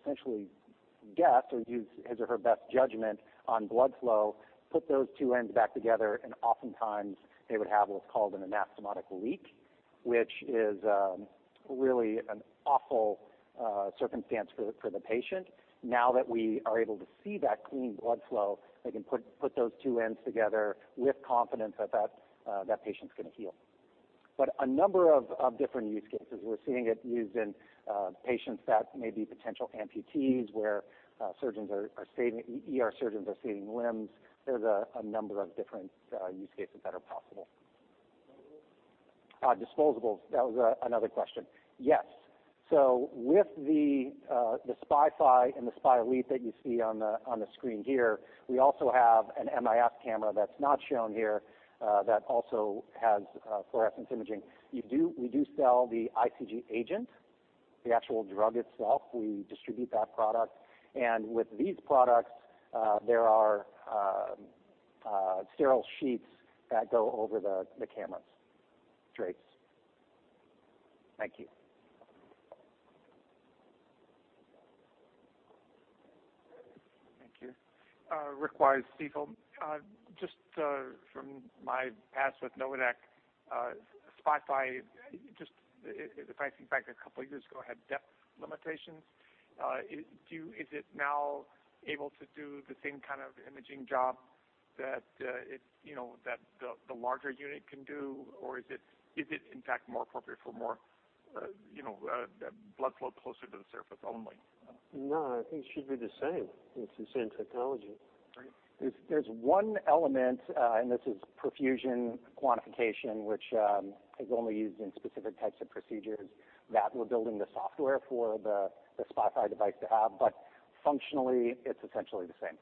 essentially guess or use his or her best judgment on blood flow, put those two ends back together, and oftentimes they would have what's called an anastomotic leak, which is really an awful circumstance for the patient. Now that we are able to see that clean blood flow, they can put those two ends together with confidence that the patient's going to heal. A number of different use cases. We're seeing it used in patients that may be potential amputees, where ER surgeons are saving limbs. There's a number of different use cases that are possible. Disposables? With the SPY-PHI and the SPY Elite that you see on the screen here, we also have an MIS camera that is not shown here that also has fluorescence imaging. We do sell the ICG agent, the actual drug itself. We distribute that product. With these products, there are sterile sheets that go over the cameras. Drapes. Thank you. Thank you. Rick Wise, Stifel. Just from my past with Novadaq, SPY-PHI, if I think back a couple of years ago, had depth limitations. Is it now able to do the same kind of imaging job that the larger unit can do? Or is it in fact more appropriate for blood flow closer to the surface only? I think it should be the same. It's the same technology. Great. There's one element, this is perfusion quantification, which is only used in specific types of procedures that we're building the software for the SPY-PHI device to have, but functionally, it's essentially the same.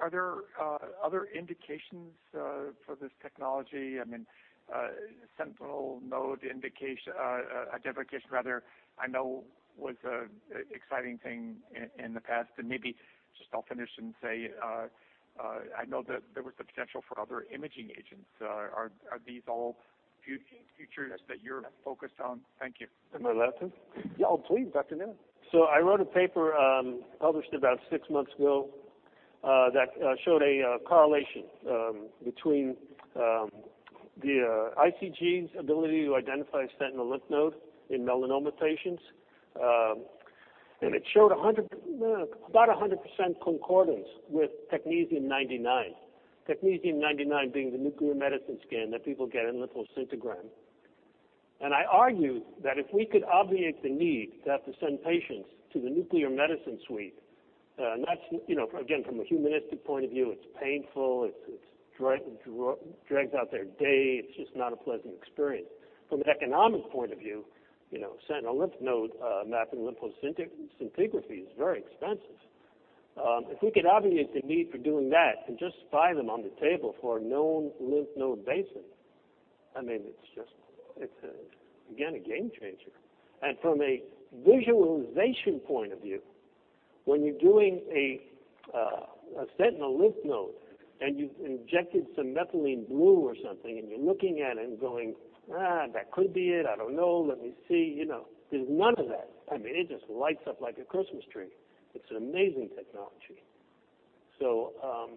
Are there other indications for this technology? I mean, sentinel node identification, I know was an exciting thing in the past. Maybe just I'll finish and say, I know that there was the potential for other imaging agents. Are these all futures that you're focused on? Thank you. Am I allowed to? Yeah. Please, Dr. Newman. I wrote a paper, published about six months ago, that showed a correlation between the ICG's ability to identify a sentinel lymph node in melanoma patients. It showed about 100% concordance with technetium-99. Technetium-99 being the nuclear medicine scan that people get in lymphoscintigram. I argue that if we could obviate the need to have to send patients to the nuclear medicine suite, and that's, again, from a humanistic point of view, it's painful. It drags out their day. It's just not a pleasant experience. From an economic point of view, sentinel lymph node mapping lymphoscintigraphy is very expensive. If we could obviate the need for doing that and just SPY them on the table for a known lymph node basin, I mean, it's just, again, a game changer. From a visualization point of view, when you're doing a sentinel lymph node and you've injected some methylene blue or something, and you're looking at it and going, "Eh, that could be it. I don't know. Let me see." There's none of that. I mean, it just lights up like a Christmas tree. It's an amazing technology. I'll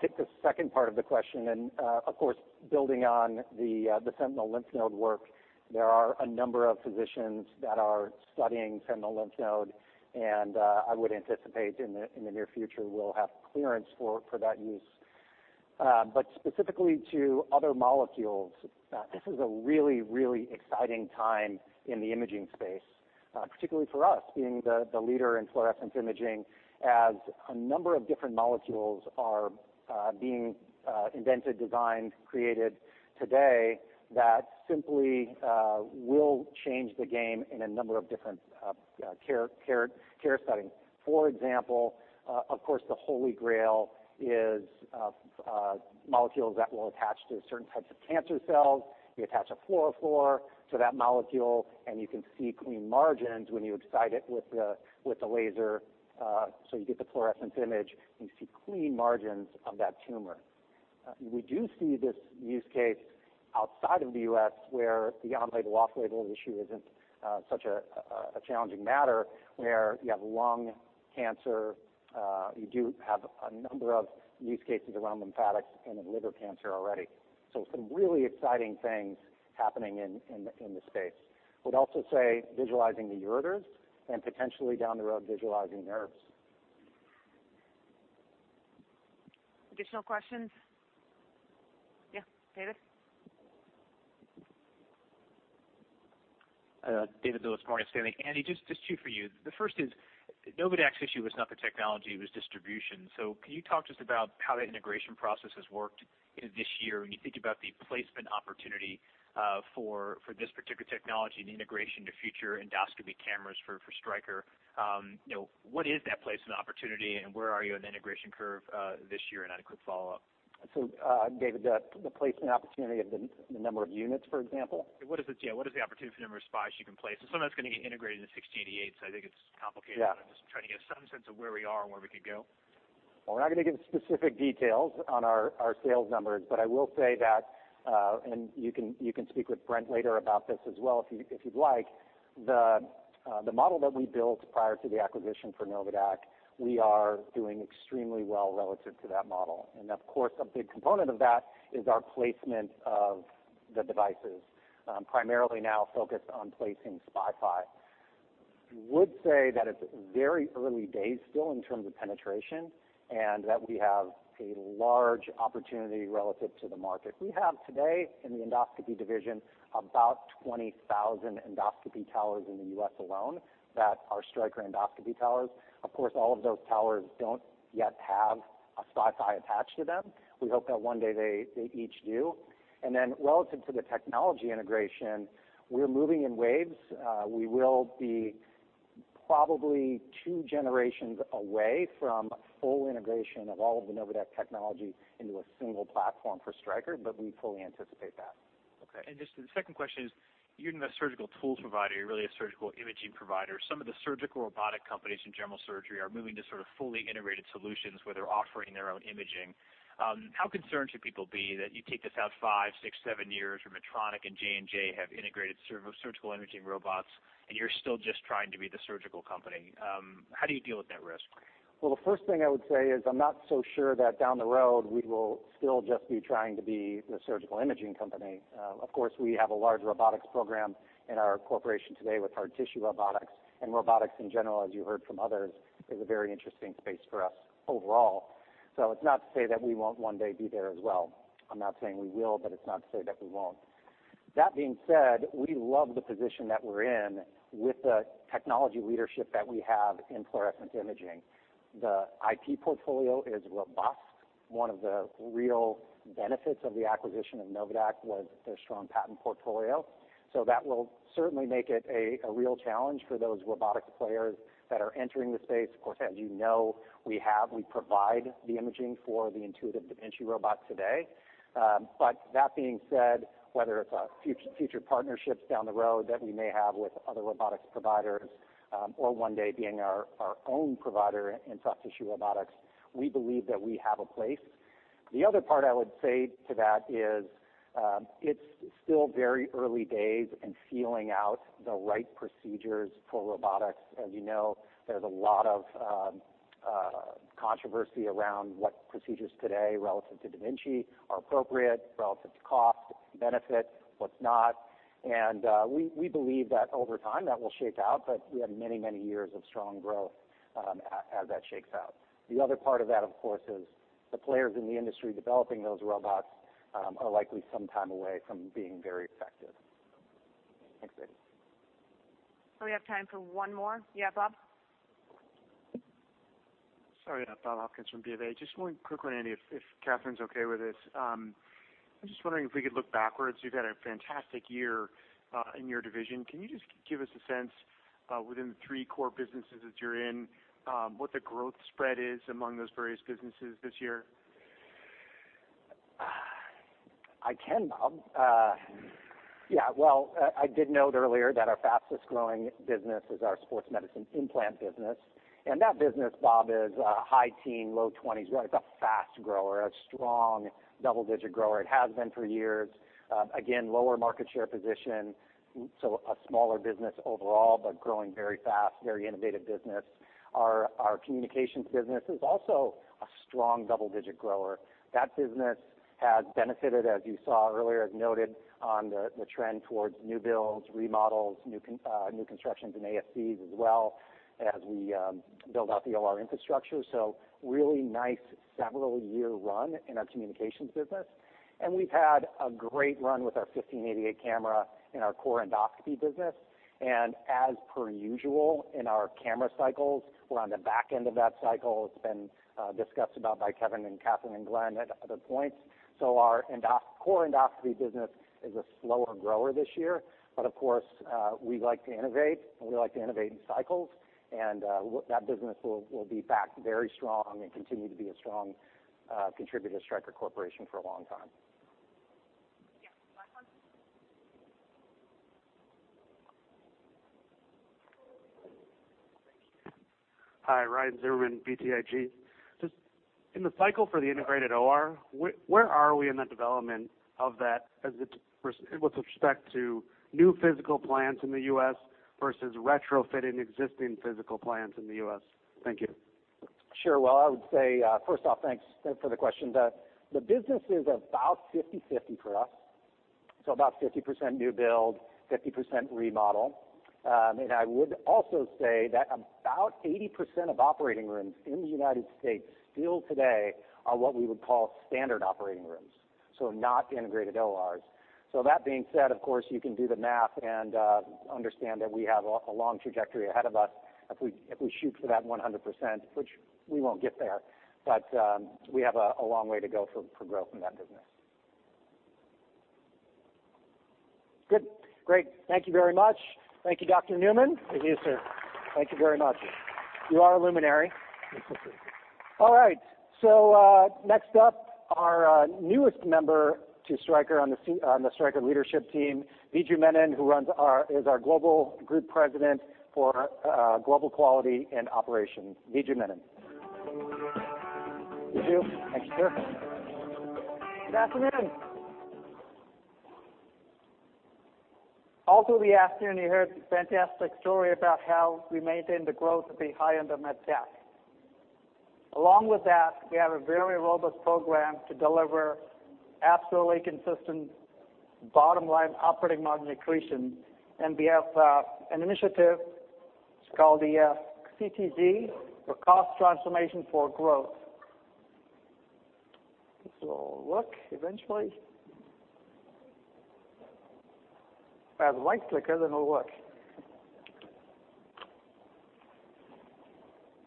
take the second part of the question, of course, building on the sentinel lymph node work, there are a number of physicians that are studying sentinel lymph node, and I would anticipate in the near future we'll have clearance for that use. Specifically to other molecules, this is a really exciting time in the imaging space, particularly for us being the leader in fluorescence imaging as a number of different molecules are being invented, designed, created today that simply will change the game in a number of different care settings. For example, of course, the holy grail is molecules that will attach to certain types of cancer cells. You attach a fluorophore to that molecule, and you can see clean margins when you excite it with the laser. You get the fluorescence image, and you see clean margins of that tumor. We do see this use case outside of the U.S. where the on-label, off-label issue isn't such a challenging matter, where you have lung cancer. You do have a number of use cases around lymphatics and in liver cancer already. Some really exciting things happening in this space. I would also say visualizing the ureters and potentially down the road, visualizing nerves. Additional questions? Yeah, David. David Lewis, Morgan Stanley. Andy, just two for you. The first is, Novadaq's issue was not the technology, it was distribution. Can you talk just about how the integration process has worked this year when you think about the placement opportunity for this particular technology and the integration to future endoscopy cameras for Stryker? What is that placement opportunity, and where are you in the integration curve this year? I had a quick follow-up. David, the placement opportunity of the number of units, for example? Yeah. What is the opportunity for the number of SPYs you can place? Some of that's going to get interated into 6088, I think it's complicated. Yeah. I am just trying to get some sense of where we are and where we could go. Well, we are not going to give specific details on our sales numbers, but I will say that, and you can speak with Brent later about this as well if you would like, the model that we built prior to the acquisition for Novadaq, we are doing extremely well relative to that model. That, of course, a big component of that is our placement of the devices, primarily now focused on placing SPY-PHI. Would say that it is very early days still in terms of penetration, and that we have a large opportunity relative to the market. We have today in the endoscopy division about 20,000 endoscopy towers in the U.S. alone that are Stryker endoscopy towers. Of course, all of those towers do not yet have a SPY-PHI attached to them. We hope that one day they each do. Then relative to the technology integration, we are moving in waves. We will be probably two generations away from full integration of all of the Novadaq technology into a single platform for Stryker, but we fully anticipate that. Okay. Just the second question is, you are not a surgical tools provider, you are really a surgical imaging provider. Some of the surgical robotic companies in general surgery are moving to sort of fully integrated solutions where they are offering their own imaging. How concerned should people be that you take this out five, six, seven years where Medtronic and J&J have integrated surgical imaging robots, and you are still just trying to be the surgical company? How do you deal with that risk? Well, the first thing I would say is I'm not so sure that down the road we will still just be trying to be the surgical imaging company. Of course, we have a large robotics program in our corporation today with hard tissue robotics, and robotics in general, as you heard from others, is a very interesting space for us overall. It's not to say that we won't one day be there as well. I'm not saying we will, but it's not to say that we won't. That being said, we love the position that we're in with the technology leadership that we have in fluorescent imaging. The IP portfolio is robust. One of the real benefits of the acquisition of Novadaq was their strong patent portfolio. That will certainly make it a real challenge for those robotics players that are entering the space. Of course, as you know, we provide the imaging for the Intuitive da Vinci robot today. That being said, whether it's future partnerships down the road that we may have with other robotics providers, or one day being our own provider in soft tissue robotics, we believe that we have a place. The other part I would say to that is, it's still very early days in feeling out the right procedures for robotics. As you know, there's a lot of controversy around what procedures today relative to da Vinci are appropriate relative to cost, benefit, what's not. We believe that over time, that will shake out, but we have many years of strong growth as that shakes out. The other part of that, of course, is the players in the industry developing those robots are likely some time away from being very effective. Thanks, Andy. We have time for one more. Yeah, Bob? Sorry, Bob Hopkins from BofA. Just one quickly, Andy, if Katherine's okay with this. I'm just wondering if we could look backwards. You've had a fantastic year in your division. Can you just give us a sense within the three core businesses that you're in, what the growth spread is among those various businesses this year? I can, Bob. Yeah, well, I did note earlier that our fastest-growing business is our sports medicine implant business. That business, Bob, is high teen, low 20s. It's a fast grower, a strong double-digit grower. It has been for years. Again, lower market share position, so a smaller business overall, but growing very fast, very innovative business. Our communications business is also a strong double-digit grower. That business has benefited, as you saw earlier, as noted on the trend towards new builds, remodels, new constructions in ASCs as well as we build out the OR infrastructure. Really nice several-year run in our communications business. We've had a great run with our 1588 camera in our core endoscopy business. As per usual in our camera cycles, we're on the back end of that cycle. It's been discussed about by Kevin and Katherine and Glenn at other points. Our core endoscopy business is a slower grower this year. Of course, we like to innovate, and we like to innovate in cycles. That business will be back very strong and continue to be a strong contributor to Stryker Corporation for a long time. Yeah, last one. Hi, Ryan Zimmerman, BTIG. Just in the cycle for the integrated OR, where are we in the development of that with respect to new physical plants in the U.S. versus retrofitting existing physical plants in the U.S.? Thank you. Sure. Well, I would say, first off, thanks for the question. The business is about 50/50 for us, about 50% new build, 50% remodel. I would also say that about 80% of operating rooms in the U.S. still today are what we would call standard operating rooms, not integrated ORs. That being said, of course, you can do the math and understand that we have a long trajectory ahead of us if we shoot for that 100%, which we won't get there. We have a long way to go for growth in that business. Good. Great. Thank you very much. Thank you, Dr. Newman. Thank you, sir. Thank you very much. You are a luminary. All right. Next up, our newest member to Stryker on the Stryker leadership team, Viju Menon, who is our Global Group President for Global Quality and Operations. Viju Menon. Biju. Thank you, sir. Good afternoon. Also, this afternoon, you heard a fantastic story about how we maintain the growth to be high-end in med tech. Along with that, we have a very robust program to deliver absolutely consistent bottom-line operating margin accretion, and we have an initiative, it is called the CTG for Cost Transformation for Growth. This will work eventually. I have white clicker, it will work.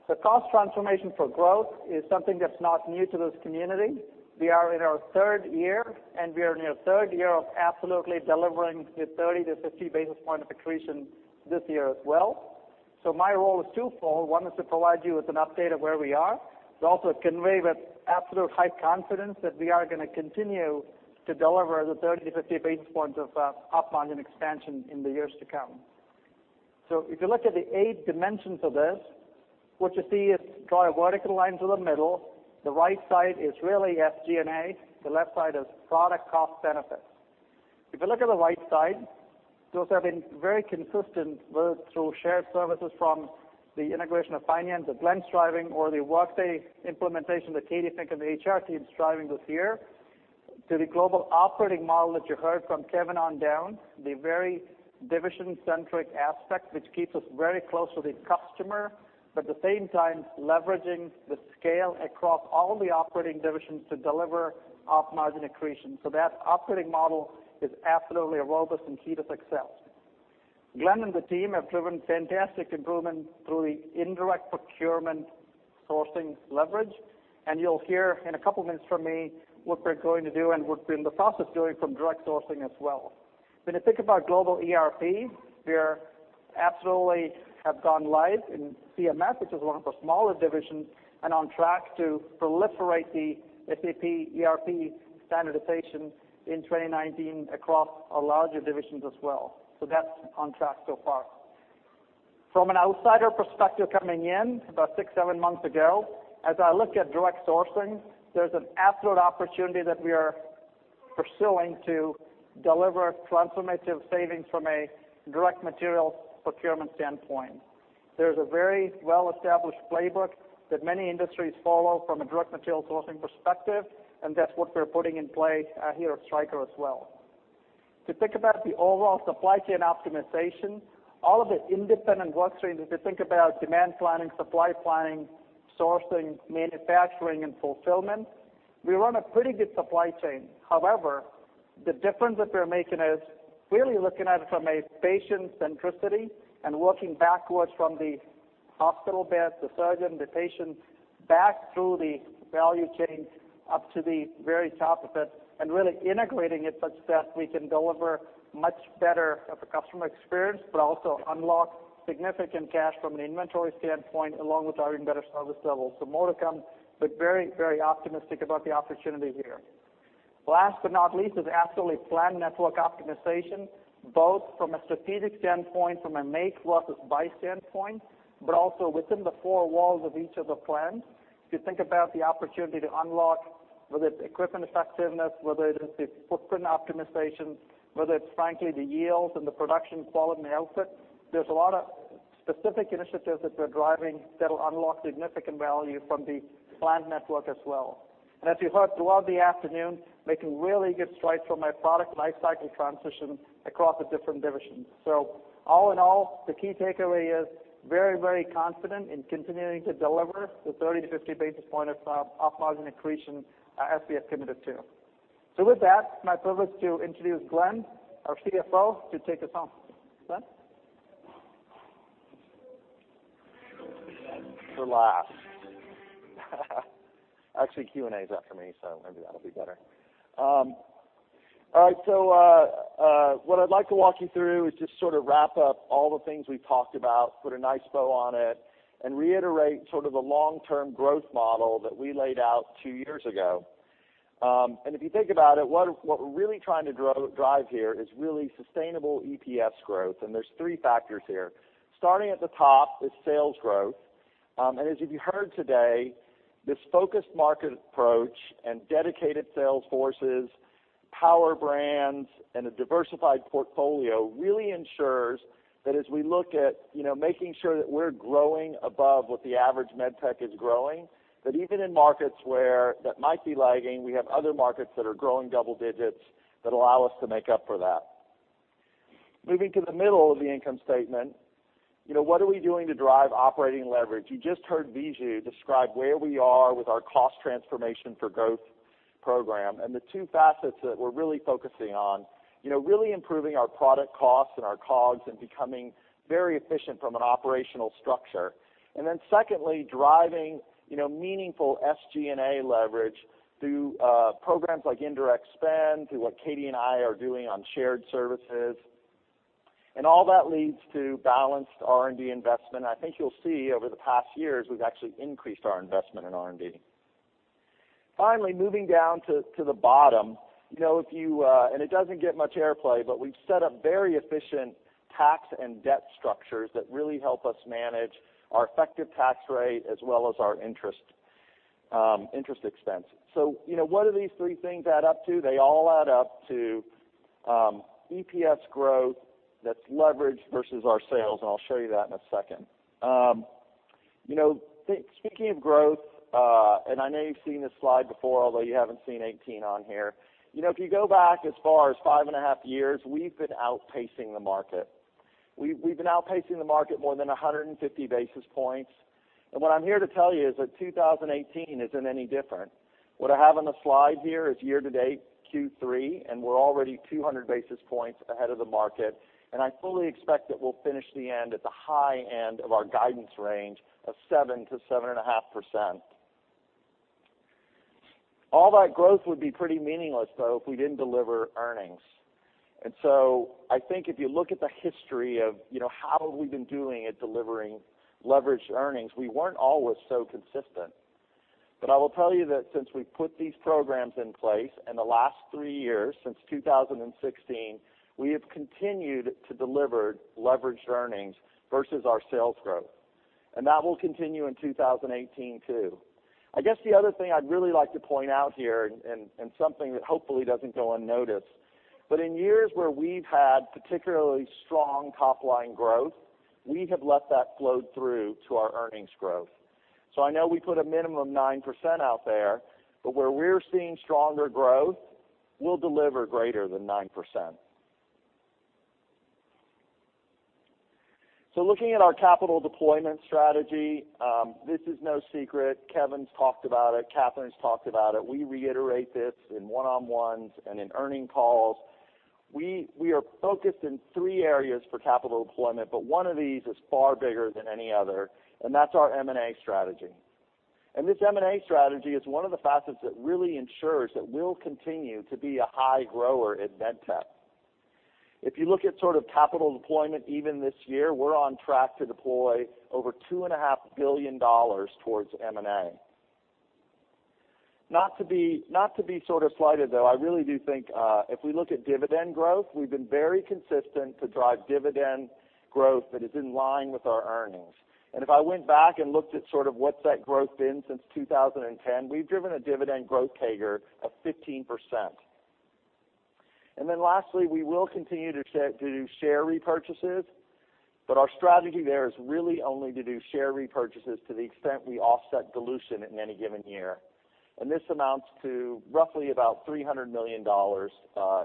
The Cost Transformation for Growth is something that is not new to this community. We are in our third year, and we are in our third year of absolutely delivering the 30 to 50 basis point accretion this year as well. My role is twofold. One is to provide you with an update of where we are, but also convey with absolute high confidence that we are going to continue to deliver the 30 to 50 basis points of op margin expansion in the years to come. If you look at the eight dimensions of this, what you see is, draw a vertical line through the middle. The right side is really SG&A, the left side is product cost benefits. If you look at the right side, those have been very consistent, whether through shared services from the integration of finance that Glenn's driving or the Workday implementation that Katy, I think, and the HR team's driving this year, to the global operating model that you heard from Kevin on down, the very division-centric aspect, which keeps us very close to the customer, but at the same time, leveraging the scale across all the operating divisions to deliver op margin accretion. That operating model is absolutely robust and key to success. Glenn and the team have driven fantastic improvement through the indirect procurement sourcing leverage. You will hear in a couple of minutes from me what we are going to do and what we are in the process of doing from direct sourcing as well. When you think about global ERP, we absolutely have gone live in CMS, which is one of the smaller divisions, and on track to proliferate the SAP ERP standardization in 2019 across our larger divisions as well. That is on track so far. From an outsider perspective coming in about six, seven months ago, as I looked at direct sourcing, there is an absolute opportunity that we are pursuing to deliver transformative savings from a direct material procurement standpoint. There is a very well-established playbook that many industries follow from a direct material sourcing perspective, and that is what we are putting in play here at Stryker as well. To think about the overall supply chain optimization, all of the independent work streams, if you think about demand planning, supply planning, sourcing, manufacturing, and fulfillment, we run a pretty good supply chain. The difference that we're making is really looking at it from a patient centricity and working backwards from the hospital bed, the surgeon, the patient, back through the value chain up to the very top of it, really integrating it such that we can deliver much better of a customer experience, but also unlock significant cash from an inventory standpoint, along with our embedded service levels. More to come, but very optimistic about the opportunity here. Last but not least is absolutely plant network optimization, both from a strategic standpoint, from a make versus buy standpoint, but also within the four walls of each of the plants. If you think about the opportunity to unlock, whether it's equipment effectiveness, whether it is the footprint optimization, whether it's frankly the yields and the production quality output, there's a lot of specific initiatives that we're driving that'll unlock significant value from the plant network as well. As you heard throughout the afternoon, making really good strides from a product life cycle transition across the different divisions. All in all, the key takeaway is very confident in continuing to deliver the 30 to 50 basis point of op margin accretion as we have committed to. With that, my privilege to introduce Glenn, our CFO, to take us home. Glenn? For last. Actually, Q&A is after me, so maybe that'll be better. All right. What I'd like to walk you through is just sort of wrap up all the things we've talked about, put a nice bow on it, and reiterate sort of the long-term growth model that we laid out two years ago. If you think about it, what we're really trying to drive here is really sustainable EPS growth, and there's three factors here. Starting at the top is sales growth. As you heard today, this focused market approach and dedicated sales forces, power brands, and a diversified portfolio really ensures that as we look at making sure that we're growing above what the average med tech is growing, that even in markets that might be lagging, we have other markets that are growing double digits that allow us to make up for that. Moving to the middle of the income statement, what are we doing to drive operating leverage? You just heard Viju describe where we are with our cost transformation for growth program and the two facets that we're really focusing on, really improving our product costs and our COGS and becoming very efficient from an operational structure. Secondly, driving meaningful SG&A leverage through programs like indirect spend, through what Katy and I are doing on shared services. All that leads to balanced R&D investment. I think you'll see over the past years, we've actually increased our investment in R&D. Finally, moving down to the bottom, and it doesn't get much airplay, but we've set up very efficient tax and debt structures that really help us manage our effective tax rate as well as our interest expense. What do these three things add up to? They all add up to EPS growth that's leveraged versus our sales. I'll show you that in a second. Speaking of growth, I know you've seen this slide before, although you haven't seen 2018 on here. If you go back as far as five and a half years, we've been outpacing the market. We've been outpacing the market more than 150 basis points, and what I'm here to tell you is that 2018 isn't any different. What I have on the slide here is year-to-date Q3, and we're already 200 basis points ahead of the market, and I fully expect that we'll finish the end at the high end of our guidance range of 7%-7.5%. All that growth would be pretty meaningless, though, if we didn't deliver earnings. I think if you look at the history of how have we been doing at delivering leveraged earnings, we weren't always so consistent. But I will tell you that since we put these programs in place in the last three years, since 2016, we have continued to deliver leveraged earnings versus our sales growth. That will continue in 2018, too. I guess the other thing I'd really like to point out here, and something that hopefully doesn't go unnoticed, but in years where we've had particularly strong top-line growth, we have let that flow through to our earnings growth. I know we put a minimum 9% out there, but where we're seeing stronger growth, we'll deliver greater than 9%. Looking at our capital deployment strategy, this is no secret. Kevin's talked about it. Katherine's talked about it. We reiterate this in one-on-ones and in earning calls. We are focused in three areas for capital deployment, but one of these is far bigger than any other, and that's our M&A strategy. This M&A strategy is one of the facets that really ensures that we'll continue to be a high grower at MedTech. If you look at sort of capital deployment even this year, we're on track to deploy over $2.5 billion towards M&A. Not to be sort of slighted, though, I really do think if we look at dividend growth, we've been very consistent to drive dividend growth that is in line with our earnings. If I went back and looked at sort of what's that growth been since 2010, we've driven a dividend growth CAGR of 15%. Lastly, we will continue to do share repurchases, but our strategy there is really only to do share repurchases to the extent we offset dilution in any given year. This amounts to roughly about $300 million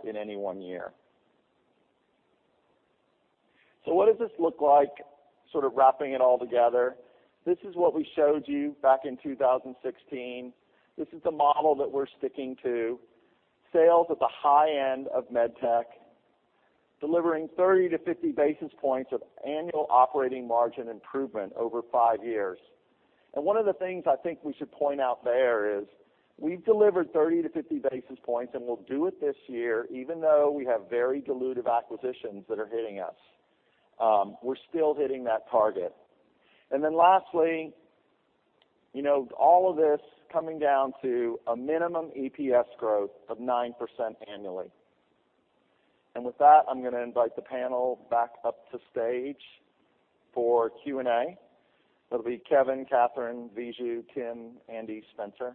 in any one year. What does this look like, sort of wrapping it all together? This is what we showed you back in 2016. This is the model that we're sticking to. Sales at the high end of MedTech, delivering 30 to 50 basis points of annual operating margin improvement over five years. One of the things I think we should point out there is we've delivered 30 to 50 basis points, and we'll do it this year, even though we have very dilutive acquisitions that are hitting us. We're still hitting that target. Lastly, all of this coming down to a minimum EPS growth of 9% annually. With that, I'm going to invite the panel back up to stage for Q&A. It'll be Kevin, Katherine, Viju, Tim, Andy, Spencer.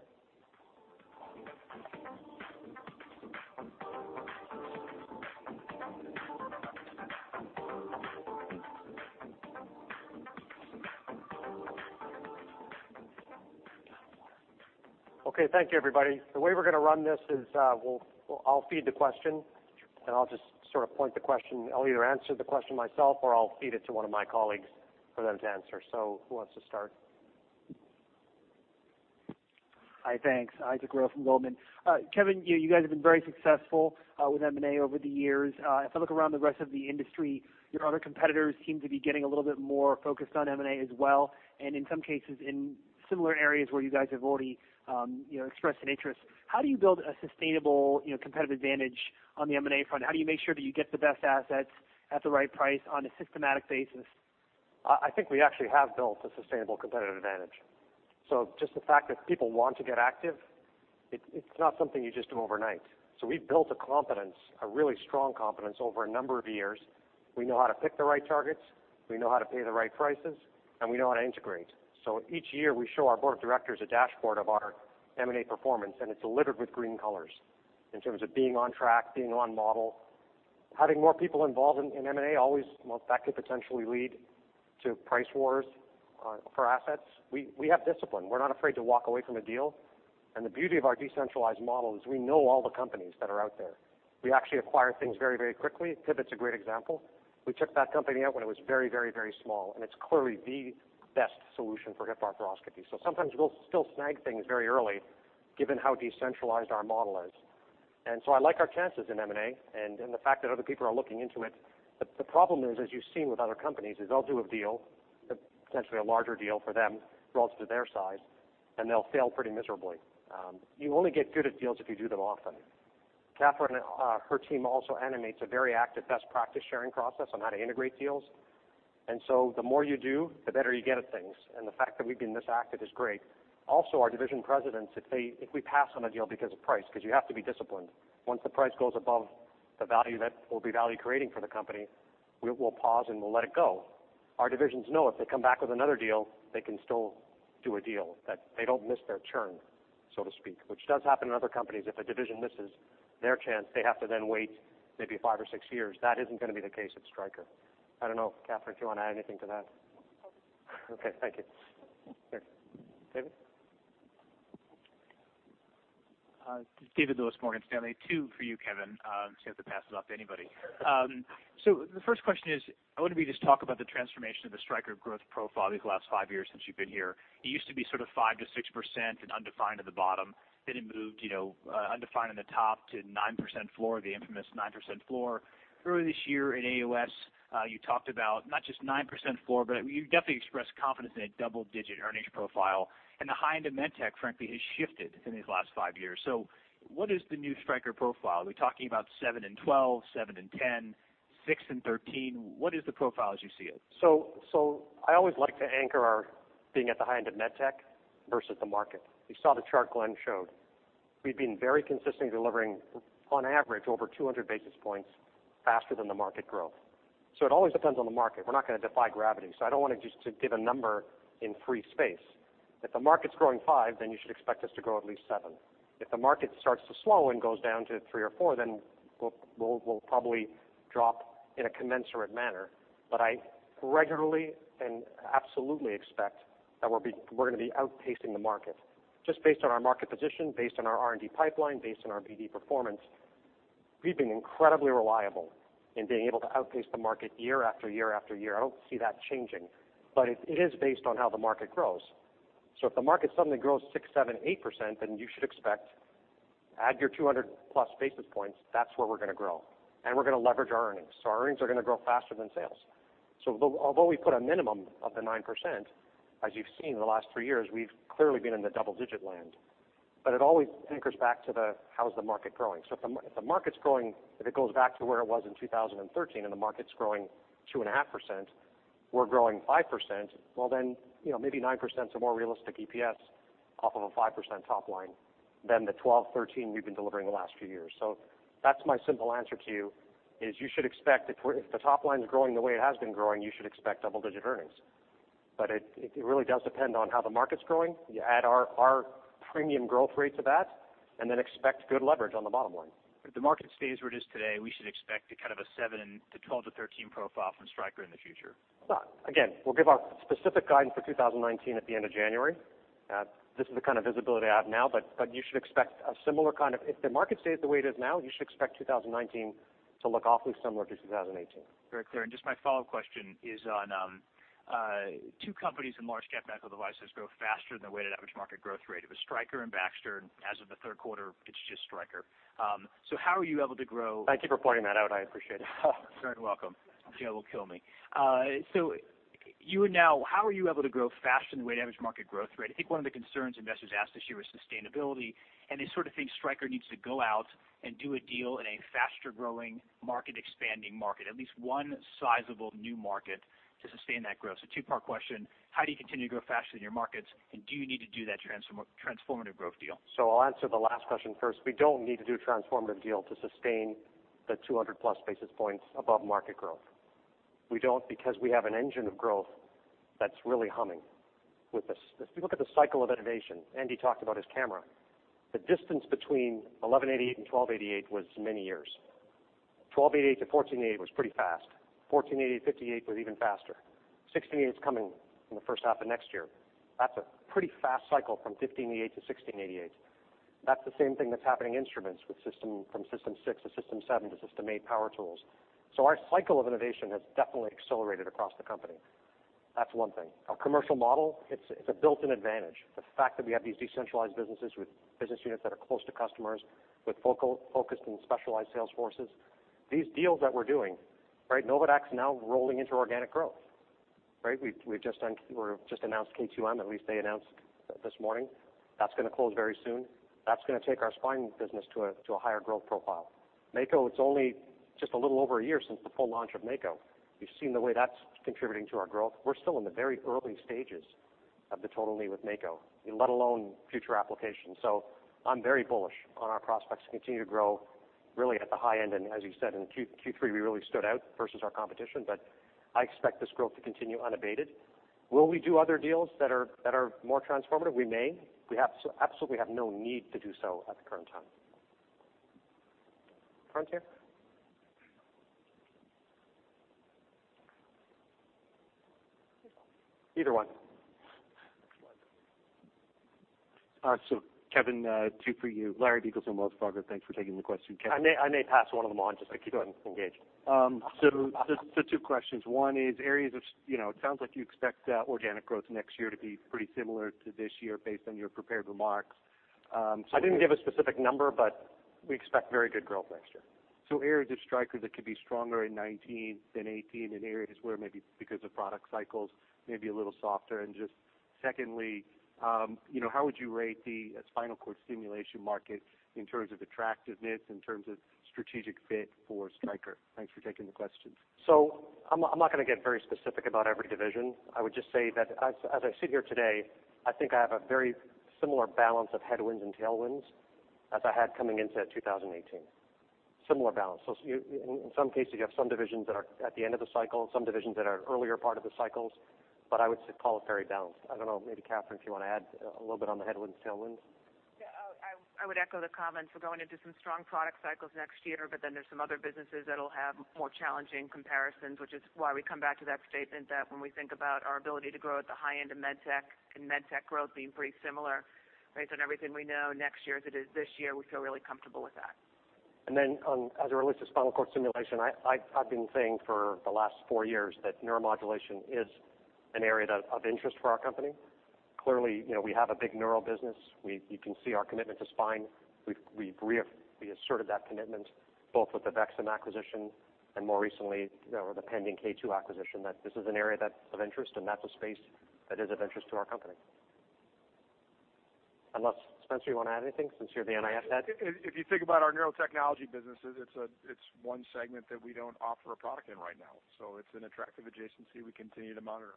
Okay. Thank you, everybody. The way we're going to run this is I'll feed the question, I'll just sort of point the question. I'll either answer the question myself or I'll feed it to one of my colleagues for them to answer. Who wants to start? Hi, thanks. Isaac Ro from Goldman. Kevin, you guys have been very successful with M&A over the years. If I look around the rest of the industry, your other competitors seem to be getting a little bit more focused on M&A as well, in some cases, in similar areas where you guys have already expressed an interest. How do you build a sustainable competitive advantage on the M&A front? How do you make sure that you get the best assets at the right price on a systematic basis? I think we actually have built a sustainable competitive advantage. Just the fact that people want to get active, it's not something you just do overnight. We've built a competence, a really strong competence over a number of years. We know how to pick the right targets, we know how to pay the right prices, we know how to integrate. Each year, we show our board of directors a dashboard of our M&A performance, it's littered with green colors in terms of being on track, being on model. Having more people involved in M&A always, well, that could potentially lead to price wars for assets. We have discipline. We're not afraid to walk away from a deal. The beauty of our decentralized model is we know all the companies that are out there. We actually acquire things very quickly. Pivot's a great example. We took that company out when it was very small, it's clearly the best solution for hip arthroscopy. Sometimes we'll still snag things very early given how decentralized our model is. I like our chances in M&A and the fact that other people are looking into it. The problem is, as you've seen with other companies, is they'll do a deal, potentially a larger deal for them relative to their size, and they'll fail pretty miserably. You only get good at deals if you do them often. Katherine, her team also animates a very active best practice sharing process on how to integrate deals. The more you do, the better you get at things. The fact that we've been this active is great. Also, our division presidents, if we pass on a deal because of price, because you have to be disciplined. Once the price goes above the value that will be value creating for the company, we'll pause and we'll let it go. Our divisions know if they come back with another deal, they can still do a deal, that they don't miss their turn, so to speak, which does happen in other companies. If a division misses their chance, they have to then wait maybe five or six years. That isn't going to be the case at Stryker. I don't know, Katherine, if you want to add anything to that. No. Okay. Thank you. Here. David? David Lewis, Morgan Stanley. Two for you, Kevin. See if I can pass this off to anybody. The first question is, I wonder if you could just talk about the transformation of the Stryker growth profile these last five years since you've been here. It used to be sort of 5%-6% and undefined at the bottom. Then it moved-Undefined on the top to 9% floor, the infamous 9% floor. Earlier this year in AOS, you talked about not just 9% floor, but you definitely expressed confidence in a double-digit earnings profile and the high-end of med tech, frankly, has shifted in these last five years. What is the new Stryker profile? Are we talking about 7% and 12%, 7% and 10%, 6% and 13%? What is the profile as you see it? I always like to anchor our being at the high end of medtech versus the market. You saw the chart Glenn showed. We've been very consistent delivering, on average, over 200 basis points faster than the market growth. It always depends on the market. We're not going to defy gravity, so I don't want to just give a number in free space. If the market's growing 5%, then you should expect us to grow at least 7%. If the market starts to slow and goes down to 3% or 4%, then we'll probably drop in a commensurate manner. I regularly and absolutely expect that we're going to be outpacing the market just based on our market position, based on our R&D pipeline, based on our BD performance. We've been incredibly reliable in being able to outpace the market year after year after year. I don't see that changing, it is based on how the market grows. If the market suddenly grows 6%, 7%, 8%, then you should expect, add your 200-plus basis points, that's where we're going to grow, and we're going to leverage our earnings. Our earnings are going to grow faster than sales. Although we put a minimum of the 9%, as you've seen in the last three years, we've clearly been in the double-digit land. It always anchors back to the how's the market growing. If the market's growing, if it goes back to where it was in 2013 and the market's growing 2.5%, we're growing 5%, well then, maybe 9% is a more realistic EPS off of a 5% top line than the 12%, 13% we've been delivering the last few years. That's my simple answer to you is if the top line's growing the way it has been growing, you should expect double-digit earnings. It really does depend on how the market's growing. You add our premium growth rate to that, and then expect good leverage on the bottom line. If the market stays where it is today, we should expect kind of a 7% to 12% to 13% profile from Stryker in the future. We'll give our specific guidance for 2019 at the end of January. This is the kind of visibility I have now, but you should expect a similar kind of If the market stays the way it is now, you should expect 2019 to look awfully similar to 2018. Very clear. Just my follow-up question is on two companies in large capital devices grow faster than the weighted average market growth rate. It was Stryker and Baxter, and as of the third quarter, it's just Stryker. How are you able to grow Thank you for pointing that out. I appreciate it. Very welcome. Gail will kill me. How are you able to grow faster than the weighted average market growth rate? I think one of the concerns investors asked this year was sustainability, and they sort of think Stryker needs to go out and do a deal in a faster-growing, market-expanding market. At least one sizable new market to sustain that growth. Two-part question. How do you continue to grow faster than your markets, do you need to do that transformative growth deal? I'll answer the last question first. We don't need to do a transformative deal to sustain the 200-plus basis points above market growth. We don't because we have an engine of growth that's really humming. If you look at the cycle of innovation, Andy talked about his camera. The distance between 1188 and 1288 was many years. 1288 to 1488 was pretty fast. 1488 to 1588 was even faster. 1688's coming in the first half of next year. That's a pretty fast cycle from 1588 to 1688. That's the same thing that's happening in instruments from System 6 to System 7 to System 8 power tools. Our cycle of innovation has definitely accelerated across the company. That's one thing. Our commercial model, it's a built-in advantage. The fact that we have these decentralized businesses with business units that are close to customers, with focused and specialized sales forces. These deals that we're doing, right, Novadaq now rolling into organic growth, right? We just announced K2M, at least they announced this morning. That's going to close very soon. That's going to take our spine business to a higher growth profile. Mako, it's only just a little over a year since the full launch of Mako. You've seen the way that's contributing to our growth. We're still in the very early stages of the total knee with Mako, let alone future applications. I'm very bullish on our prospects to continue to grow really at the high end, and as you said, in Q3 we really stood out versus our competition. I expect this growth to continue unabated. Will we do other deals that are more transformative? We may. We absolutely have no need to do so at the current time. Frontier? Either one. Kevin, two for you. Larry Biegelsen from Wells Fargo. Thanks for taking the question, Kevin. I may pass one of them on just to keep him engaged. Two questions. One is it sounds like you expect organic growth next year to be pretty similar to this year based on your prepared remarks. I didn't give a specific number, we expect very good growth next year. Areas of Stryker that could be stronger in 2019 than 2018 and areas where maybe because of product cycles may be a little softer. Just secondly, how would you rate the spinal cord stimulation market in terms of attractiveness, in terms of strategic fit for Stryker? Thanks for taking the question. I'm not going to get very specific about every division. I would just say that as I sit here today, I think I have a very similar balance of headwinds and tailwinds as I had coming into 2018. Similar balance. In some cases, you have some divisions that are at the end of the cycle, some divisions that are earlier part of the cycles, but I would call it very balanced. I don't know, maybe Katherine, if you want to add a little bit on the headwinds and tailwinds. Yeah, I would echo the comments. We're going into some strong product cycles next year, there's some other businesses that'll have more challenging comparisons, which is why we come back to that statement that when we think about our ability to grow at the high end of med tech and med tech growth being pretty similar based on everything we know next year as it is this year, we feel really comfortable with that. As it relates to spinal cord stimulation, I've been saying for the last four years that neuromodulation is an area of interest for our company. Clearly, we have a big neural business. You can see our commitment to spine. We asserted that commitment both with the VEXIM acquisition and more recently, the pending K2M acquisition, that this is an area that's of interest, and that's a space that is of interest to our company. Unless, Spencer, you want to add anything since you're the NIS head? If you think about our Neurotechnology businesses, it's one segment that we don't offer a product in right now. It's an attractive adjacency we continue to monitor.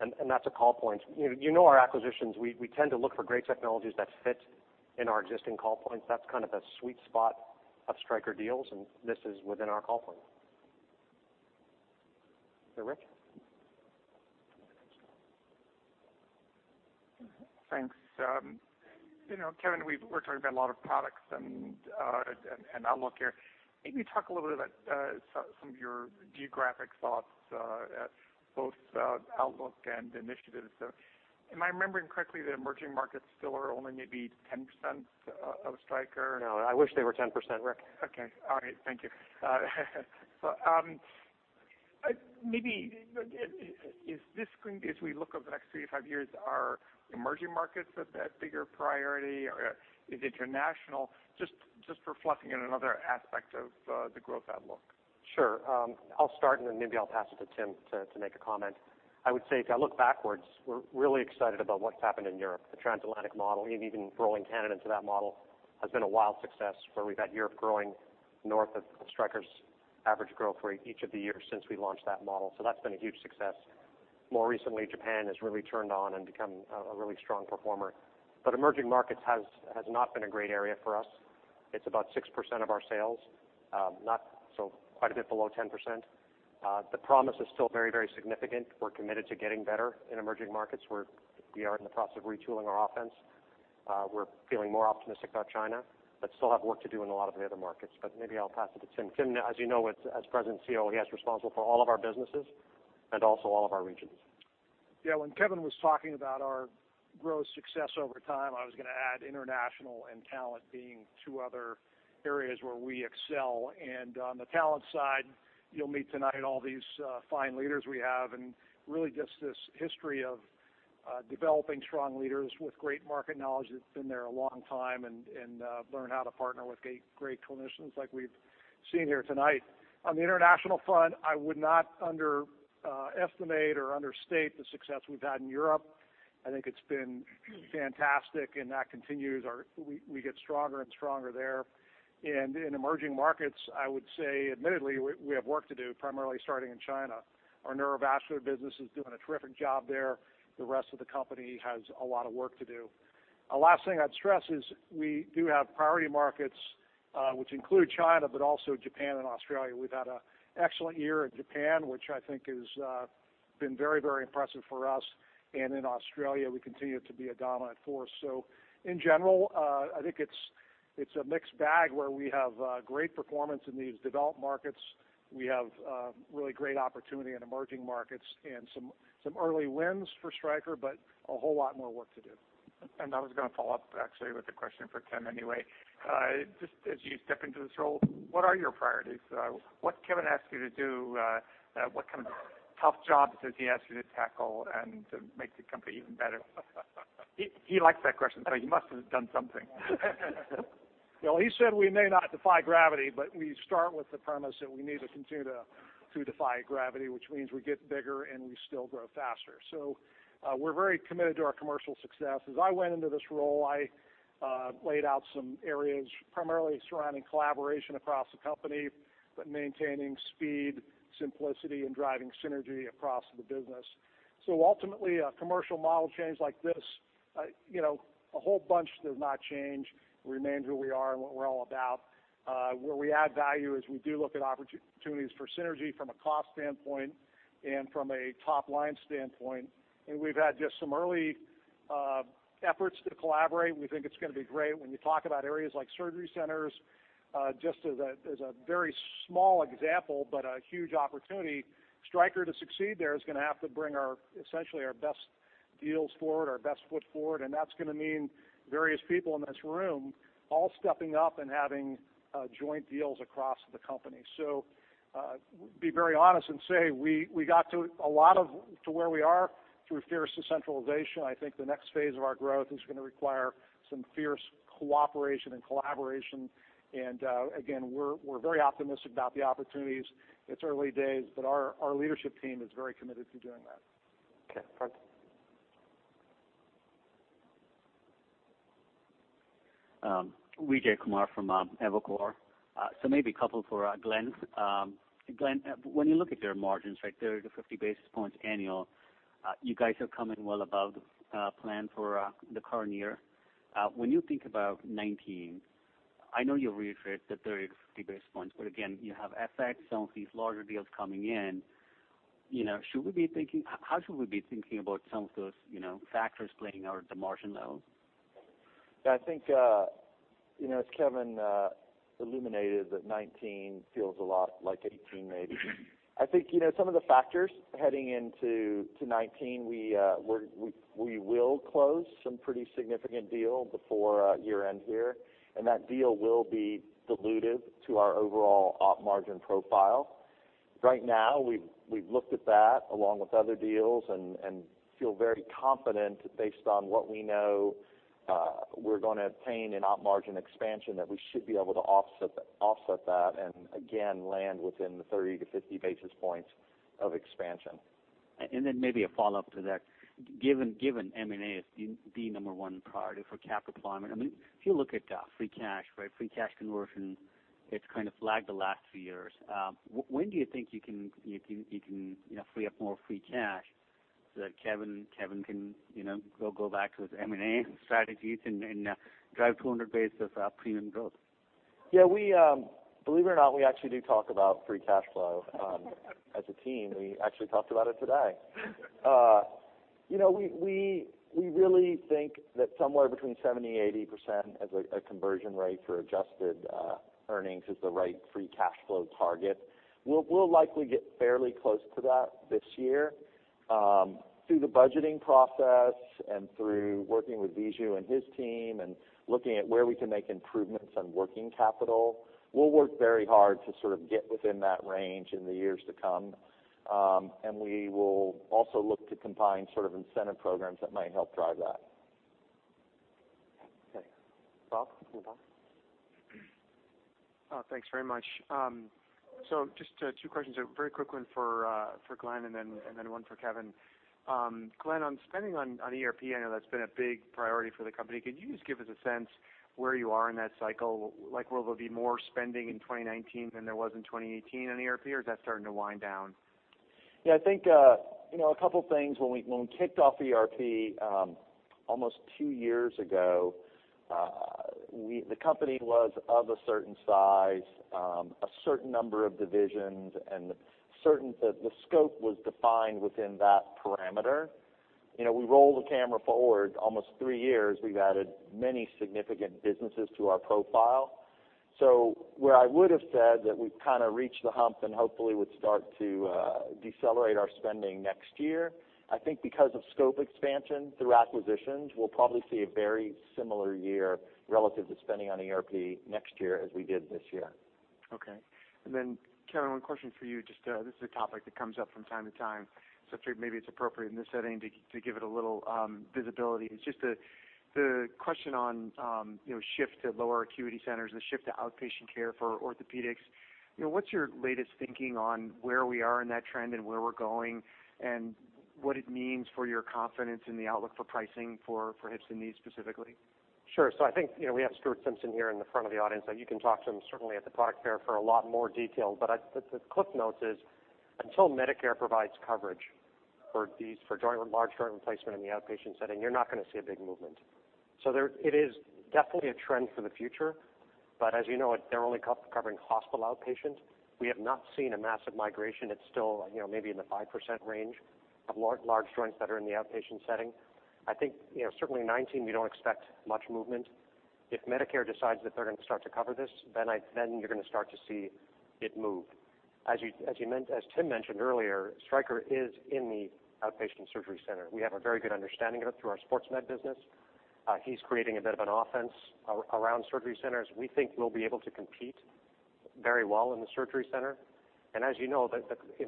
That's a call point. You know our acquisitions, we tend to look for great technologies that fit in our existing call points. That's kind of the sweet spot of Stryker deals. This is within our call point, Rich? Thanks, Kevin. We're talking about a lot of products and outlook here. Maybe talk a little bit about some of your geographic thoughts at both outlook and initiatives. Am I remembering correctly that emerging markets still are only maybe 10% of Stryker? No, I wish they were 10%, Rich. Okay. All right, thank you. Maybe, as we look over the next three to five years, are emerging markets a bigger priority? Is international? Just for fleshing in another aspect of the growth outlook. Sure. I'll start, and then maybe I'll pass it to Tim to make a comment. I would say, if I look backwards, we're really excited about what's happened in Europe. The transatlantic model, and even rolling Canada into that model, has been a wild success, where we've had Europe growing north of Stryker's average growth rate each of the years since we launched that model. That's been a huge success. More recently, Japan has really turned on and become a really strong performer. Emerging markets has not been a great area for us. It's about 6% of our sales, quite a bit below 10%. The promise is still very significant. We're committed to getting better in emerging markets. We are in the process of retooling our offense. We're feeling more optimistic about China, but still have work to do in a lot of the other markets. Maybe I'll pass it to Tim. Tim, as you know, as President and CEO, he is responsible for all of our businesses and also all of our regions. Yeah. When Kevin was talking about our growth success over time, I was going to add international and talent being 2 other areas where we excel. On the talent side, you'll meet tonight all these fine leaders we have, and really just this history of developing strong leaders with great market knowledge that's been there a long time and learn how to partner with great clinicians like we've seen here tonight. On the international front, I would not underestimate or understate the success we've had in Europe. I think it's been fantastic, and that continues. We get stronger and stronger there. In emerging markets, I would say, admittedly, we have work to do, primarily starting in China. Our Neurovascular business is doing a terrific job there. The rest of the company has a lot of work to do. A last thing I'd stress is we do have priority markets, which include China, but also Japan and Australia. We've had an excellent year in Japan, which I think has been very impressive for us. In Australia, we continue to be a dominant force. In general, I think it's a mixed bag where we have great performance in these developed markets. We have really great opportunity in emerging markets and some early wins for Stryker, but a whole lot more work to do. I was going to follow up actually with a question for Tim anyway. Just as you step into this role, what are your priorities? What Kevin asked you to do, what kind of tough jobs does he ask you to tackle and to make the company even better? He likes that question, so you must have done something. Well, he said we may not defy gravity, but we start with the premise that we need to continue to defy gravity, which means we get bigger, and we still grow faster. We're very committed to our commercial success. As I went into this role, I laid out some areas primarily surrounding collaboration across the company, but maintaining speed, simplicity, and driving synergy across the business. Ultimately, a commercial model change like this, a whole bunch does not change. We remain who we are and what we're all about. Where we add value is we do look at opportunities for synergy from a cost standpoint and from a top-line standpoint, and we've had just some early efforts to collaborate. We think it's going to be great. When you talk about areas like surgery centers, just as a very small example, but a huge opportunity, Stryker to succeed there is going to have to bring essentially our best deals forward, our best foot forward, and that's going to mean various people in this room all stepping up and having joint deals across the company. Be very honest and say we got to a lot of to where we are through fierce decentralization. I think the next phase of our growth is going to require some fierce cooperation and collaboration. Again, we're very optimistic about the opportunities. It's early days, but our leadership team is very committed to doing that. Okay, perfect. Vijay Kumar from Evercore. Maybe a couple for Glenn. Glenn, when you look at your margins, 30 to 50 basis points annual, you guys are coming well above plan for the current year. When you think about 2019, I know you'll reiterate the 30 to 50 basis points, but again, you have FX, some of these larger deals coming in. How should we be thinking about some of those factors playing out at the margin levels? I think as Kevin illuminated that 2019 feels a lot like 2018, maybe. I think some of the factors heading into 2019, we will close some pretty significant deal before year-end here, and that deal will be dilutive to our overall op margin profile. Right now, we've looked at that along with other deals, and feel very confident based on what we know we're going to obtain in op margin expansion, that we should be able to offset that and again, land within the 30 to 50 basis points of expansion. Maybe a follow-up to that. Given M&A is the number one priority for cap deployment, if you look at free cash conversion, it's kind of lagged the last few years. When do you think you can free up more free cash so that Kevin can go back to his M&A strategies and drive 200 basis premium growth? Believe it or not, we actually do talk about free cash flow as a team. We actually talked about it today. We really think that somewhere between 70% and 80% as a conversion rate for adjusted earnings is the right free cash flow target. We'll likely get fairly close to that this year. Through the budgeting process and through working with Viju and his team and looking at where we can make improvements on working capital, we'll work very hard to sort of get within that range in the years to come. We will also look to combine sort of incentive programs that might help drive that. Okay. Bob, you want to? Thanks very much. Just two questions, a very quick one for Glenn, and then one for Kevin. Glenn, on spending on ERP, I know that's been a big priority for the company. Can you just give us a sense where you are in that cycle? Will there be more spending in 2019 than there was in 2018 on ERP or is that starting to wind down? I think, a couple of things. When we kicked off ERP almost two years ago, the company was of a certain size, a certain number of divisions, and the scope was defined within that parameter. We roll the camera forward almost three years, we've added many significant businesses to our profile. Where I would've said that we've kind of reached the hump and hopefully would start to decelerate our spending next year, I think because of scope expansion through acquisitions, we'll probably see a very similar year relative to spending on ERP next year as we did this year. Okay. Then Kevin, one question for you. This is a topic that comes up from time to time, so figured maybe it's appropriate in this setting to give it a little visibility. It's just the question on shift to lower acuity centers and the shift to outpatient care for orthopedics. What's your latest thinking on where we are in that trend and where we're going, and what it means for your confidence in the outlook for pricing for hips and knees specifically? Sure. I think, we have Stuart Simpson here in the front of the audience, so you can talk to him certainly at the product fair for a lot more detail. The CliffsNotes is, until Medicare provides coverage for large joint replacement in the outpatient setting, you're not going to see a big movement. It is definitely a trend for the future, but as you know it, they're only covering hospital outpatient. We have not seen a massive migration. It's still maybe in the 5% range of large joints that are in the outpatient setting. I think, certainly in 2019, we don't expect much movement. If Medicare decides that they're going to start to cover this, then you're going to start to see it move. As Tim mentioned earlier, Stryker is in the outpatient surgery center. We have a very good understanding of it through our sports med business. He's creating a bit of an offense around surgery centers. We think we'll be able to compete very well in the surgery center. As you know,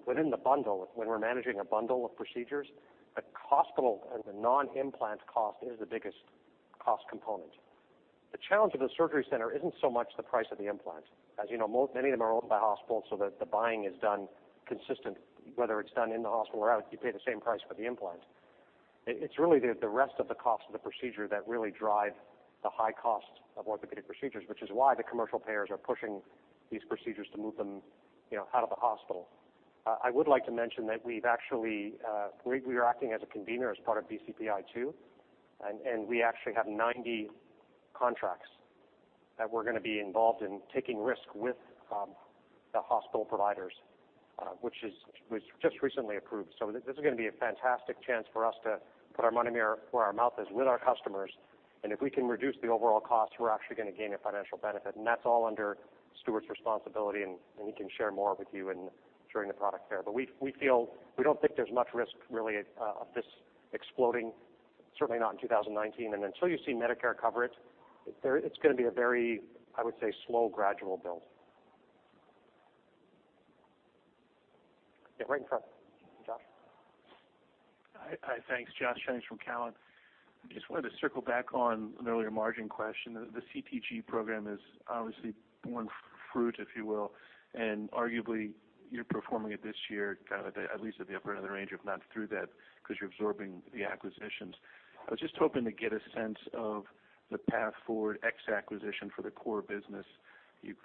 within the bundle, when we're managing a bundle of procedures, the hospital and the non-implant cost is the biggest cost component. The challenge of the surgery center isn't so much the price of the implant. As you know, many of them are owned by hospitals, so the buying is done consistent, whether it's done in the hospital or out, you pay the same price for the implant. It's really the rest of the cost of the procedure that really drive the high cost of orthopedic procedures, which is why the commercial payers are pushing these procedures to move them out of the hospital. I would like to mention that we're acting as a convener as part of BPCI, and we actually have 90 contracts that we're going to be involved in taking risk with the hospital providers, which was just recently approved. This is going to be a fantastic chance for us to put our money where our mouth is with our customers, and if we can reduce the overall cost, we're actually going to gain a financial benefit. That's all under Stuart's responsibility, and he can share more with you during the product fair. We don't think there's much risk, really, of this exploding, certainly not in 2019. Until you see Medicare cover it's going to be a very, I would say, slow, gradual build. Yeah, right in front. Josh. Hi. Thanks, Josh Jennings from Cowen. Just wanted to circle back on an earlier margin question. The CTG program has obviously borne fruit, if you will, and arguably, you're performing it this year, kind of at least at the upper end of the range, if not through that, because you're absorbing the acquisitions. I was just hoping to get a sense of the path forward ex acquisition for the core business. You've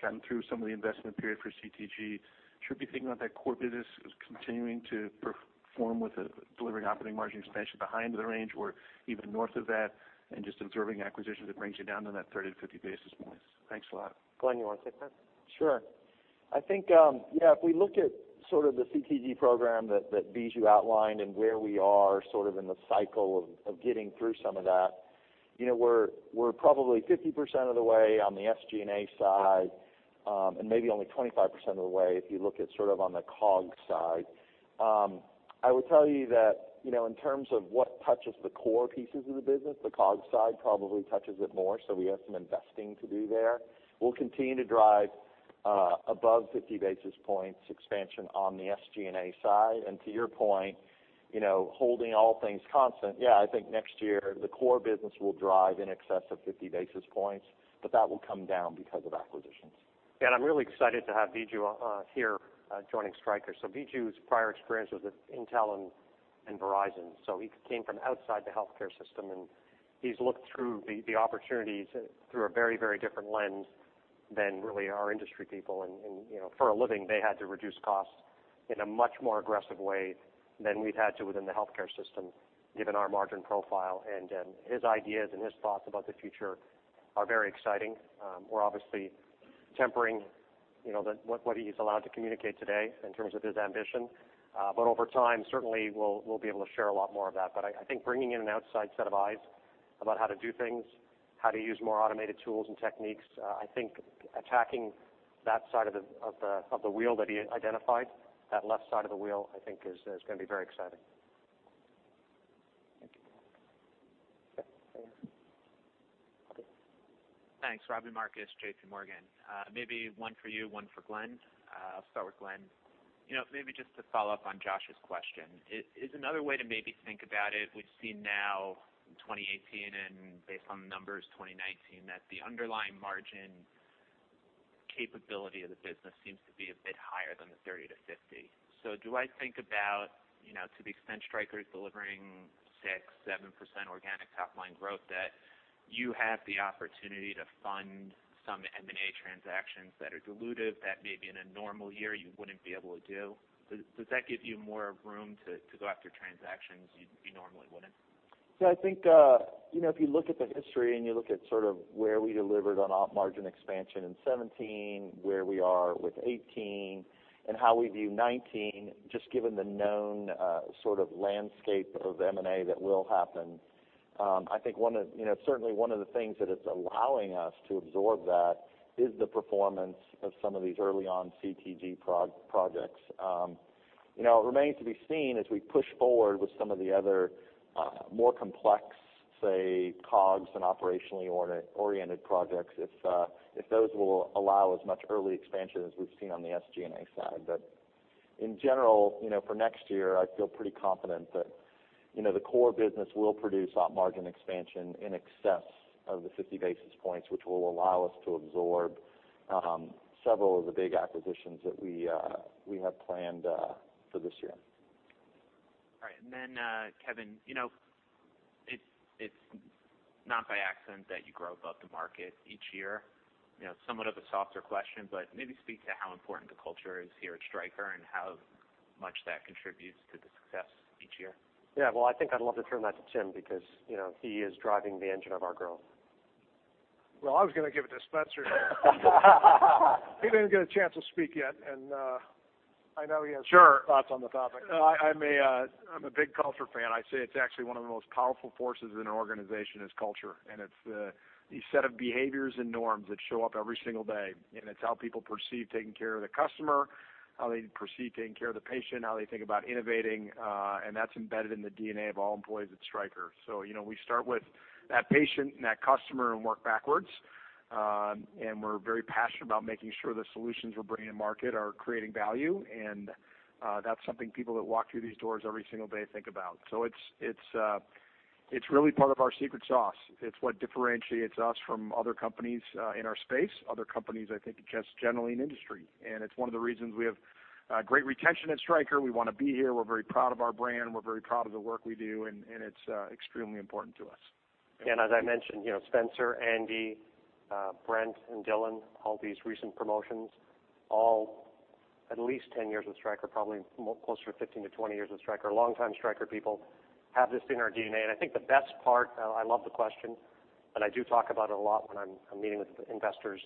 gotten through some of the investment period for CTG. Should we be thinking about that core business as continuing to perform with delivering operating margin expansion behind the range or even north of that, and just absorbing acquisition that brings you down to that 30-50 basis points? Thanks a lot. Glenn, you want to take that? Sure. I think, yeah, if we look at sort of the CTG program that Biju outlined and where we are sort of in the cycle of getting through some of that, we're probably 50% of the way on the SG&A side, and maybe only 25% of the way if you look at sort of on the COG side. I will tell you that, in terms of what touches the core pieces of the business, the COG side probably touches it more, so we have some investing to do there. We'll continue to drive above 50 basis points expansion on the SG&A side. To your point, holding all things constant, yeah, I think next year the core business will drive in excess of 50 basis points, but that will come down because of acquisitions. I'm really excited to have Biju here, joining Stryker. Biju's prior experience was with Intel and Verizon, so he came from outside the healthcare system, and he's looked through the opportunities through a very different lens than really our industry people. For a living, they had to reduce costs in a much more aggressive way than we've had to within the healthcare system, given our margin profile. His ideas and his thoughts about the future are very exciting. We're obviously tempering what he's allowed to communicate today in terms of his ambition. Over time, certainly, we'll be able to share a lot more of that. I think bringing in an outside set of eyes about how to do things, how to use more automated tools and techniques, I think attacking that side of the wheel that he identified, that left side of the wheel, I think is going to be very exciting. Thank you. Yeah. Over here. Thanks. Robbie Marcus, JPMorgan. Maybe one for you, one for Glenn. I'll start with Glenn. Maybe just to follow up on Josh's question, is another way to maybe think about it, we've seen now in 2018, and based on the numbers, 2019, that the underlying margin capability of the business seems to be a bit higher than the 30%-50%. Do I think about, to the extent Stryker is delivering 6%, 7% organic top-line growth, that you have the opportunity to fund some M&A transactions that are dilutive that maybe in a normal year you wouldn't be able to do? Does that give you more room to go after transactions you normally wouldn't? I think, if you look at the history and you look at sort of where we delivered on op margin expansion in 2017, where we are with 2018, and how we view 2019, just given the known sort of landscape of M&A that will happen, I think certainly one of the things that it's allowing us to absorb that is the performance of some of these early-on CTG projects. It remains to be seen as we push forward with some of the other more complex, say, COGS and operationally-oriented projects, if those will allow as much early expansion as we've seen on the SG&A side. In general, for next year, I feel pretty confident that the core business will produce op margin expansion in excess of the 50 basis points, which will allow us to absorb several of the big acquisitions that we have planned for this year. All right, Kevin, it's not by accident that you grow above the market each year. Somewhat of a softer question, but maybe speak to how important the culture is here at Stryker and how much that contributes to the success each year. Yeah. Well, I think I'd love to turn that to Tim because he is driving the engine of our growth. Well, I was going to give it to Spencer. He didn't get a chance to speak yet. Sure thoughts on the topic. I'm a big culture fan. I say it's actually one of the most powerful forces in an organization is culture. It's the set of behaviors and norms that show up every single day. It's how people perceive taking care of the customer, how they perceive taking care of the patient, how they think about innovating, and that's embedded in the DNA of all employees at Stryker. We start with that patient and that customer and work backwards. We're very passionate about making sure the solutions we're bringing to market are creating value, and that's something people that walk through these doors every single day think about. It's really part of our secret sauce. It's what differentiates us from other companies in our space, other companies, I think, just generally in the industry. It's one of the reasons we have great retention at Stryker. We want to be here. We're very proud of our brand. We're very proud of the work we do, and it's extremely important to us. As I mentioned, Spencer, Andy, Brent, and Dylan, all these recent promotions, all at least 10 years with Stryker, probably closer to 15-20 years with Stryker. Long-time Stryker people have this in our DNA, and I think the best part, I love the question, and I do talk about it a lot when I'm meeting with investors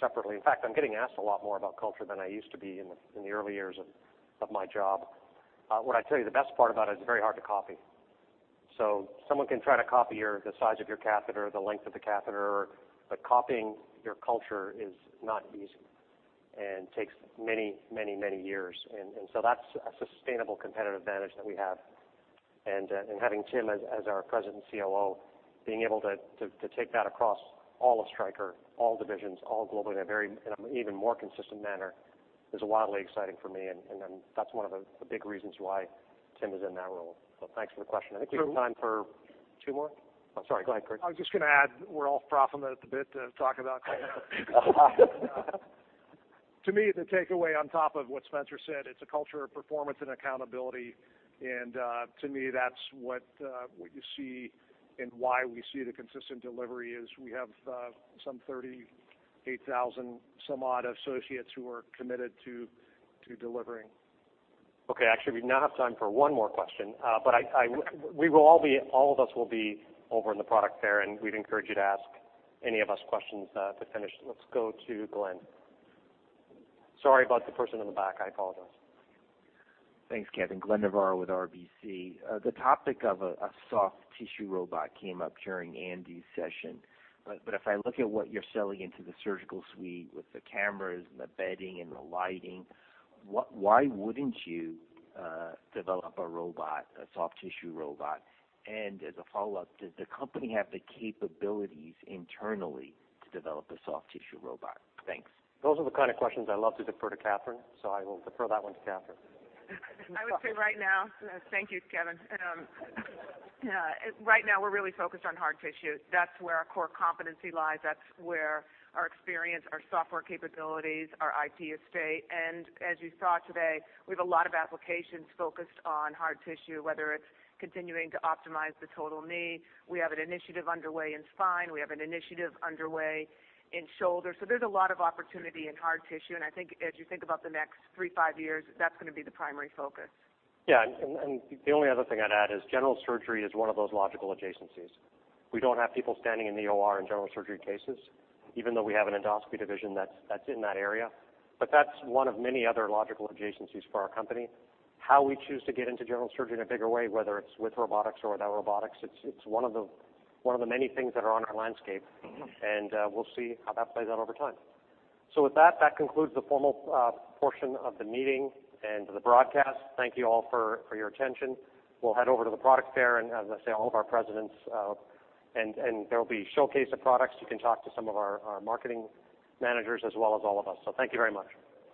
separately. In fact, I'm getting asked a lot more about culture than I used to be in the early years of my job. What I'd tell you, the best part about it's very hard to copy. Someone can try to copy the size of your catheter, the length of the catheter, but copying your culture is not easy and takes many years. That's a sustainable competitive advantage that we have. Having Tim as our President and COO, being able to take that across all of Stryker, all divisions, all global, in an even more consistent manner, is wildly exciting for me, and that's one of the big reasons why Tim is in that role. Thanks for the question. I think we have time for two more. I'm sorry. Go ahead, Kurt. I was just going to add, we're all frothing at the bit to talk about culture. To me, the takeaway on top of what Spencer said, it's a culture of performance and accountability. To me, that's what you see and why we see the consistent delivery is we have some 38,000 some odd associates who are committed to delivering. Actually, we now have time for one more question. All of us will be over in the product fair, and we'd encourage you to ask any of us questions to finish. Let's go to Glenn. Sorry about the person in the back. I apologize. Thanks, Kevin. Glenn Novarro with RBC. The topic of a soft tissue robot came up during Andy's session. If I look at what you're selling into the surgical suite with the cameras and the bedding and the lighting, why wouldn't you develop a robot, a soft tissue robot? As a follow-up, does the company have the capabilities internally to develop a soft tissue robot? Thanks. Those are the kind of questions I love to defer to Katherine, I will defer that one to Katherine. I would say right now, thank you, Kevin. Right now, we're really focused on hard tissue. That's where our core competency lies. That's where our experience, our software capabilities, our IP estate, and as you saw today, we have a lot of applications focused on hard tissue, whether it's continuing to optimize the total knee. We have an initiative underway in spine. We have an initiative underway in shoulder. There's a lot of opportunity in hard tissue, and I think as you think about the next three, five years, that's going to be the primary focus. Yeah, the only other thing I'd add is general surgery is one of those logical adjacencies. We don't have people standing in the OR in general surgery cases, even though we have an endoscopy division that's in that area. That's one of many other logical adjacencies for our company. How we choose to get into general surgery in a bigger way, whether it's with robotics or without robotics, it's one of the many things that are on our landscape. We'll see how that plays out over time. With that concludes the formal portion of the meeting and the broadcast. Thank you all for your attention. We'll head over to the product fair, and as I say, all of our presidents, and there will be a showcase of products. You can talk to some of our marketing managers as well as all of us. Thank you very much.